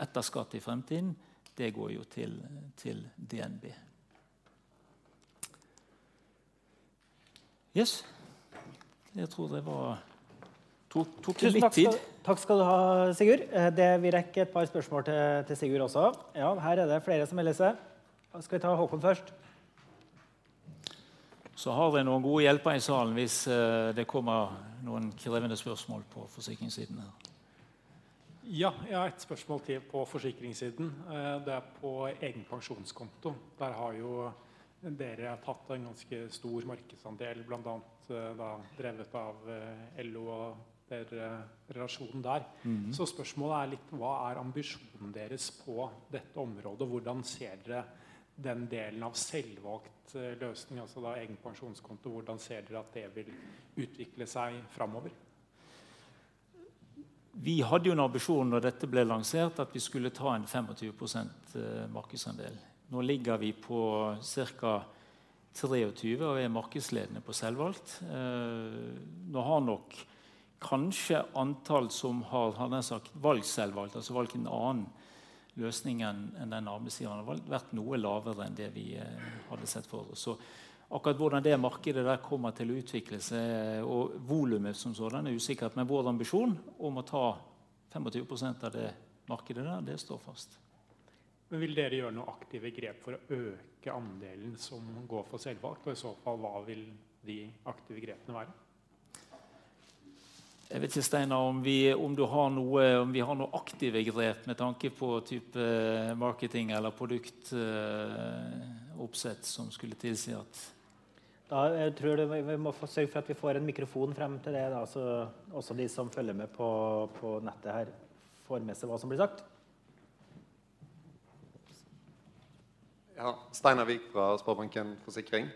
etter skatt i Fremtind, det går jo til DNB. Yes, jeg tror det var. Tok litt tid. Takk skal du ha, Sigurd. Det vi rekker et par spørsmål til Sigurd også. Ja, her er det flere som melder seg. Skal vi ta Håkon først? Har vi noen gode hjelpere i salen hvis det kommer noen krevende spørsmål på forsikringssiden her. Ja, jeg har et spørsmål til på forsikringssiden. Det er på egen pensjonskonto. Der har jo dere tatt en ganske stor markedsandel, blant annet da drevet av LO og deres relasjon der. Spørsmålet er litt hva er ambisjonen deres på dette området, og hvordan ser dere den delen av selvvalgt løsning, altså da egen pensjonskonto. Hvordan ser dere at det vil utvikle seg framover? Vi hadde jo en ambisjon da dette ble lansert at vi skulle ta en 25% markedsandel. Nå ligger vi på cirka 23 og er markedsledende på selvvalgt. Nå har nok kanskje antall som har valgt selvvalgt, altså valgt en annen løsning enn den arbeidsgiveren har valgt vært noe lavere enn det vi hadde sett for oss. Så akkurat hvordan det markedet der kommer til å utvikle seg og volumet som sådant er usikkert. Vår ambisjon om å ta 25% av det markedet der det står fast. Vil dere gjøre noen aktive grep for å øke andelen som går for selvvalgt, og i så fall, hva vil de aktive grepene være? Jeg vet ikke, Steinar, om vi har noen aktive grep med tanke på type marketing eller produktoppsett som skulle tilsi at. Tror jeg vi må sørge for at vi får en mikrofon frem til det da, så også de som følger med på nettet her får med seg hva som blir sagt. Ja, Steinar Vik fra SpareBank 1 Forsikring.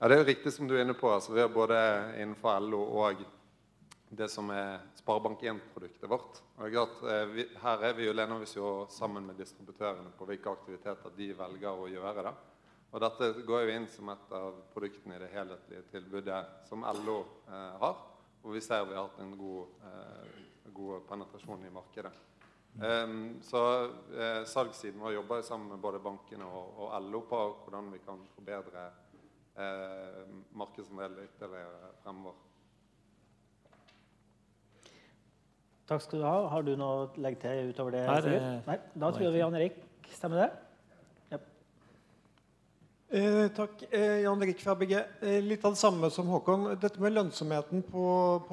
Ja, det er riktig som du er inne på. Altså, vi har både innenfor LO og det som er SpareBank 1 produktet vårt. Og det er klart, her er vi jo lener vi oss jo sammen med distributørene på hvilke aktiviteter de velger å gjøre da. Og dette går jo inn som et av produktene i det helhetlige tilbudet som LO har, og vi ser vi har hatt en god penetrasjon i markedet. Så salgssiden må jobbe sammen med både bankene og LO på hvordan vi kan forbedre markedsandeler ytterligere fremover. Takk skal du ha. Har du noe å legge til utover det, Sigurd? Nei. Nei, da tror vi Jan-Erik Gjerland stemmer det. Ja. Takk, Jan Erik Gjerland fra ABG Sundal Collier. Litt av det samme som Håkon. Dette med lønnsomheten på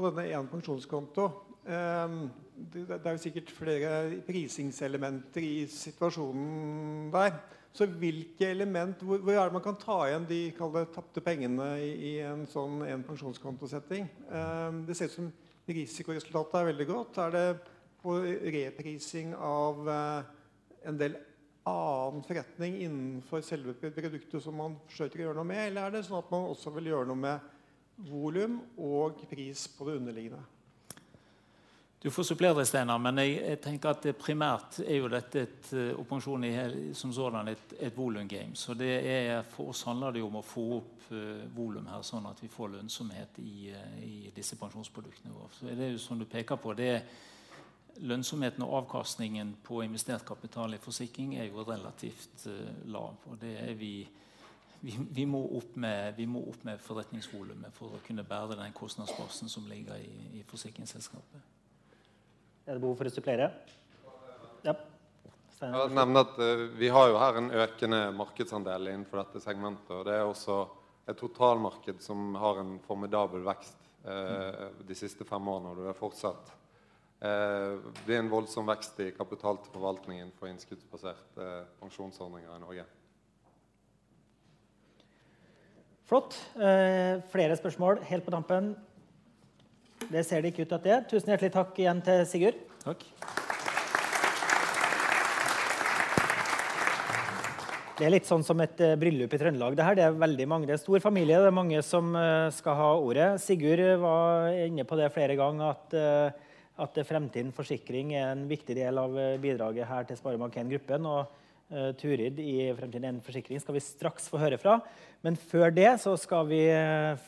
denne egen pensjonskonto. Det er jo sikkert flere prisingselementer i situasjonen der. Hvilke elementer, hvor er det man kan ta igjen de såkalte tapte pengene i en slik pensjonskonto-setting? Det ser ut som risikoresultatet er veldig godt. Er det på reprising av en del annen forretning innenfor selve produktet som man forsøker å gjøre noe med? Eller er det sånn at man også vil gjøre noe med volum og pris på det underliggende? Du får supplere Steinar, men jeg tenker at primært er jo dette et og pensjon i som sådan et volum game. Det er for oss handler det om å få opp volum her sånn at vi får lønnsomhet i disse pensjonsproduktene våre. Er det jo som du peker på det lønnsomheten og avkastningen på investert kapital i forsikring er jo relativt lav, og det er vi må opp med forretningsvolumet for å kunne bære den kostnadsposten som ligger i forsikringsselskapet. Er det behov for å supplere? Ja. Jeg nevnte at vi har jo her en økende markedsandel innenfor dette segmentet, og det er også et totalmarked som har en formidabel vekst de siste 5 årene, og det er fortsatt. Det er en voldsom vekst i kapitalforvaltningen for innskuddsbaserte pensjonsordninger i Norge. Flott. Flere spørsmål helt på tampen. Tusen hjertelig takk igjen til Sigurd. Takk. Det er litt sånn som et bryllup i Trøndelag det her. Det er veldig mange. Det er stor familie. Det er mange som skal ha ordet. Sigurd var inne på det flere ganger at Fremtind Forsikring er en viktig del av bidraget her til SpareBank 1 Gruppen og Turid i Fremtind Forsikring skal vi straks få høre fra. Men før det så skal vi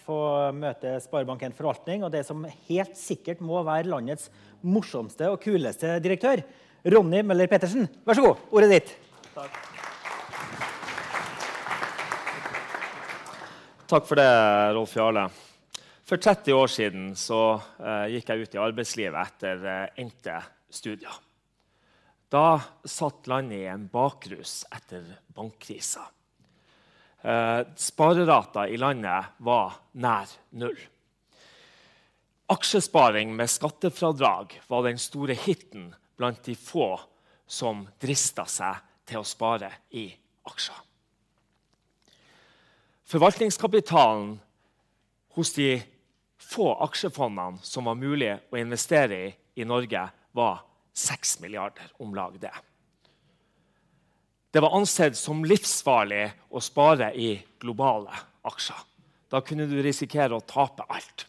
få møte SpareBank 1 Forvaltning og det som helt sikkert må være landets morsomste og kuleste direktør, Ronni Møller Pettersen. Vær så god. Ordet er ditt. Takk. Takk for det, Rolf-Jarle. For 30 år siden gikk jeg ut i arbeidslivet etter endte studier. Da satt landet i en bakrus etter bankkrisen. Sparerater i landet var nær null. Aksjesparing med skattefradrag var den store hitten blant de få som dristet seg til å spare i aksjer. Forvaltningskapitalen hos de få aksjefondene som var mulig å investere i i Norge var 6 milliarder, om lag det. Det var ansett som livsfarlig å spare i globale aksjer. Da kunne du risikere å tape alt.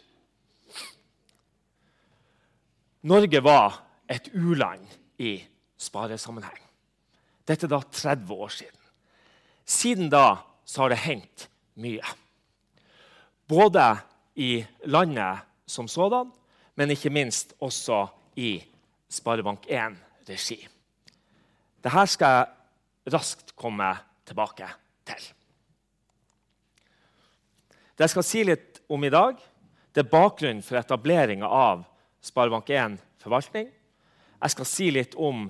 Norge var et uland i sparesammenheng. Dette da 30 år siden. Siden da har det hendt mye. Både i landet som sådan, men ikke minst også i SpareBank 1-regi. Det her skal jeg raskt komme tilbake til. Det jeg skal si litt om i dag. Det er bakgrunnen for etableringen av SpareBank 1 Forvaltning. Jeg skal si litt om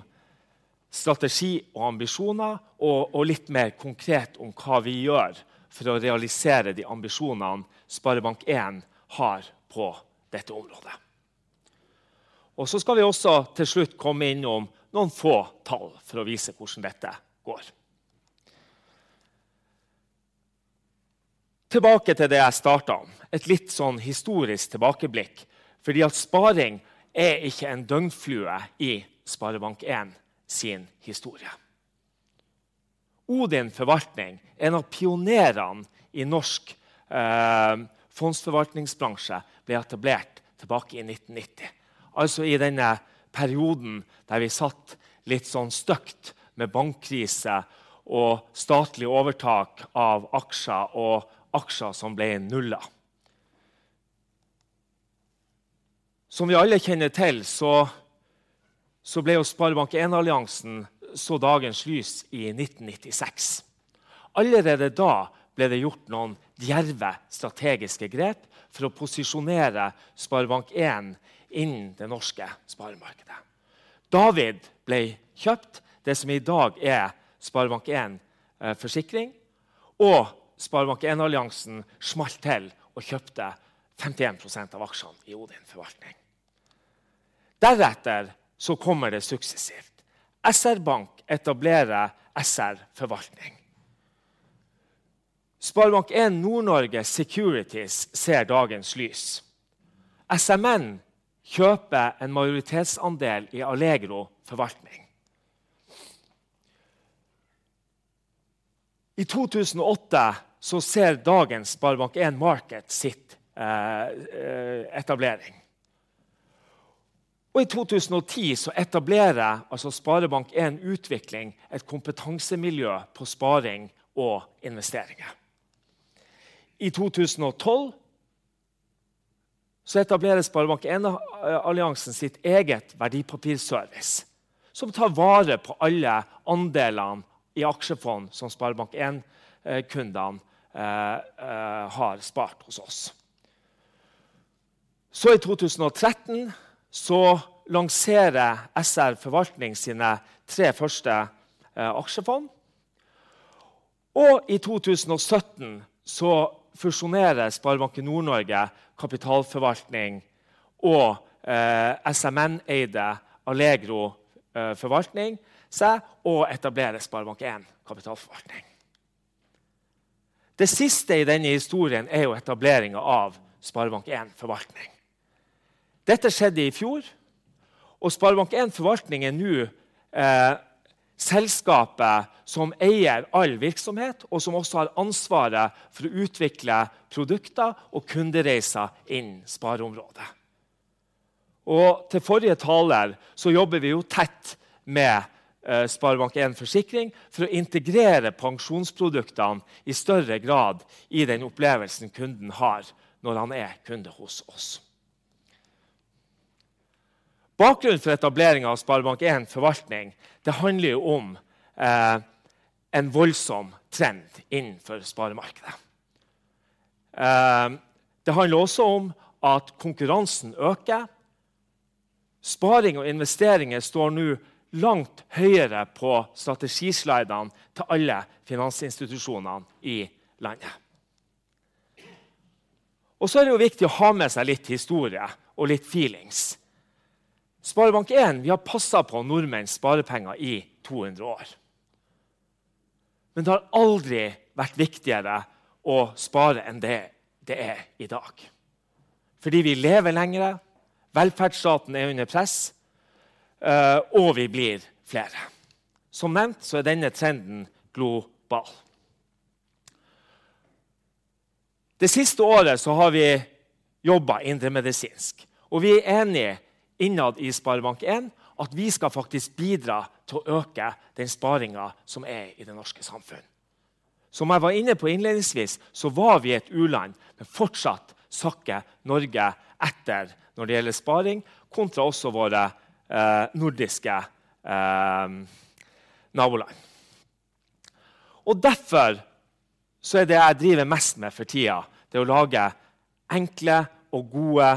strategi og ambisjoner og litt mer konkret om hva vi gjør for å realisere de ambisjonene SpareBank 1 har på dette området. Så skal vi også til slutt komme innom noen få tall for å vise hvordan dette går. Tilbake til det jeg startet. Et litt sånn historisk tilbakeblikk, fordi sparing er ikke en døgnflue i SpareBank 1 sin historie. ODIN Forvaltning er en av pionerene i norsk fondsforvaltningsbransje. Ble etablert tilbake i 1990, altså i denne perioden der vi satt litt sånn stuck med bankkrise og statlig overtak av aksjer og aksjer som ble nullet. Som vi alle kjenner til, så ble jo SpareBank 1 Alliansen så dagens lys i 1996. Allerede da ble det gjort noen dristige strategiske grep for å posisjonere SpareBank 1 i det norske sparemarkedet. DAVID ble kjøpt. Det som i dag er SpareBank 1 Forsikring og SpareBank 1 Alliansen slo til og kjøpte 15% av aksjene i ODIN Forvaltning. Deretter kommer det suksessivt. SR-Bank etablerer SR-Forvaltning. SpareBank 1 Nord-Norge Securities ser dagens lys. SMN kjøper en majoritetsandel i Allegro Kapitalforvaltning. I 2008 ser dagens SpareBank 1 Markets sin etablering. I 2010 etablerer altså SpareBank 1 Utvikling, et kompetansemiljø på sparing og investeringer. I 2012 etableres SpareBank 1 Alliansen sitt eget SpareBank 1 Verdipapirservice som tar vare på alle andelene i aksjefond som SpareBank 1-kundene har spart hos oss. I 2013 lanserer SR-Forvaltning sine tre første aksjefond, og i 2017 fusjonerer SpareBank 1 Nord-Norge Forvaltning og SMN-eide Allegro Kapitalforvaltning seg og etablerer SpareBank 1 Kapitalforvaltning. Det siste i denne historien er jo etableringen av SpareBank 1 Forvaltning. Dette skjedde i fjor, og SpareBank 1 Forvaltning er nå selskapet som eier all virksomhet og som også har ansvaret for å utvikle produkter og kundereiser innen spareområdet. Til forrige taler så jobber vi jo tett med SpareBank 1 Forsikring for å integrere pensjonsproduktene i større grad i den opplevelsen kunden har når han er kunde hos oss. Bakgrunnen for etableringen av SpareBank 1 Forvaltning. Det handler jo om en voldsom trend innenfor sparemarkedet. Det handler også om at konkurransen øker. Sparing og investeringer står nå langt høyere på strategi-agendaene til alle finansinstitusjonene i landet. Så er det jo viktig å ha med seg litt historie og litt følelser. SpareBank 1. Vi har passet på nordmenns sparepenger i 200 år, men det har aldri vært viktigere å spare enn det er i dag. Fordi vi lever lenger. Velferdsstaten er under press, og vi blir flere. Som nevnt så er denne trenden global. Det siste året så har vi jobbet indremedisinsk, og vi er enige innad i SpareBank 1 at vi skal faktisk bidra til å øke den sparingen som er i det norske samfunn. Som jeg var inne på innledningsvis, så var vi et uland, men fortsatt sakker Norge etter når det gjelder sparing kontra også våre nordiske naboland. Derfor så er det jeg driver mest med for tiden. Det å lage enkle og gode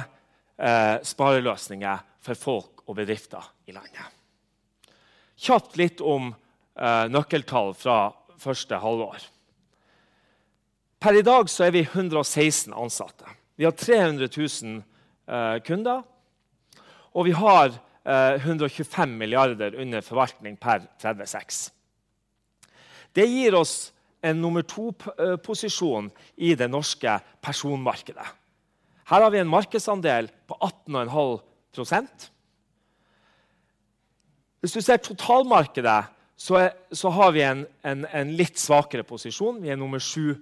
spareløsninger for folk og bedrifter i landet. Kjapt litt om nøkkeltall fra første halvår. Per i dag så er vi 116 ansatte. Vi har 300,000 kunder og vi har 125 billion under forvaltning per 30/6. Det gir oss en nummer 2-posisjon i det norske personmarkedet. Her har vi en markedsandel på 18.5%. Hvis du ser totalmarkedet så har vi en litt svakere posisjon. Vi er nummer 7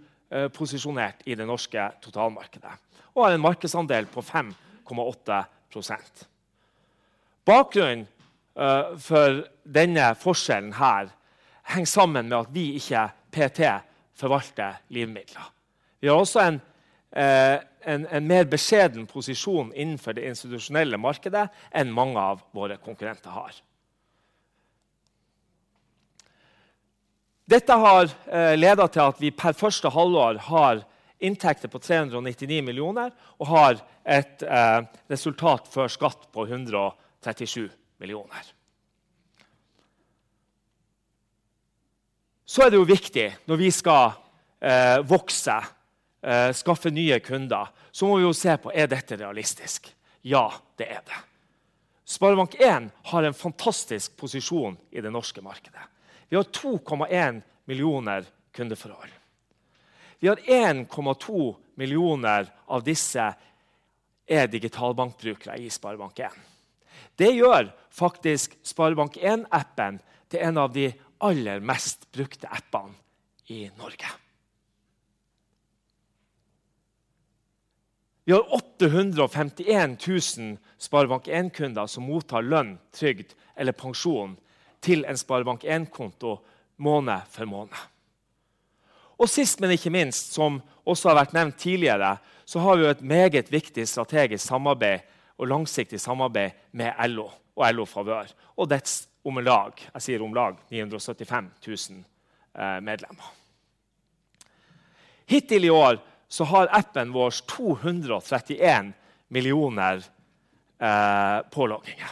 posisjonert i det norske totalmarkedet og har en markedsandel på 5.8%. Bakgrunnen for denne forskjellen her henger sammen med at vi ikke per i dag forvalter livmidler. Vi har også en mer beskjeden posisjon innenfor det institusjonelle markedet enn mange av våre konkurrenter har. Dette har ledet til at vi per første halvår har inntekter på 399 million og har et resultat før skatt på 137 million. Det er jo viktig når vi skal vokse, skaffe nye kunder. Må vi jo se på. Er dette realistisk? Ja, det er det. SpareBank 1 har en fantastisk posisjon i det norske markedet. Vi har 2.1 millioner kundeforhold. Vi har 1.2 millioner av disse er digitalbankbrukere i SpareBank 1. Det gjør faktisk SpareBank 1-appen til en av de aller mest brukte appene i Norge. Vi har 851 tusen SpareBank 1-kunder som mottar lønn, trygd eller pensjon til en SpareBank 1-konto måned for måned. Sist, men ikke minst som også har vært nevnt tidligere, så har vi jo et meget viktig strategisk samarbeid og langsiktig samarbeid med LO og LOfavør og dets omlag, jeg sier omlag 975 tusen medlemmer. Hittil i år så har appen vår 231 millioner pålogginger.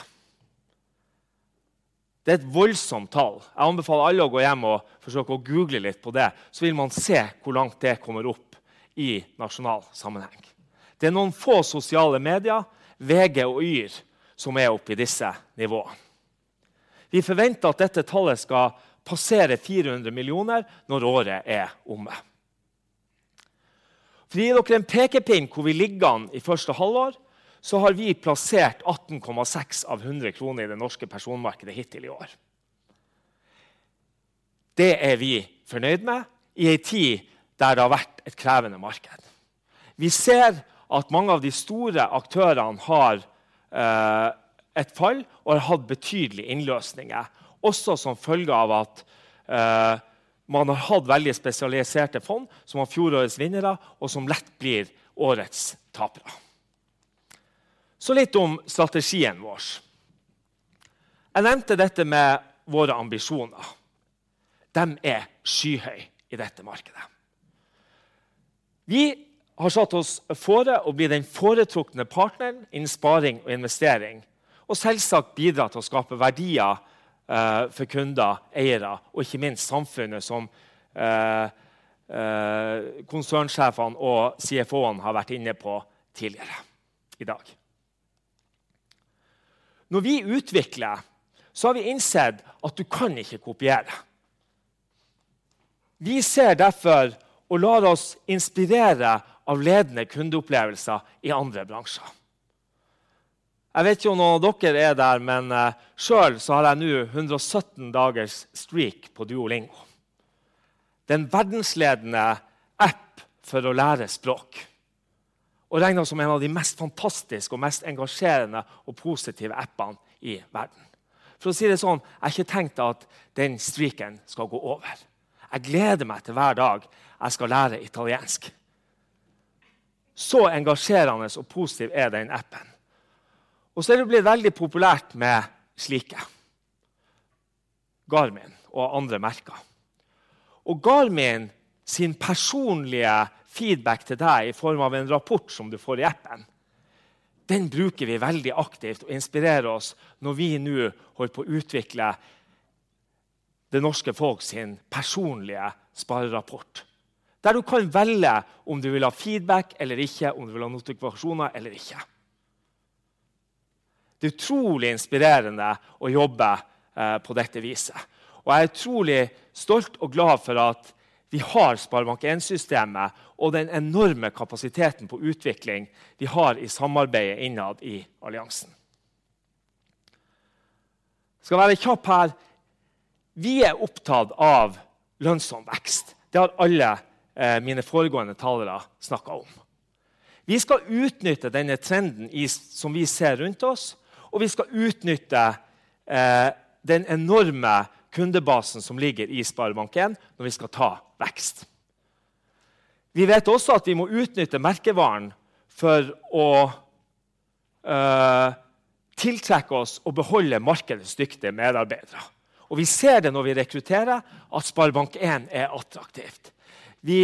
Det er et voldsomt tall. Jeg anbefaler alle å gå hjem og forsøke å Google litt på det, så vil man se hvor langt det kommer opp i nasjonal sammenheng. Det er noen få sosiale medier, VG og Yr som er oppe i disse nivåene. Vi forventer at dette tallet skal passere 400 millioner når året er omme. For å gi dere en pekepinn hvor vi ligger an i første halvår. Vi har plassert 18.6 av 100 kroner i det norske personmarkedet hittil i år. Det er vi fornøyd med. I en tid der det har vært et krevende marked. Vi ser at mange av de store aktørene har et fall og har hatt betydelige innløsninger, også som følge av at man har hatt veldig spesialiserte fond som var fjorårets vinnere og som lett blir årets tapere. Litt om strategien vår. Jeg nevnte dette med våre ambisjoner. De er skyhøy i dette markedet. Vi har satt oss fore å bli den foretrukne partneren innen sparing og investering. Selvsagt bidra til å skape verdier for kunder, eiere og ikke minst samfunnet som konsernsjefene og CFO'en har vært inne på tidligere i dag. Når vi utvikler så har vi innsett at du kan ikke kopiere. Vi ser derfor å la oss inspirere av ledende kundeopplevelser i andre bransjer. Jeg vet ikke om noen av dere er der, men selv så har jeg nå 117 dagers streak på Duolingo. Den verdensledende app for å lære språk. Og regnes som en av de mest fantastiske og mest engasjerende og positive appene i verden. For å si det sånn, jeg har ikke tenkt at den streaken skal gå over. Jeg gleder meg til hver dag jeg skal lære italiensk. Så engasjerende og positiv er den appen. Og så er det blitt veldig populært med slike. Garmin og andre merker. Garmin sin personlige feedback til deg i form av en rapport som du får i appen. Den bruker vi veldig aktivt og inspirerer oss når vi nå holder på å utvikle det norske folk sin personlige sparerapport, der du kan velge om du vil ha feedback eller ikke, om du vil ha notifikasjoner eller ikke. Det er utrolig inspirerende å jobbe på dette viset. Jeg er utrolig stolt og glad for at vi har SpareBank 1-systemet og den enorme kapasiteten på utvikling vi har i samarbeidet innad i alliansen. Skal være kjapp her. Vi er opptatt av lønnsom vekst. Det har alle mine foregående talere snakket om. Vi skal utnytte denne trenden, som vi ser rundt oss, og vi skal utnytte den enorme kundebasen som ligger i SpareBank 1 når vi skal ta vekst. Vi vet også at vi må utnytte merkevaren for å tiltrekke oss og beholde markedets dyktige medarbeidere. Vi ser det når vi rekrutterer at SpareBank 1 er attraktivt. Vi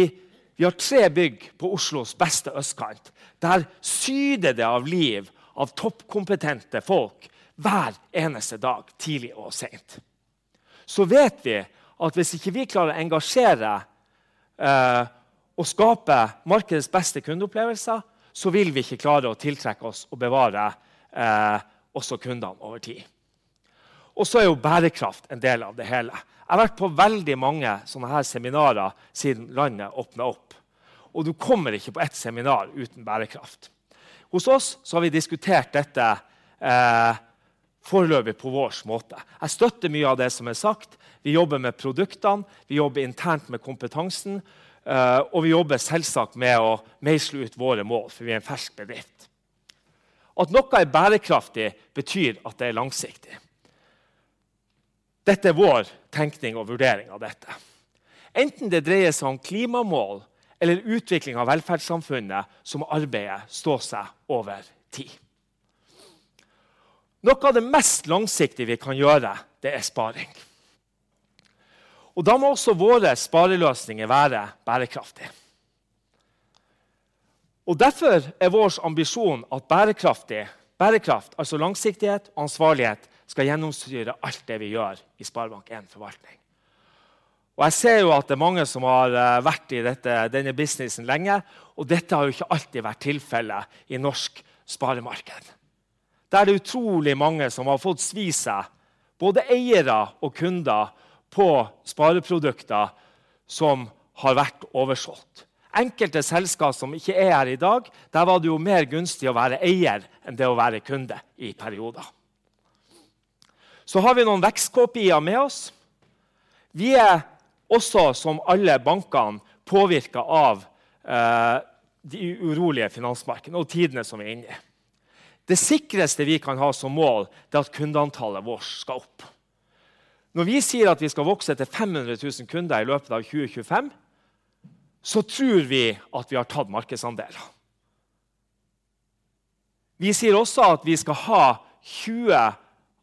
har tre bygg på Oslos beste østkant. Der syder det av liv av topp kompetente folk hver eneste dag, tidlig og sent. Vi vet at hvis ikke vi klarer å engasjere og skape markedets beste kundeopplevelser, så vil vi ikke klare å tiltrekke oss og bevare også kundene over tid. Så er jo bærekraft en del av det hele. Jeg har vært på veldig mange sånne her seminarer siden landet åpnet opp, og du kommer ikke på et seminar uten bærekraft. Hos oss så har vi diskutert dette foreløpig på vår måte. Jeg støtter mye av det som er sagt. Vi jobber med produktene. Vi jobber internt med kompetansen. Vi jobber selvsagt med å meisle ut våre mål, for vi er en fersk bedrift. At noe er bærekraftig betyr at det er langsiktig. Dette er vår tenkning og vurdering av dette. Enten det dreier seg om klimamål eller utvikling av velferdssamfunnet. Må arbeidet stå seg over tid. Noe av det mest langsiktige vi kan gjøre, det er sparing. Da må også våre spareløsninger være bærekraftig. Derfor er vår ambisjon at bærekraftig, bærekraft, altså langsiktighet og ansvarlighet, skal gjennomsyre alt det vi gjør i SpareBank 1 Forvaltning. Jeg ser jo at det er mange som har vært i dette, denne businessen lenge, og dette har jo ikke alltid vært tilfelle i norsk sparemarked. Der er det utrolig mange som har fått svi seg, både eiere og kunder, på spareprodukter som har vært oversolgt. Enkelte selskaper som ikke er her i dag, der var det jo mer gunstig å være eier enn det å være kunde i perioder. Har vi noen vekstkopier med oss. Vi er også, som alle bankene, påvirket av de urolige finansmarkedene og tidene som vi er inne i. Det sikreste vi kan ha som mål, det er at kundeantallet vårt skal opp. Når vi sier at vi skal vokse til 500,000 kunder i løpet av 2025. Tror vi at vi har tatt markedsandeler. Vi sier også at vi skal ha 20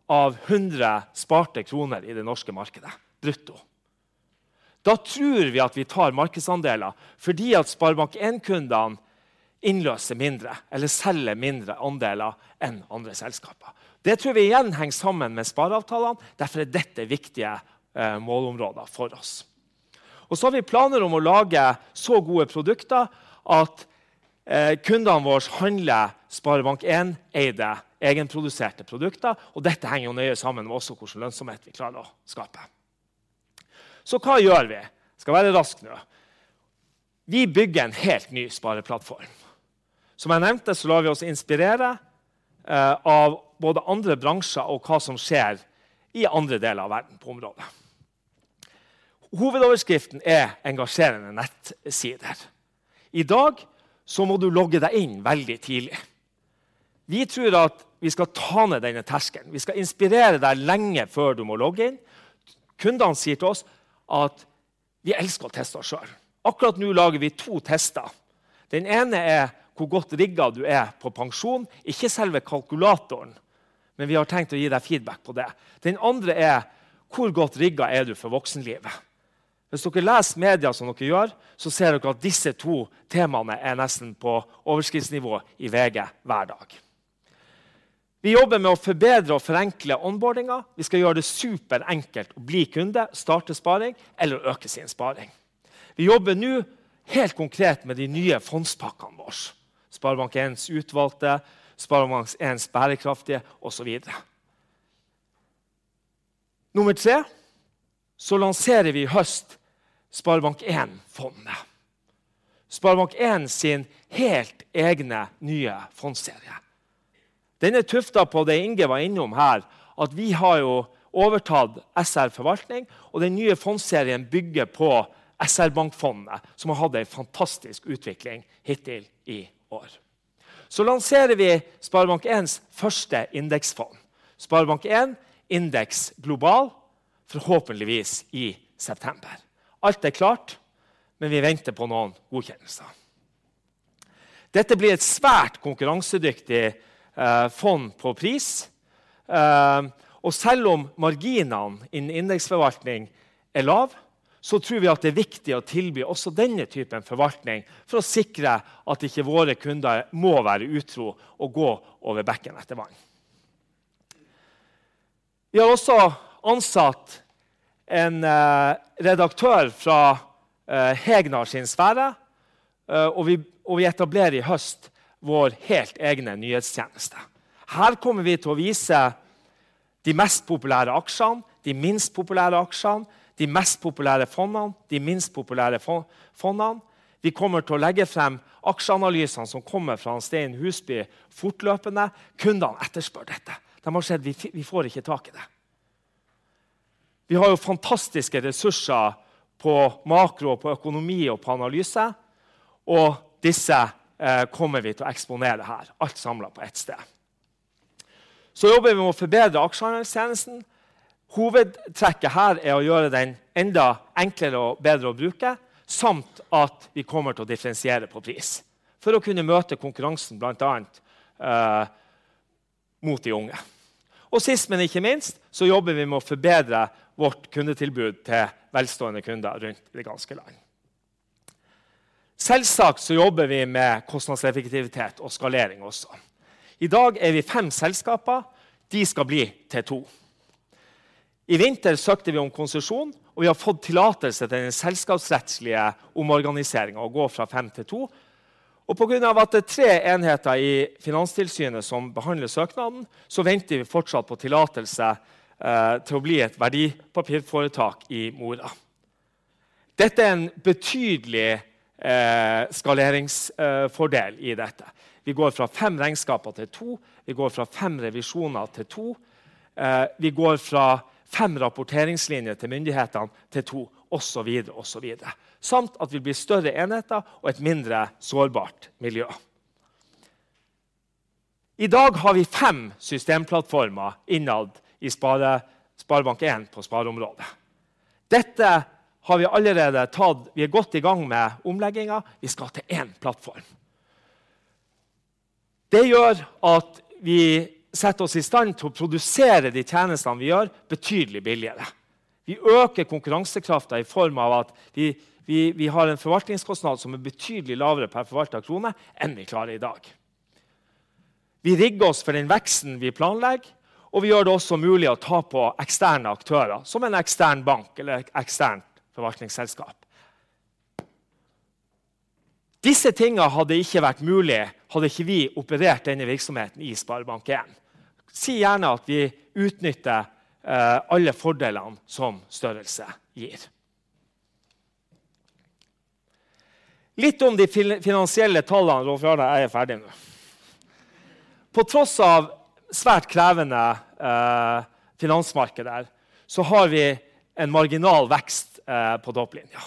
av 100 sparte kroner i det norske markedet brutto. Da tror vi at vi tar markedsandeler fordi at SpareBank 1 kundene innløser mindre eller selger mindre andeler enn andre selskaper. Det tror vi igjen henger sammen med spareavtalene. Derfor er dette viktige målområder for oss. Har vi planer om å lage så gode produkter at kundene våre handler SpareBank 1 eide egenproduserte produkter. Dette henger nøye sammen med også hvor mye lønnsomhet vi klarer å skape. Hva gjør vi? Skal være rask nå. Vi bygger en helt ny spareplattform. Som jeg nevnte så lar vi oss inspirere av både andre bransjer og hva som skjer i andre deler av verden på området. Hovedoverskriften er engasjerende nettsider. I dag så må du logge deg inn veldig tidlig. Vi tror at vi skal ta ned denne terskelen. Vi skal inspirere deg lenge før du må logge inn. Kundene sier til oss at vi elsker å teste oss selv. Akkurat nå lager vi to tester. Den ene er hvor godt rigget du er på pensjon. Ikke selve kalkulatoren, men vi har tenkt å gi deg feedback på det. Den andre er: Hvor godt rigget er du for voksenlivet? Hvis dere leser medier som dere gjør, så ser dere at disse to temaene er nesten på overskriftsnivå i VG hver dag. Vi jobber med å forbedre og forenkle onboardingen. Vi skal gjøre det superenkelt å bli kunde, starte sparing eller øke sin sparing. Vi jobber nå helt konkret med de nye fondspakkene våres. SpareBank 1s utvalgte, SpareBank 1s bærekraftige og så videre. Nummer tre. Vi lanserer i høst SpareBank 1 fondet. SpareBank 1 sin helt egne nye fondserie. Denne er tuftet på det Inge var innom her, at vi har jo overtatt SR-Forvaltning og den nye fondserien bygger på SR-Bank fondene som har hatt en fantastisk utvikling hittil i år. Vi lanserer SpareBank 1s første indeksfond, SpareBank 1 Indeks Global, forhåpentligvis i september. Alt er klart, men vi venter på noen godkjennelser. Dette blir et svært konkurransedyktig fond på pris. Selv om marginene innen indeksforvaltning er lav, så tror vi at det er viktig å tilby også denne typen forvaltning for å sikre at ikke våre kunder må være utro og gå over bekken etter vann. Vi har også ansatt en redaktør fra Hegnar sin sfære, og vi etablerer i høst vår helt egne nyhetstjeneste. Her kommer vi til å vise de mest populære aksjene, de minst populære aksjene, de mest populære fondene, de minst populære fondene. Vi kommer til å legge frem aksjeanalysene som kommer fra Stein Husby fortløpende. Kundene etterspør dette. De har sett vi får ikke tak i det. Vi har jo fantastiske ressurser på makro og på økonomi og på analyse, og disse kommer vi til å eksponere her. Alt samlet på ett sted. Jobber vi med å forbedre aksjeanalysetjenesten. Hovedtrekket her er å gjøre den enda enklere og bedre å bruke, samt at vi kommer til å differensiere på pris. For å kunne møte konkurransen, blant annet mot de unge. Sist, men ikke minst jobber vi med å forbedre vårt kundetilbud til velstående kunder rundt det ganske land. Selvsagt jobber vi med kostnadseffektivitet og skalering også. I dag er vi fem selskaper. De skal bli til to. I vinter søkte vi om konsesjon, og vi har fått tillatelse til den selskapsrettslige omorganiseringen. Å gå fra fem til to, og på grunn av at det er tre enheter i Finanstilsynet som behandler søknaden, venter vi fortsatt på tillatelse til å bli et verdipapirforetak i mora. Dette er en betydelig skaleringsfordel i dette. Vi går fra fem regnskaper til to. Vi går fra 5 revisjoner til 2. Vi går fra 5 rapporteringslinjer til myndighetene til 2. Og så videre, samt at vi blir større enheter og et mindre sårbart miljø. I dag har vi 5 systemplattformer innad i SpareBank 1 på spareområdet. Dette har vi allerede tatt. Vi er godt i gang med omleggingen. Vi skal til 1 plattform. Det gjør at vi setter oss i stand til å produsere de tjenestene vi gjør betydelig billigere. Vi øker konkurransekraften i form av at vi har en forvaltningskostnad som er betydelig lavere per forvaltet krone enn vi klarer i dag. Vi rigger oss for den veksten vi planlegger, og vi gjør det også mulig å ta på eksterne aktører, som en ekstern bank eller et eksternt forvaltningsselskap. Disse tingene hadde ikke vært mulig hadde ikke vi operert denne virksomheten i SpareBank 1. Si gjerne at vi utnytter alle fordelene som størrelse gir. Litt om de finansielle tallene. Rolf-Jarle, jeg er ferdig nå. På tross av svært krevende finansmarkeder, så har vi en marginal vekst på topplinjen.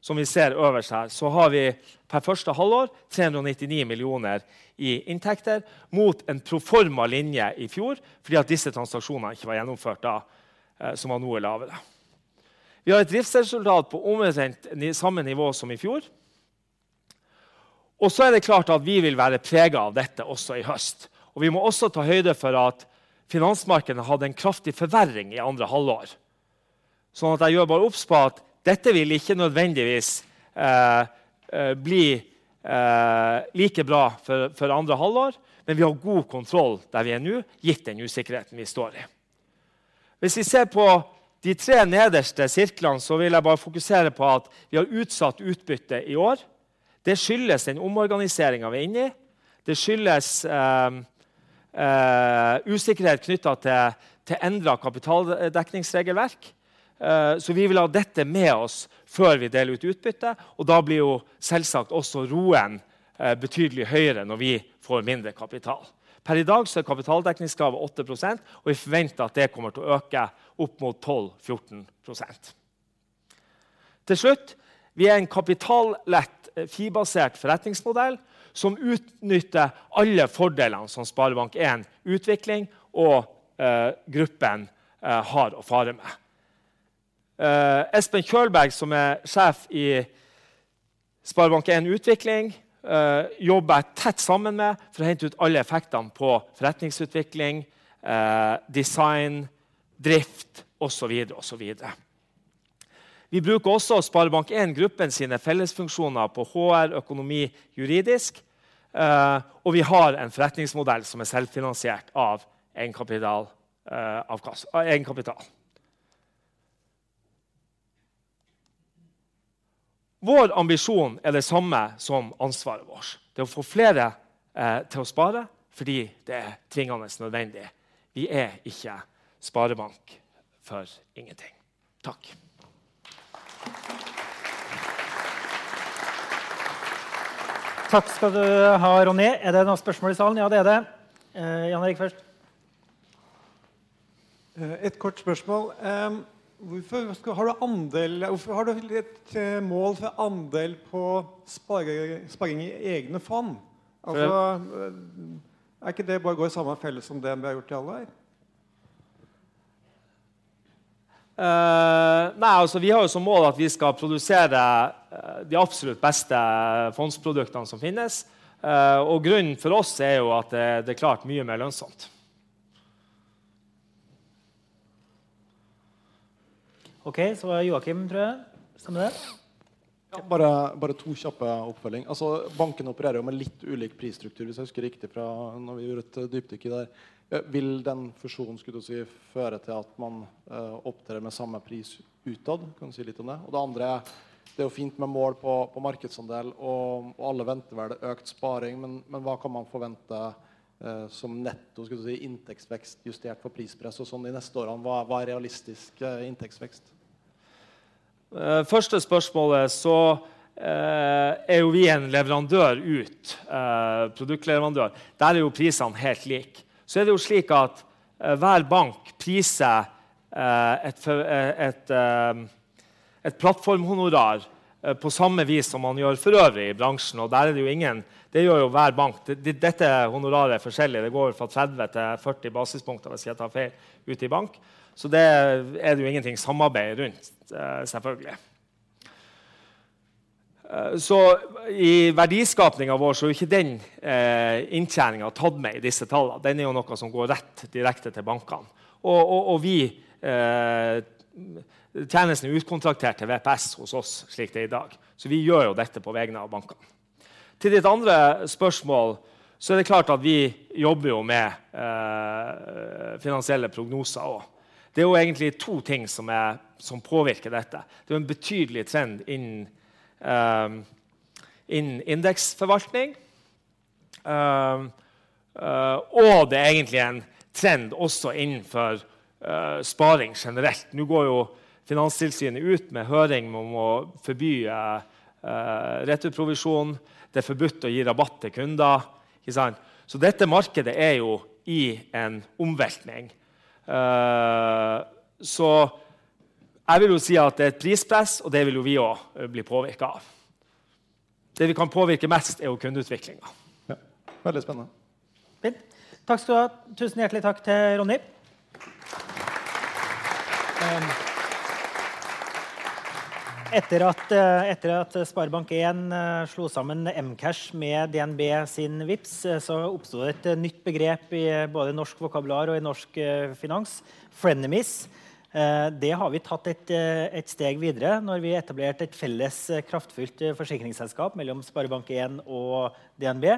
Som vi ser øverst her, så har vi per første halvår 399 millioner i inntekter mot en proforma linje i fjor fordi at disse transaksjonene ikke var gjennomført da, som nå er lavere. Vi har et driftsresultat på omtrent samme nivå som i fjor. Det er klart at vi vil være preget av dette også i høst, og vi må også ta høyde for at finansmarkederne hadde en kraftig forverring i andre halvår. Jeg gjør bare obs på at dette vil ikke nødvendigvis bli like bra for andre halvår. Vi har god kontroll der vi er nå, gitt den usikkerheten vi står i. Hvis vi ser på de tre nederste sirklene, så vil jeg bare fokusere på at vi har utsatt utbytte i år. Det skyldes den omorganiseringen vi er inne i. Det skyldes usikkerhet knyttet til endret kapitaldekningsregelverk, så vi vil ha dette med oss før vi deler ut utbytte, og da blir jo selvsagt også ROE-en betydelig høyere når vi får mindre kapital. Per i dag så er kapitaldekningskrav 8%, og vi forventer at det kommer til å øke opp mot 12%-14%. Til slutt. Vi er en kapitallett, fellesbasert forretningsmodell som utnytter alle fordelene som SpareBank 1 Utvikling og gruppen har å fare med. Espen Kolsberg, som er sjef i SpareBank 1 Utvikling, jobber tett sammen med for å hente ut alle effektene på forretningsutvikling, design, drift og så videre. Vi bruker også SpareBank 1 Gruppen sine fellesfunksjoner på HR, økonomi, juridisk, og vi har en forretningsmodell som er selvfinansiert av egenkapital, avkastning av egenkapital. Vår ambisjon er det samme som ansvaret vårt. Det å få flere til å spare fordi det er tvingende nødvendig. Vi er ikke sparebank for ingenting. Takk. Takk skal du ha, Ronny. Er det noen spørsmål i salen? Ja, det er det. Jan Erik først. Et kort spørsmål. Hvorfor har du andel? Hvorfor har du et mål for andel på sparing i egne fond? Ja. Er ikke det bare å gå i samme felle som DNB har gjort i alle år? Nei, altså, vi har jo som mål at vi skal produsere de absolutt beste fondproduktene som finnes. Grunnen for oss er jo at det er klart mye mer lønnsomt. Okay, så var det Joakim, tror jeg. Stemmer det? Ja, bare to kjappe oppfølging. Altså bankene opererer jo med litt ulik prisstruktur hvis jeg husker riktig fra når vi gjorde et dypdykk i det der. Vil den fusjonen skulle til å si føre til at man opererer med samme pris utad. Kan du si litt om det? Og det andre, det er jo fint med mål på markedsandel og alle venter vel økt sparing. Men hva kan man forvente som netto skulle du si inntektsvekst justert for prispress og sånn de neste årene. Hva er realistisk inntektsvekst? Første spørsmålet, vi er en leverandør ut, produktleverandør. Der er prisene helt lik. Det er slik at hver bank priser et plattformhonorar på samme vis som man gjør forøvrig i bransjen, og der er det ingen. Det gjør hver bank. Dette honoraret er forskjellig, det går fra 30 til 40 basispoeng hvis jeg tar feil ut i bank, det er ingenting samarbeid rundt selvfølgelig. I verdiskapningen vår er ikke den inntjeningen tatt med i disse tallene. Den er noe som går rett direkte til bankene og vi, tjenestene utkontraktert til VPS hos oss slik det er i dag. Vi gjør dette på vegne av bankene. Til ditt andre spørsmål. Er det klart at vi jobber jo med finansielle prognoser, og det er jo egentlig to ting som påvirker dette. Det er en betydelig trend innen indeksforvaltning. Det er egentlig en trend også innenfor sparing generelt. Nå går jo Finanstilsynet ut med høring om å forby rettutprovisjon. Det er forbudt å gi rabatt til kunder. Ikke sant. Dette markedet er jo i en omveltning. Jeg vil jo si at det er et prispress, og det vil jo vi også bli påvirket av. Det vi kan påvirke mest er jo kundeutviklingen. Ja, veldig spennende. Fint. Takk skal du ha. Tusen hjertelig takk til Ronny. Etter at SpareBank 1 slo sammen mCASH med DNB sin Vipps, så oppstod det et nytt begrep i både norsk vokabular og i norsk finans. Frenemies. Det har vi tatt et steg videre når vi etablerte et felles kraftfullt forsikringsselskap mellom SpareBank 1 og DNB.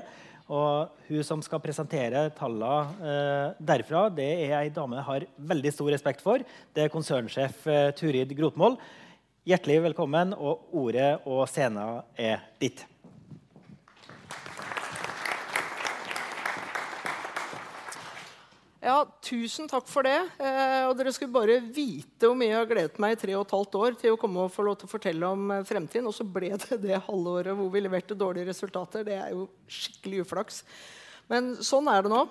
Hun som skal presentere tallene derfra, det er ei dame har veldig stor respekt for. Det er Konsernsjef Turid Grotmol. Hjertelig velkommen. Ordet og scenen er ditt. Ja, tusen takk for det. Dere skulle bare vite hvor mye jeg har gledet meg i 3,5 år til å komme og få lov til å fortelle om Fremtind. Så ble det halvåret hvor vi leverte dårlige resultater. Det er jo skikkelig uflaks, men sånn er det nå.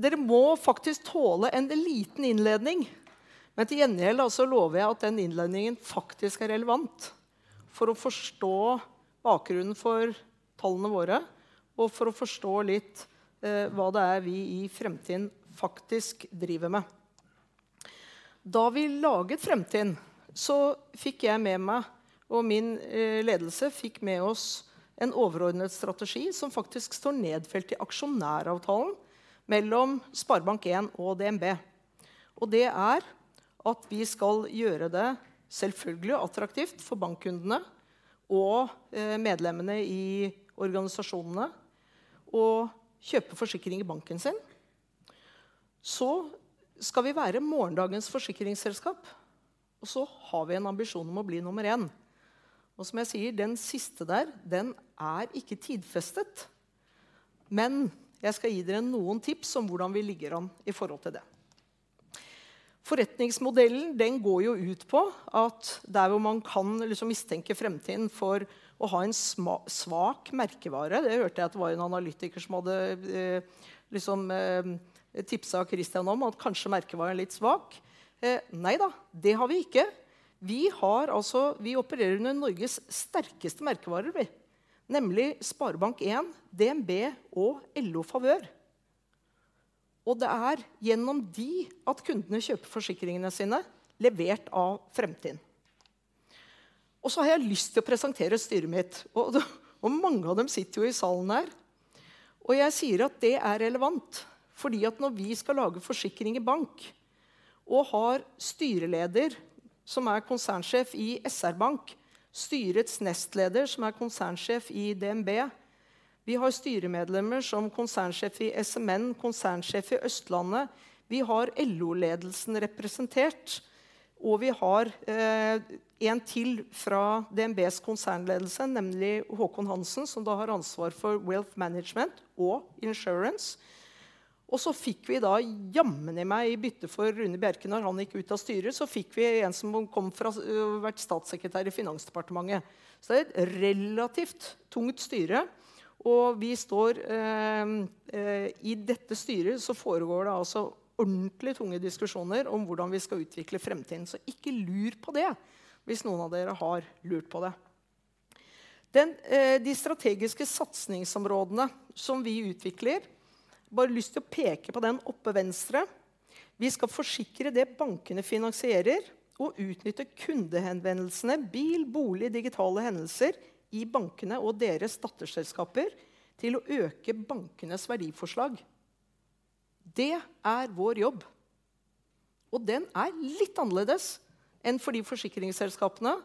Dere må faktisk tåle en liten innledning. Til gjengjeld så lover jeg at den innledningen faktisk er relevant. For å forstå bakgrunnen for tallene våre og for å forstå litt hva det er vi i Fremtind faktisk driver med. Da vi laget Fremtind så fikk jeg med meg, og min ledelse fikk med oss en overordnet strategi som faktisk står nedfelt i aksjonæravtalen mellom SpareBank 1 og DNB. Det er at vi skal gjøre det selvfølgelig attraktivt for bankkundene og medlemmene i organisasjonene å kjøpe forsikring i banken sin. Skal vi være morgendagens forsikringsselskap, og så har vi en ambisjon om å bli nummer en. Som jeg sier, den siste der, den er ikke tidfestet. Jeg skal gi dere noen tips om hvordan vi ligger an i forhold til det. Forretningsmodellen den går jo ut på at der hvor man kan liksom mistenke Fremtind for å ha en svak merkevare. Det hørte jeg at det var en analytiker som hadde, liksom, tipset Christian om at kanskje merkevaren er litt svak. Nei da, det har vi ikke. Vi har altså, vi opererer under Norges sterkeste merkevarer vi. Nemlig SpareBank 1, DNB og LOfavør. Det er gjennom de at kundene kjøper forsikringene sine, levert av Fremtind. Har jeg lyst til å presentere styret mitt, og mange av dem sitter jo i salen her, og jeg sier at det er relevant. Fordi at når vi skal lage forsikring i bank og har styreleder som er konsernsjef i SR Bank. Styrets nestleder som er konsernsjef i DNB. Vi har styremedlemmer som konsernsjef i SMN, konsernsjef i Østlandet. Vi har LO-ledelsen representert, og vi har en til fra DNBs konsernledelse, nemlig Håkon Hansen, som da har ansvar for wealth management og insurance. Og så fikk vi da jammen meg i bytte for Rune Bjerke når han gikk ut av styret, så fikk vi en som kom fra å ha vært statssekretær i Finansdepartementet. Så det er et relativt tungt styre, og vi står i dette styret så foregår det altså ordentlig tunge diskusjoner om hvordan vi skal utvikle Fremtind, så ikke lur på det. Hvis noen av dere har lurt på det. De strategiske satsingsområdene som vi utvikler. Bare lyst til å peke på den oppe venstre. Vi skal forsikre det bankene finansierer og utnytte kundehenvendelsene, bil, bolig, digitale hendelser i bankene og deres datterselskaper til å øke bankenes verdiforslag. Det er vår jobb, og den er litt annerledes enn for de forsikringsselskapene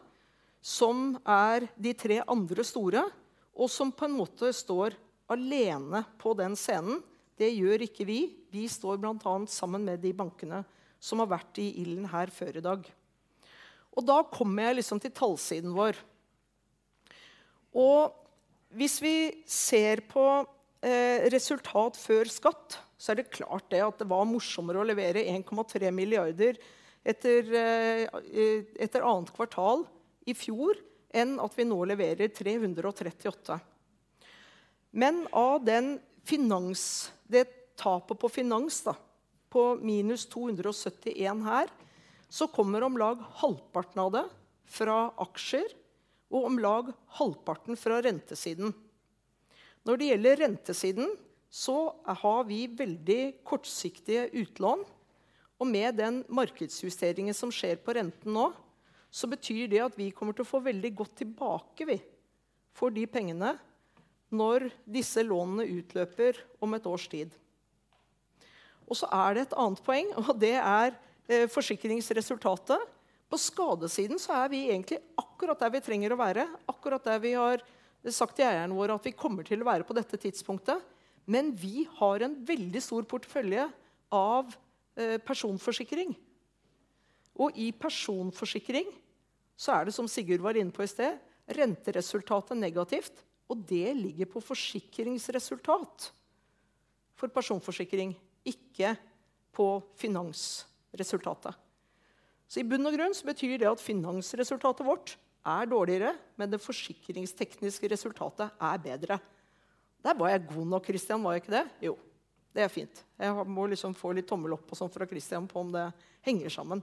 som er de tre andre store, og som på en måte står alene på den scenen. Det gjør ikke vi. Vi står blant annet sammen med de bankene som har vært i ilden her før i dag. Da kommer jeg liksom til tallsiden vår. Hvis vi ser på resultat før skatt, så er det klart det at det var morsommere å levere NOK 1.3 billion etter annet kvartal i fjor enn at vi nå leverer 338 million. Av den finans, det tapet på finans da på -277 her, så kommer om lag halvparten av det fra aksjer og om lag halvparten fra rentesiden. Når det gjelder rentesiden så har vi veldig kortsiktige utlån, og med den markedsjusteringen som skjer på renten nå, så betyr det at vi kommer til å få veldig godt tilbake for de pengene når disse lånene utløper om et års tid. Det er et annet poeng, og det er forsikringsresultatet. På skadesiden så er vi egentlig akkurat der vi trenger å være, akkurat der vi har sagt til eierne våre at vi kommer til å være på dette tidspunktet. Vi har en veldig stor portefølje av personforsikring, og i personforsikring så er det som Sigurd var inne på i stedet, renteresultatet negativt og det ligger på forsikringsresultat for personforsikring, ikke på finansresultatet. I bunn og grunn så betyr det at finansresultatet vårt er dårligere, men det forsikringstekniske resultatet er bedre. Der var jeg god nok, Kristian. Var jeg ikke det? Jo, det er fint. Jeg må liksom få litt tommel opp og sånt fra Kristian på om det henger sammen.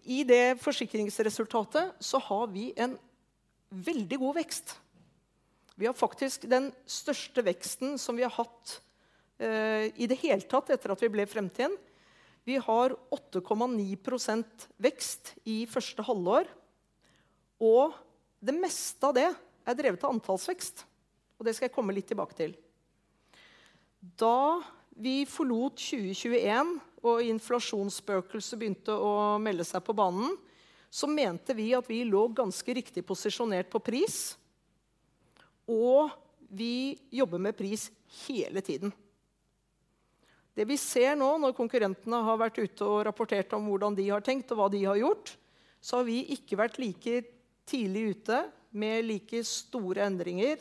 I det forsikringsresultatet så har vi en veldig god vekst. Vi har faktisk den største veksten som vi har hatt i det hele tatt etter at vi ble Fremtind. Vi har 8.9% vekst i første halvår, og det meste av det er drevet av antallsvekst, og det skal jeg komme litt tilbake til. Da vi forlot 2021 og inflasjonsspøkelset begynte å melde seg på banen, så mente vi at vi lå ganske riktig posisjonert på pris, og vi jobber med pris hele tiden. Det vi ser nå når konkurrentene har vært ute og rapportert om hvordan de har tenkt og hva de har gjort, så har vi ikke vært like tidlig ute med like store endringer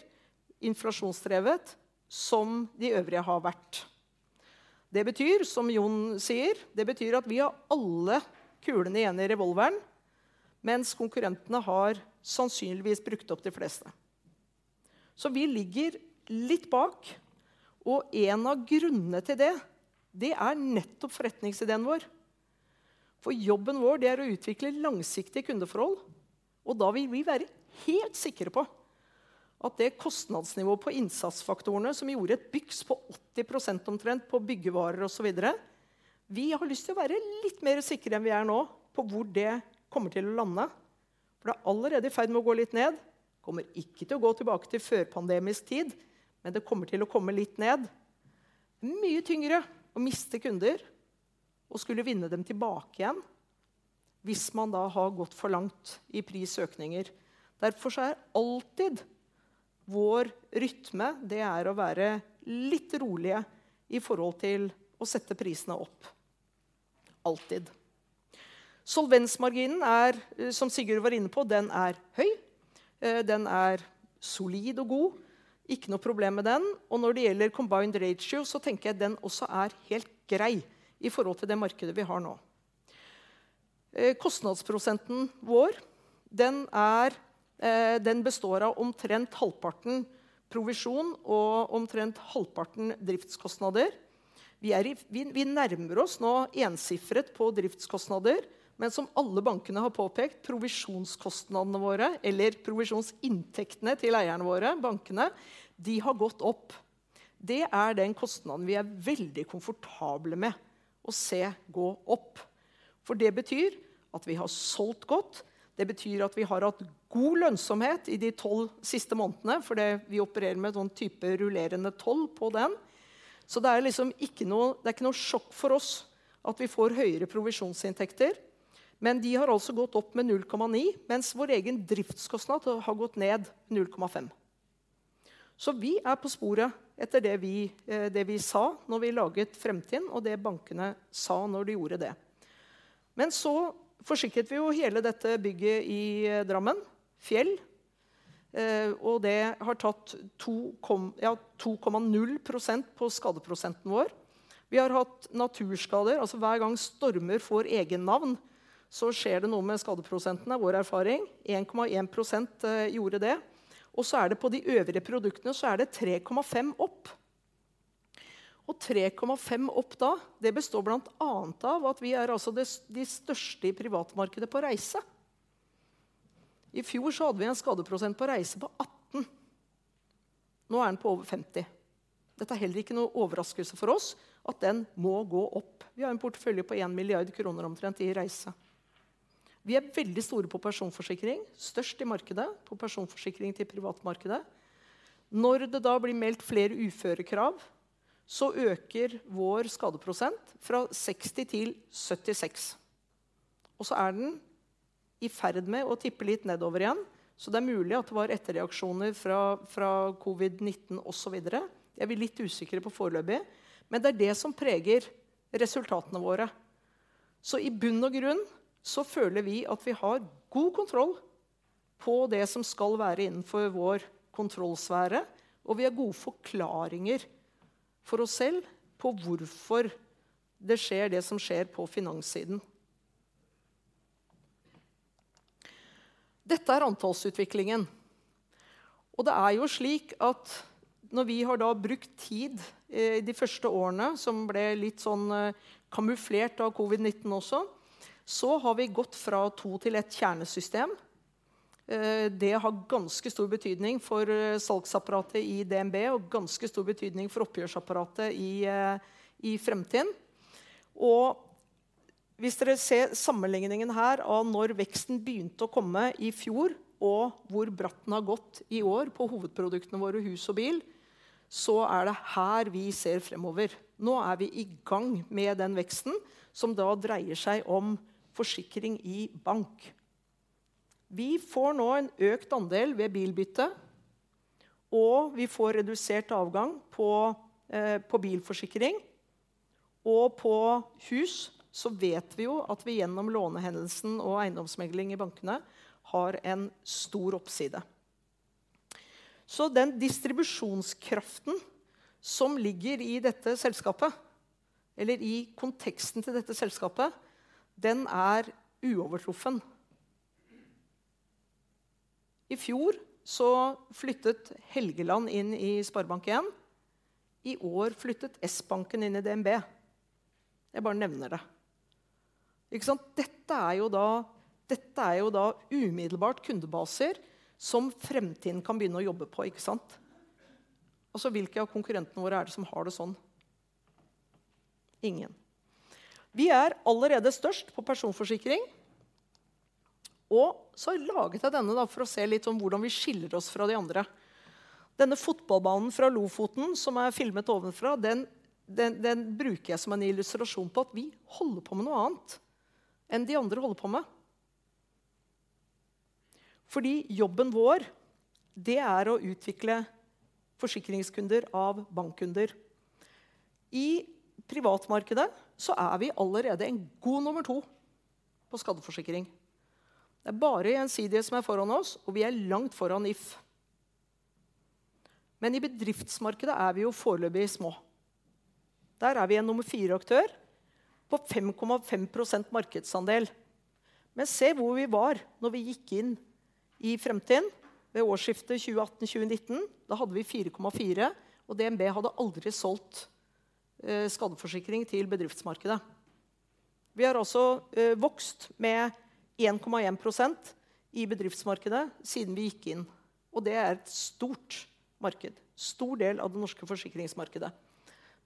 inflasjonsdrevet som de øvrige har vært. Det betyr, som John sier, det betyr at vi har alle kulene igjen i revolveren, mens konkurrentene har sannsynligvis brukt opp de fleste. Vi ligger litt bak. En av grunnene til det er nettopp forretningsideen vår. For jobben vår det er å utvikle langsiktige kundeforhold, og da vil vi være helt sikre på at det kostnadsnivået på innsatsfaktorene som gjorde et byks på 80% omtrent på byggevarer og så videre. Vi har lyst til å være litt mer sikre enn vi er nå på hvor det kommer til å lande, for det er allerede i ferd med å gå litt ned. Kommer ikke til å gå tilbake til førpandemisk tid, men det kommer til å komme litt ned. Mye tyngre å miste kunder og skulle vinne dem tilbake igjen hvis man da har gått for langt i prisøkninger. Derfor så er alltid vår rytme, det er å være litt rolige i forhold til å sette prisene opp, alltid. Solvensmarginen er, som Sigurd var inne på, den er høy, den er solid og god. Ikke noe problem med den. Når det gjelder combined ratio så tenker jeg den også er helt grei i forhold til det markedet vi har nå. Kostnadsprosenten vår, den er, den består av omtrent halvparten provisjon og omtrent halvparten driftskostnader. Vi nærmer oss nå ensifret på driftskostnader. Som alle bankene har påpekt, provisjonskostnadene våre eller provisjonsinntektene til eierne våre, bankene, de har gått opp. Det er den kostnaden vi er veldig komfortable med å se gå opp, for det betyr at vi har solgt godt. Det betyr at vi har hatt god lønnsomhet i de 12 siste månedene. For det vi opererer med sånn type rullerende 12 på den, så det er liksom ikke noe sjokk for oss at vi får høyere provisjonsinntekter. De har altså gått opp med 0.9, mens vår egen driftskostnader har gått ned 0.5. Vi er på sporet etter det vi sa da vi laget fremtiden og det bankene sa når de gjorde det. Så forsikret vi jo hele dette bygget i Drammen, Fjell, og det har tatt 2.0% på skadeprosenten vår. Vi har hatt naturskader. Altså, hver gang stormer får eget navn, så skjer det noe med skadeprosenten, er vår erfaring. 1.1% gjorde det. På de øvrige produktene er det 3.5% opp. 3.5% opp da, det består blant annet av at vi er altså de største i privatmarkedet på reise. I fjor hadde vi en skadeprosent på reise på 18%. Nå er den på over 50%. Dette er heller ikke noen overraskelse for oss at den må gå opp. Vi har en portefølje på 1 milliard kroner omtrent i reise. Vi er veldig store på personforsikring, størst i markedet på personforsikring til privatmarkedet. Når det da blir meldt flere uførekrav, så øker vår skadeprosent fra 60% til 67%, og så er den i ferd med å tippe litt nedover igjen. Det er mulig at det var etterreaksjoner fra covid 19 og så videre. Det er vi litt usikre på foreløpig, men det er det som preger resultatene våre. I bunn og grunn føler vi at vi har god kontroll på det som skal være innenfor vår kontrollsfære, og vi har gode forklaringer for oss selv på hvorfor det skjer det som skjer på finanssiden. Dette er antallsutviklingen, og det er jo slik at når vi har brukt tid i de første årene som ble litt sånn kamuflert av covid 19 også, så har vi gått fra 2 til 1 kjernesystem. Det har ganske stor betydning for salgsapparatet i DNB og ganske stor betydning for oppgjørsapparatet i Fremtind. Hvis dere ser sammenligningen her av når veksten begynte å komme i fjor, og hvor bratt den har gått i år på hovedproduktene våre, hus og bil, så er det her vi ser fremover. Nå er vi i gang med den veksten som da dreier seg om forsikring i bank. Vi får nå en økt andel ved bilbytte, og vi får redusert avgang på på bilforsikring. På hus, så vet vi jo at vi gjennom lånehendelsen og eiendomsmegling i bankene har en stor oppside. Så den distribusjonskraften som ligger i dette selskapet, eller i konteksten til dette selskapet, den er uovertruffen. I fjor så flyttet Helgeland inn i SpareBank 1. I år flyttet Sbanken inn i DNB. Jeg bare nevner det. Ikke sant, dette er jo da umiddelbart kundebaser som Fremtind kan begynne å jobbe på, ikke sant? Altså, hvilke av konkurrentene våre er det som har det sånn? Ingen. Vi er allerede størst på personforsikring. laget jeg denne da for å se litt sånn hvordan vi skiller oss fra de andre. Denne fotballbanen fra Lofoten som er filmet ovenfra, den bruker jeg som en illustrasjon på at vi holder på med noe annet enn de andre holder på med. Fordi jobben vår det er å utvikle forsikringskunder av bankkunder. I privatmarkedet så er vi allerede en god nummer to på skadeforsikring. Det er bare Gjensidige som er foran oss, og vi er langt foran If. i bedriftsmarkedet er vi jo foreløpig små. Der er vi en nummer fire aktør på 5.5% markedsandel. se hvor vi var når vi gikk inn i Fremtind ved årsskiftet 2018, 2019. Vi hadde 4.4, og DNB hadde aldri solgt skadeforsikring til bedriftsmarkedet. Vi har også vokst med 1.1% i bedriftsmarkedet siden vi gikk inn, og det er et stort marked. Stor del av det norske forsikringsmarkedet.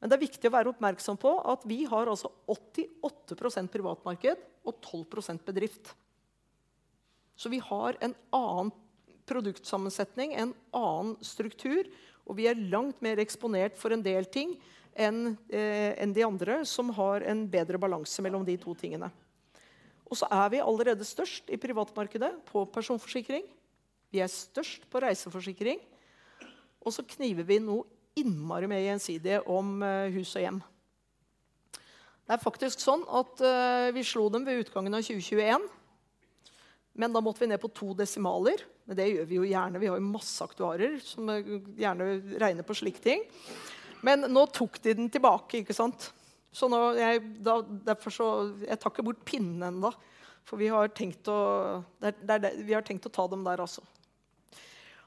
Det er viktig å være oppmerksom på at vi har altså 88% privatmarked og 12% bedrift. Vi har en annen produktsammensetning, en annen struktur, og vi er langt mer eksponert for en del ting enn de andre som har en bedre balanse mellom de to tingene. Vi er allerede størst i privatmarkedet på personforsikring. Vi er størst på reiseforsikring, og så kniver vi nå innmari med Gjensidige om hus og hjem. Det er faktisk sånn at vi slo dem ved utgangen av 2021, men da måtte vi ned på to desimaler. Det gjør vi jo gjerne. Vi har jo masse aktuarer som gjerne regner på slik ting. Men nå tok de den tilbake, ikke sant? Nå tar jeg ikke bort pinnen enda. For vi har tenkt å ta dem der altså.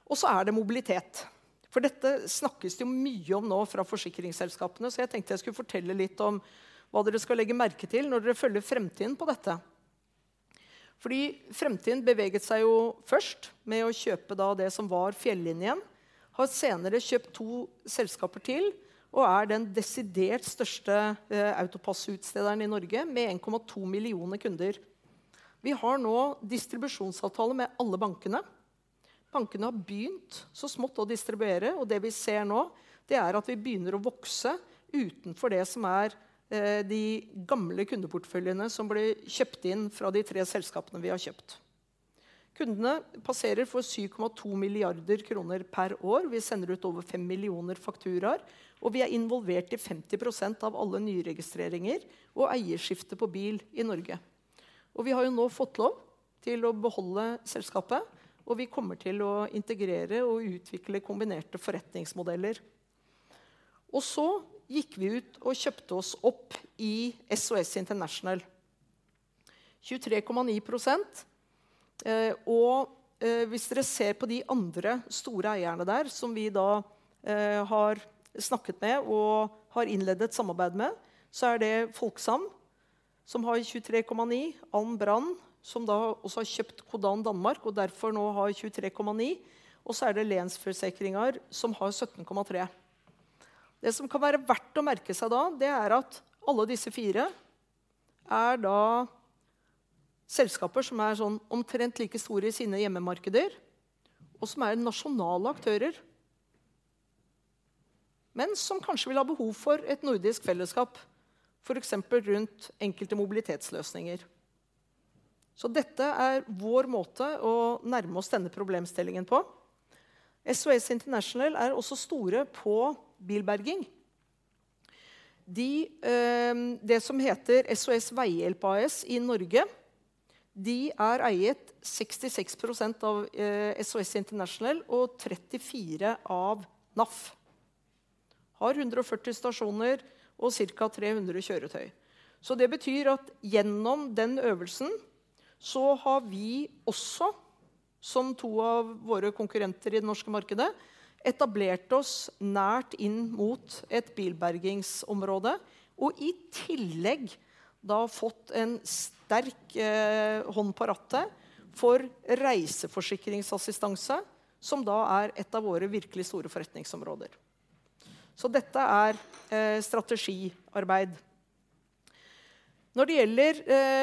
Det er mobilitet. For dette snakkes det jo mye om nå fra forsikringsselskapene, så jeg tenkte jeg skulle fortelle litt om hva dere skal legge merke til når dere følger Fremtind på dette. Fordi Fremtind beveget seg jo først med å kjøpe det som var Fjellinjen. Har senere kjøpt to selskaper til, og er den desidert største AutoPASS-utstederen i Norge med 1.2 millioner kunder. Vi har nå distribusjonsavtale med alle bankene. Bankene har begynt så smått å distribuere, og det vi ser nå er at vi begynner å vokse utenfor det som er de gamle kundeporteføljene som ble kjøpt inn fra de tre selskapene vi har kjøpt. Kundene passerer for 7.2 billion kroner per år. Vi sender ut over 5 million fakturaer, og vi er involvert i 50% av alle nyregistreringer og eierskifte på bil i Norge. Vi har jo nå fått lov til å beholde selskapet, og vi kommer til å integrere og utvikle kombinerte forretningsmodeller. Så gikk vi ut og kjøpte oss opp i SOS International. 23.9%, og hvis dere ser på de andre store eierne der, som vi da har snakket med og har innledet et samarbeid med, så er det Folksam som har 23.9%. Alm. Brand, som da også har kjøpt Codan Danmark og derfor nå har 23.9%. Länsförsäkringar som har 17.3%. Det som kan være verdt å merke seg da, det er at alle disse fire er da selskaper som er sånn omtrent like store i sine hjemmemarkeder, og som er nasjonale aktører som kanskje vil ha behov for et nordisk fellesskap, for eksempel rundt enkelte mobilitetsløsninger. Dette er vår måte å nærme oss denne problemstillingen på. SOS International er også store på bilberging. De, det som heter SOS Veihjelp AS i Norge. De er eid 66% av SOS International og 34% av NAF. Har 140 stasjoner og cirka 300 kjøretøy. Det betyr at gjennom den øvelsen har vi også, som to av våre konkurrenter i det norske markedet, etablert oss nært inn mot et bilbergingsområde og i tillegg da fått en sterk hånd på rattet for reiseforsikringsassistanse, som da er et av våre virkelig store forretningsområder. Dette er strategiarbeid. Når det gjelder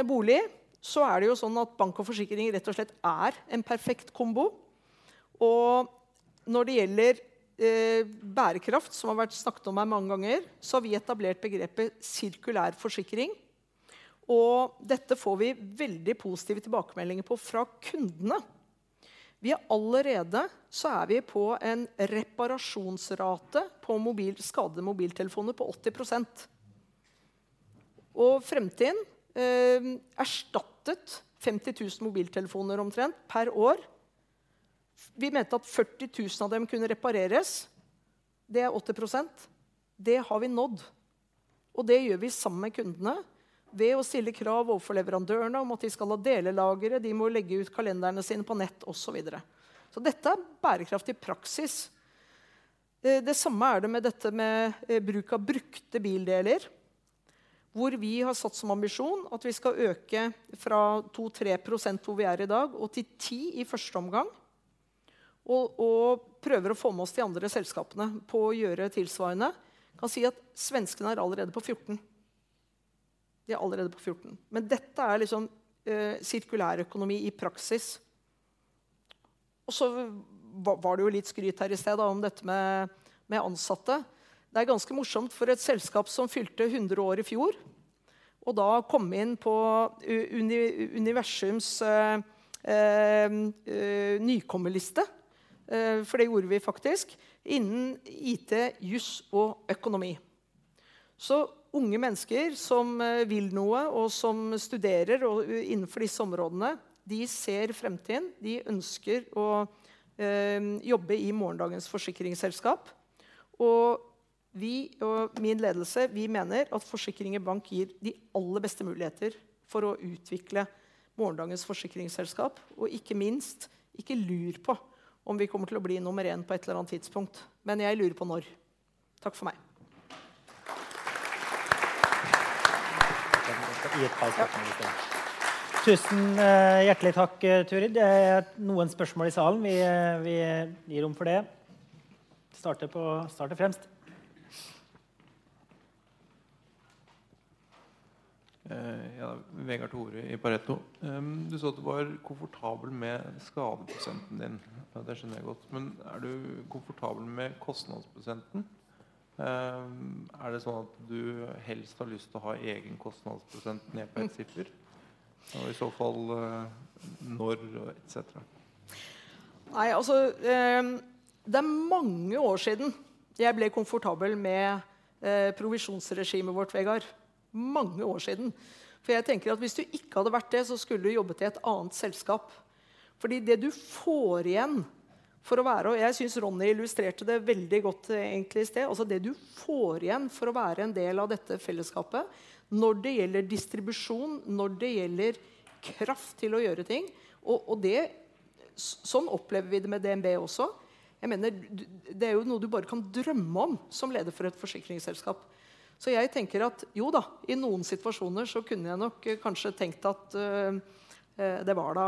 bolig så er det jo sånn at bank og forsikring rett og slett er en perfekt kombo. Når det gjelder bærekraft som har vært snakket om her mange ganger, har vi etablert begrepet sirkulær forsikring, og dette får vi veldig positive tilbakemeldinger på fra kundene. Vi er allerede på en reparasjonsrate på mobil, skadede mobiltelefoner på 80%. Fremtind erstattet 50,000 mobiltelefoner omtrent per år. Vi mente at 40,000 av dem kunne repareres. Det er 80%. Det har vi nådd. Det gjør vi sammen med kundene ved å stille krav overfor leverandørene om at de skal ha delelagre, de må legge ut kalenderne sine på nett og så videre. Dette er bærekraft i praksis. Det samme er det med dette med bruk av brukte bildeler, hvor vi har satt som ambisjon at vi skal øke fra 2-3% hvor vi er i dag og til 10% i første omgang. Prøver å få med oss de andre selskapene på å gjøre tilsvarende. Kan si at svenskene er allerede på 14%. De er allerede på 14%. Dette er liksom sirkulærøkonomi i praksis. Var det jo litt skryt her i stedet da om dette med ansatte. Det er ganske morsomt for et selskap som fylte 100 år i fjor, og da komme inn på Universums nykommerliste, for det gjorde vi faktisk. Innen IT, juss og økonomi. Unge mennesker som vil noe og som studerer og innenfor disse områdene, de ser fremtiden. De ønsker å jobbe i morgendagens forsikringsselskap. Vi og min ledelse, vi mener at forsikring og bank gir de aller beste muligheter for å utvikle morgendagens forsikringsselskap. Ikke minst, ikke lur på om vi kommer til å bli nummer en på et eller annet tidspunkt. Jeg lurer på når. Takk for meg. Et par spørsmål til. Tusen hjertelig takk, Turid. Det er noen spørsmål i salen, vi gir rom for det. Starter fremst. Ja, Vegard Toverud i Pareto. Du sa at du var komfortabel med skadeprosenten din. Det skjønner jeg godt. Men er du komfortabel med kostnadsprosenten? Er det sånn at du helst har lyst til å ha egen kostnadsprosent ned til et siffer, og i så fall når et cetera. Nei, altså, det er mange år siden jeg ble komfortabel med provisjonsregimet vårt, Vegard. Mange år siden. For jeg tenker at hvis du ikke hadde vært det, så skulle du jobbet i et annet selskap. Fordi det du får igjen for å være, og jeg synes Ronni illustrerte det veldig godt egentlig i stedet, altså det du får igjen for å være en del av dette fellesskapet når det gjelder distribusjon, når det gjelder kraft til å gjøre ting, og det. Sånn opplever vi det med DNB også. Jeg mener det er jo noe du bare kan drømme om som leder for et forsikringsselskap. Så jeg tenker at jo da, i noen situasjoner så kunne jeg nok kanskje tenkt at det var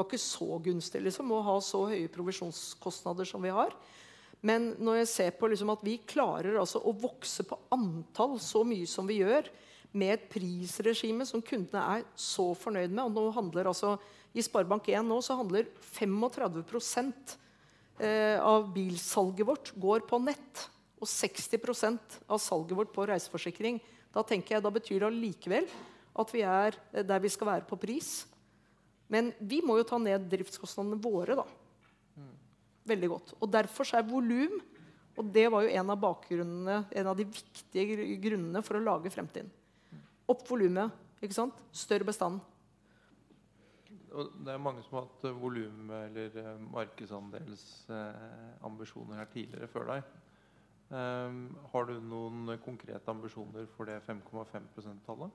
ikke så gunstig liksom å ha så høye provisjonskostnader som vi har. Når jeg ser på at vi klarer å vokse på antall så mye som vi gjør med et prisregime som kundene er så fornøyd med, og nå handler altså i SpareBank 1, så handler 35% av bilsalget vårt på nett og 60% av salget vårt på reiseforsikring. Da tenker jeg, det betyr det likevel at vi er der vi skal være på pris. Vi må jo ta ned driftskostnadene våre da, veldig godt, og derfor er volum, og det var jo en av bakgrunnene, en av de viktige grunnene for å lage Fremtind. Opp volumet, ikke sant? Større bestand. Det er mange som har hatt volum eller markedsandelsambisjoner her tidligere før deg. Har du noen konkrete ambisjoner for det 5.5% tallet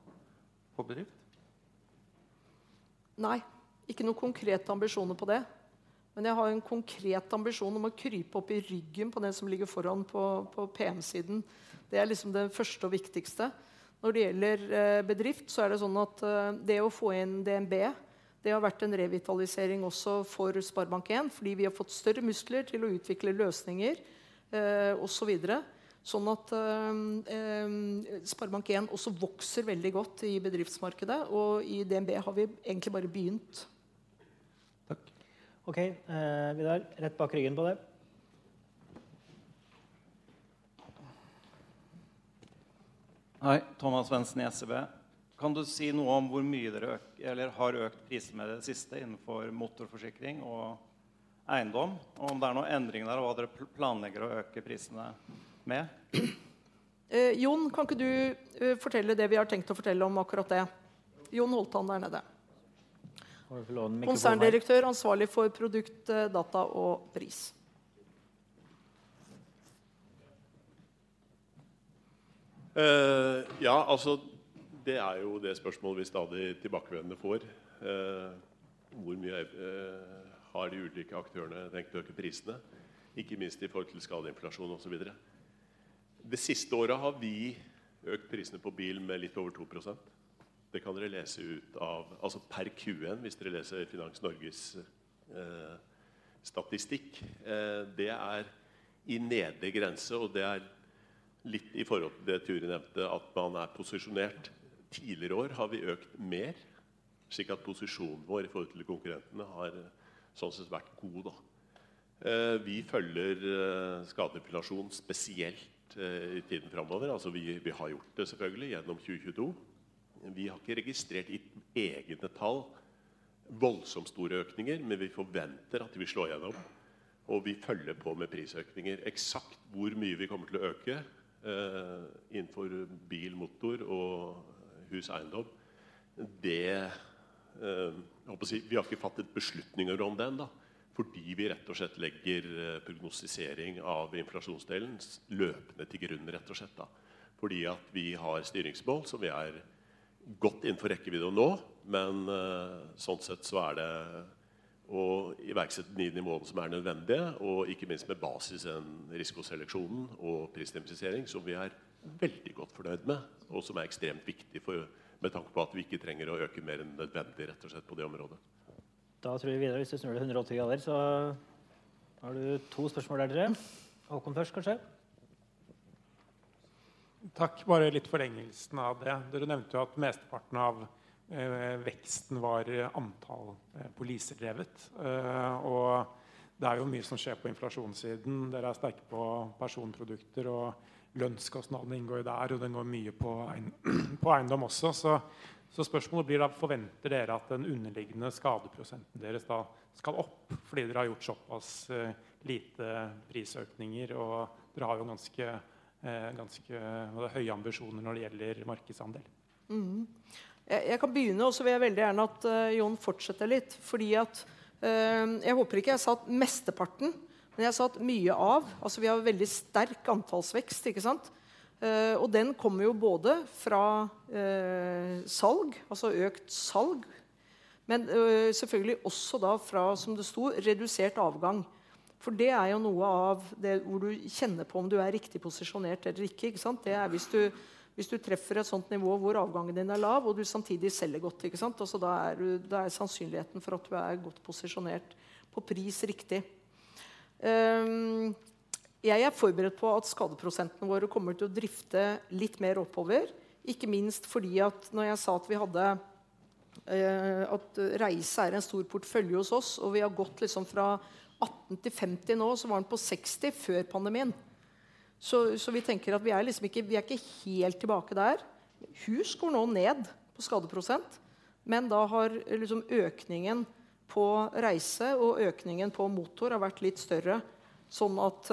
på bedrift? Nei, ikke noen konkrete ambisjoner på det. Jeg har en konkret ambisjon om å krype opp i ryggen på den som ligger foran på PM siden. Det er liksom det første og viktigste. Når det gjelder bedrift, så er det sånn at det å få inn DNB. Det har vært en revitalisering også for SpareBank 1, fordi vi har fått større muskler til å utvikle løsninger og så videre. SpareBank 1 også vokser veldig godt i bedriftsmarkedet, og i DNB har vi egentlig bare begynt. Takk. Okay, Vidar. Rett bak ryggen på deg. Hei, Thomas Svendsen i SEB. Kan du si noe om hvor mye dere øker eller har økt prisene i det siste innenfor motorforsikring og eiendom, og om det er noen endring der og hva dere planlegger å øke prisene med? John, kan ikke du fortelle det vi har tenkt å fortelle om akkurat det? John Holtan der nede. Kan du låne mikrofonen? Konserndirektør ansvarlig for produkt, data og pris. Ja, altså, det er jo det spørsmålet vi stadig tilbakevendende får. Hvor mye har de ulike aktørene tenkt å øke prisene? Ikke minst i forhold til skade, inflasjon og så videre. Det siste året har vi økt prisene på bil med litt over 2%. Det kan dere lese ut av, altså per Q1. Hvis dere leser Finans Norges statistikk. Det er i nedre grense, og det er litt i forhold til det Turid nevnte at man er posisjonert. Tidligere år har vi økt mer, slik at posisjonen vår i forhold til konkurrentene har sånn sett vært god da. Vi følger skadeinflasjon, spesielt i tiden framover. Altså, vi har gjort det selvfølgelig gjennom 2022. Vi har ikke registrert i egne tall voldsomt store økninger, men vi forventer at de vil slå igjennom og vi følger på med prisøkninger. Eksakt hvor mye vi kommer til å øke innenfor bil, motor og hus eiendom. Det, jeg holdt på å si, vi har ikke fattet beslutninger om den da, fordi vi rett og slett legger prognostisering av inflasjonsdelen løpende til grunn, rett og slett da. Fordi at vi har styringsmål som vi er godt innenfor rekkevidde nå. Men sånn sett så er det å iverksette de nivåene som er nødvendige og ikke minst med basis i den risikoselekjonen og prisdifferensiering som vi er veldig godt fornøyd med og som er ekstremt viktig for med tanke på at vi ikke trenger å øke mer enn nødvendig, rett og slett på det området. Tror jeg, Vidar, hvis du snur 180 grader så har du 2 spørsmål der dere. Håkon først kanskje. Takk! Bare litt i forlengelsen av det. Dere nevnte jo at mesteparten av veksten var antall poliser drevet. Det er jo mye som skjer på inflasjonssiden. Dere er sterke på personprodukter og lønnskostnadene inngår jo der, og det går mye på eiendom også. Spørsmålet blir da forventer dere at den underliggende skadeprosenten deres da skal opp fordi dere har gjort såpass lite prisøkninger? Dere har jo ganske høye ambisjoner når det gjelder markedsandel. Jeg kan begynne, og så vil jeg veldig gjerne at John fortsetter litt, fordi at jeg håper ikke jeg satt mesteparten. Men jeg satt mye av, altså vi har veldig sterk antallsvekst, ikke sant? Og den kommer jo både fra salg, altså økt salg, men selvfølgelig også da fra som det sto redusert avgang. For det er jo noe av det hvor du kjenner på om du er riktig posisjonert eller ikke sant? Det er hvis du treffer et sånt nivå hvor avgangen din er lav og du samtidig selger godt, ikke sant? Altså, da er sannsynligheten for at du er godt posisjonert på pris riktig. Jeg er forberedt på at skadeprosentene våre kommer til å drifte litt mer oppover. Ikke minst fordi at når jeg sa at reise er en stor portefølje hos oss, og vi har gått liksom fra 18% til 50% nå, så var den på 60% før pandemien. Vi tenker at vi er liksom ikke helt tilbake der. Hus går nå ned på skadeprosent, men da har liksom økningen på reise og økningen på motor har vært litt større. Sånn at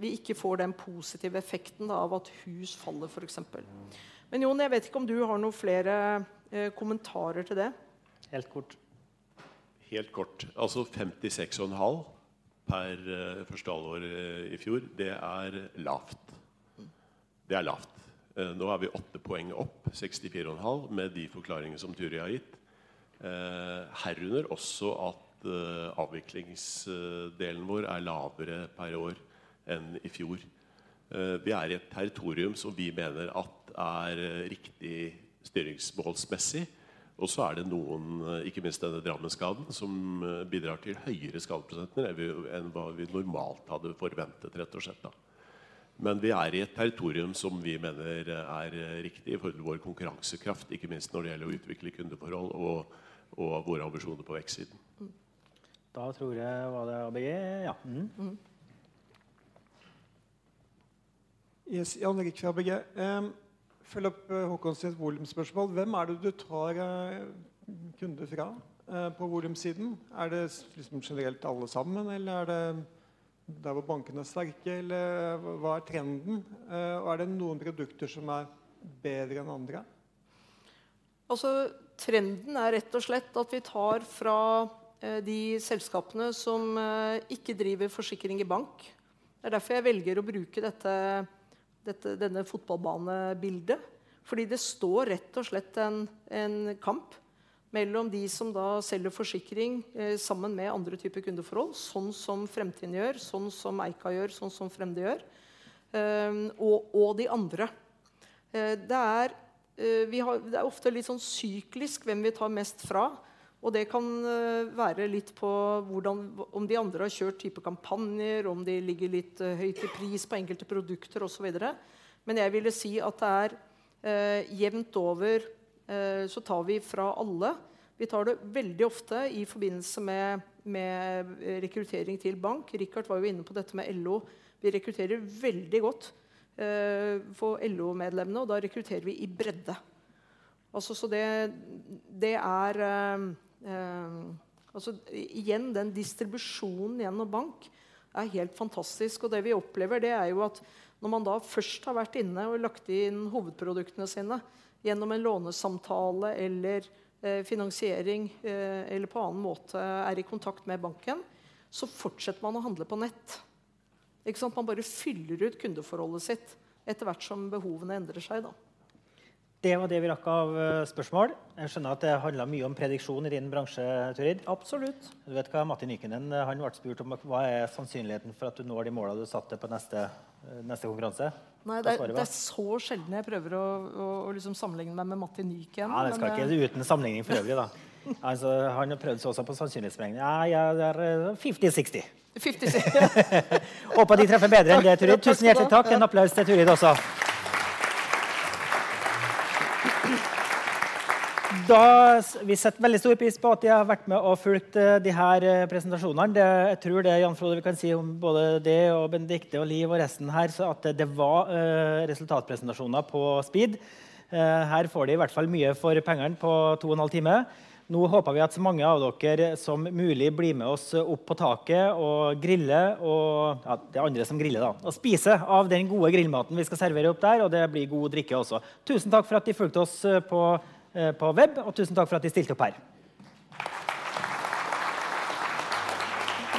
vi ikke får den positive effekten av at hus faller for eksempel. John, jeg vet ikke om du har noen flere kommentarer til det. Helt kort. Helt kort. Altså 56.5% per første halvår i fjor. Det er lavt. Nå er vi 8 poeng opp 64.5% med de forklaringer som Turid har gitt, herunder også at avviklingsdelen vår er lavere per år enn i fjor. Vi er i et territorium som vi mener at er riktig styringsbeholdsmessig. Så er det noen, ikke minst denne Drammen-skaden som bidrar til høyere skadeprosenten enn hva vi normalt hadde forventet rett og slett da. Vi er i et territorium som vi mener er riktig i forhold til vår konkurransekraft, ikke minst når det gjelder å utvikle kundeforhold og våre ambisjoner på vekstsiden. Tror jeg, var det ABG? Ja. Yes. Jan-Erik fra ABG. Følge opp Håkon sitt volumspørsmål. Hvem er det du tar kunder fra på volumsiden? Er det liksom generelt alle sammen, eller er det der hvor bankene er sterke? Eller hva er trenden? Og er det noen produkter som er bedre enn andre? Altså trenden er rett og slett at vi tar fra de selskapene som ikke driver forsikring i bank. Det er derfor jeg velger å bruke denne fotballbanebildet, fordi det står rett og slett en kamp mellom de som da selger forsikring sammen med andre typer kundeforhold, sånn som Fremtind gjør, sånn som Eika gjør, sånn som Frende gjør, og de andre. Det er ofte litt sånn syklisk hvem vi tar mest fra, og det kan være litt på hvordan om de andre har kjørt type kampanjer, om de ligger litt høyt i pris på enkelte produkter og så videre. Men jeg ville si at det er jevnt over så tar vi fra alle. Vi tar det veldig ofte i forbindelse med rekruttering til bank. Richard var jo inne på dette med LO. Vi rekrutterer veldig godt på LO-medlemmene, og da rekrutterer vi i bredde. Altså, det er altså igjen, den distribusjonen gjennom banken er helt fantastisk. Det vi opplever er jo at når man da først har vært inne og lagt inn hovedproduktene sine gjennom en lånesamtale eller finansiering eller på annen måte er i kontakt med banken, så fortsetter man å handle på nett, ikke sant? Man bare fyller ut kundeforholdet sitt etter hvert som behovene endrer seg da. Det var det vi rakk av spørsmål. Jeg skjønner at det handler mye om prediksjon i din bransje, Turid. Absolutt. Du vet hva Matti Nykänen han har vært spurt om. Hva er sannsynligheten for at du når de målene du satte på neste konkurranse? Nei, det er så sjelden jeg prøver å liksom sammenligne meg med Matti Nykänen. Nei, det skal ikke uten sammenligning for øvrig da. Nei altså, han prøvde så også på sannsynlighetsregning. Nei, jeg der 50 60. 50 60. Håper de treffer bedre enn det, Turid. Takk. Tusen hjertelig takk. En applaus til Turid også. Da. Vi setter veldig stor pris på at de har vært med og fulgt de her presentasjonene. Det tror jeg Jan-Frode vi kan si om både deg og Benedicte og Liv og resten her, at det var resultatpresentasjoner på speed. Her får de i hvert fall mye for pengene på 2.5 time. Nå håper vi at så mange av dere som mulig blir med oss opp på taket og grille og, ja, det er andre som griller da og spise av den gode grillmaten vi skal servere opp der, og det blir god drikke også. Tusen takk for at de fulgte oss på web og tusen takk for at de stilte opp her.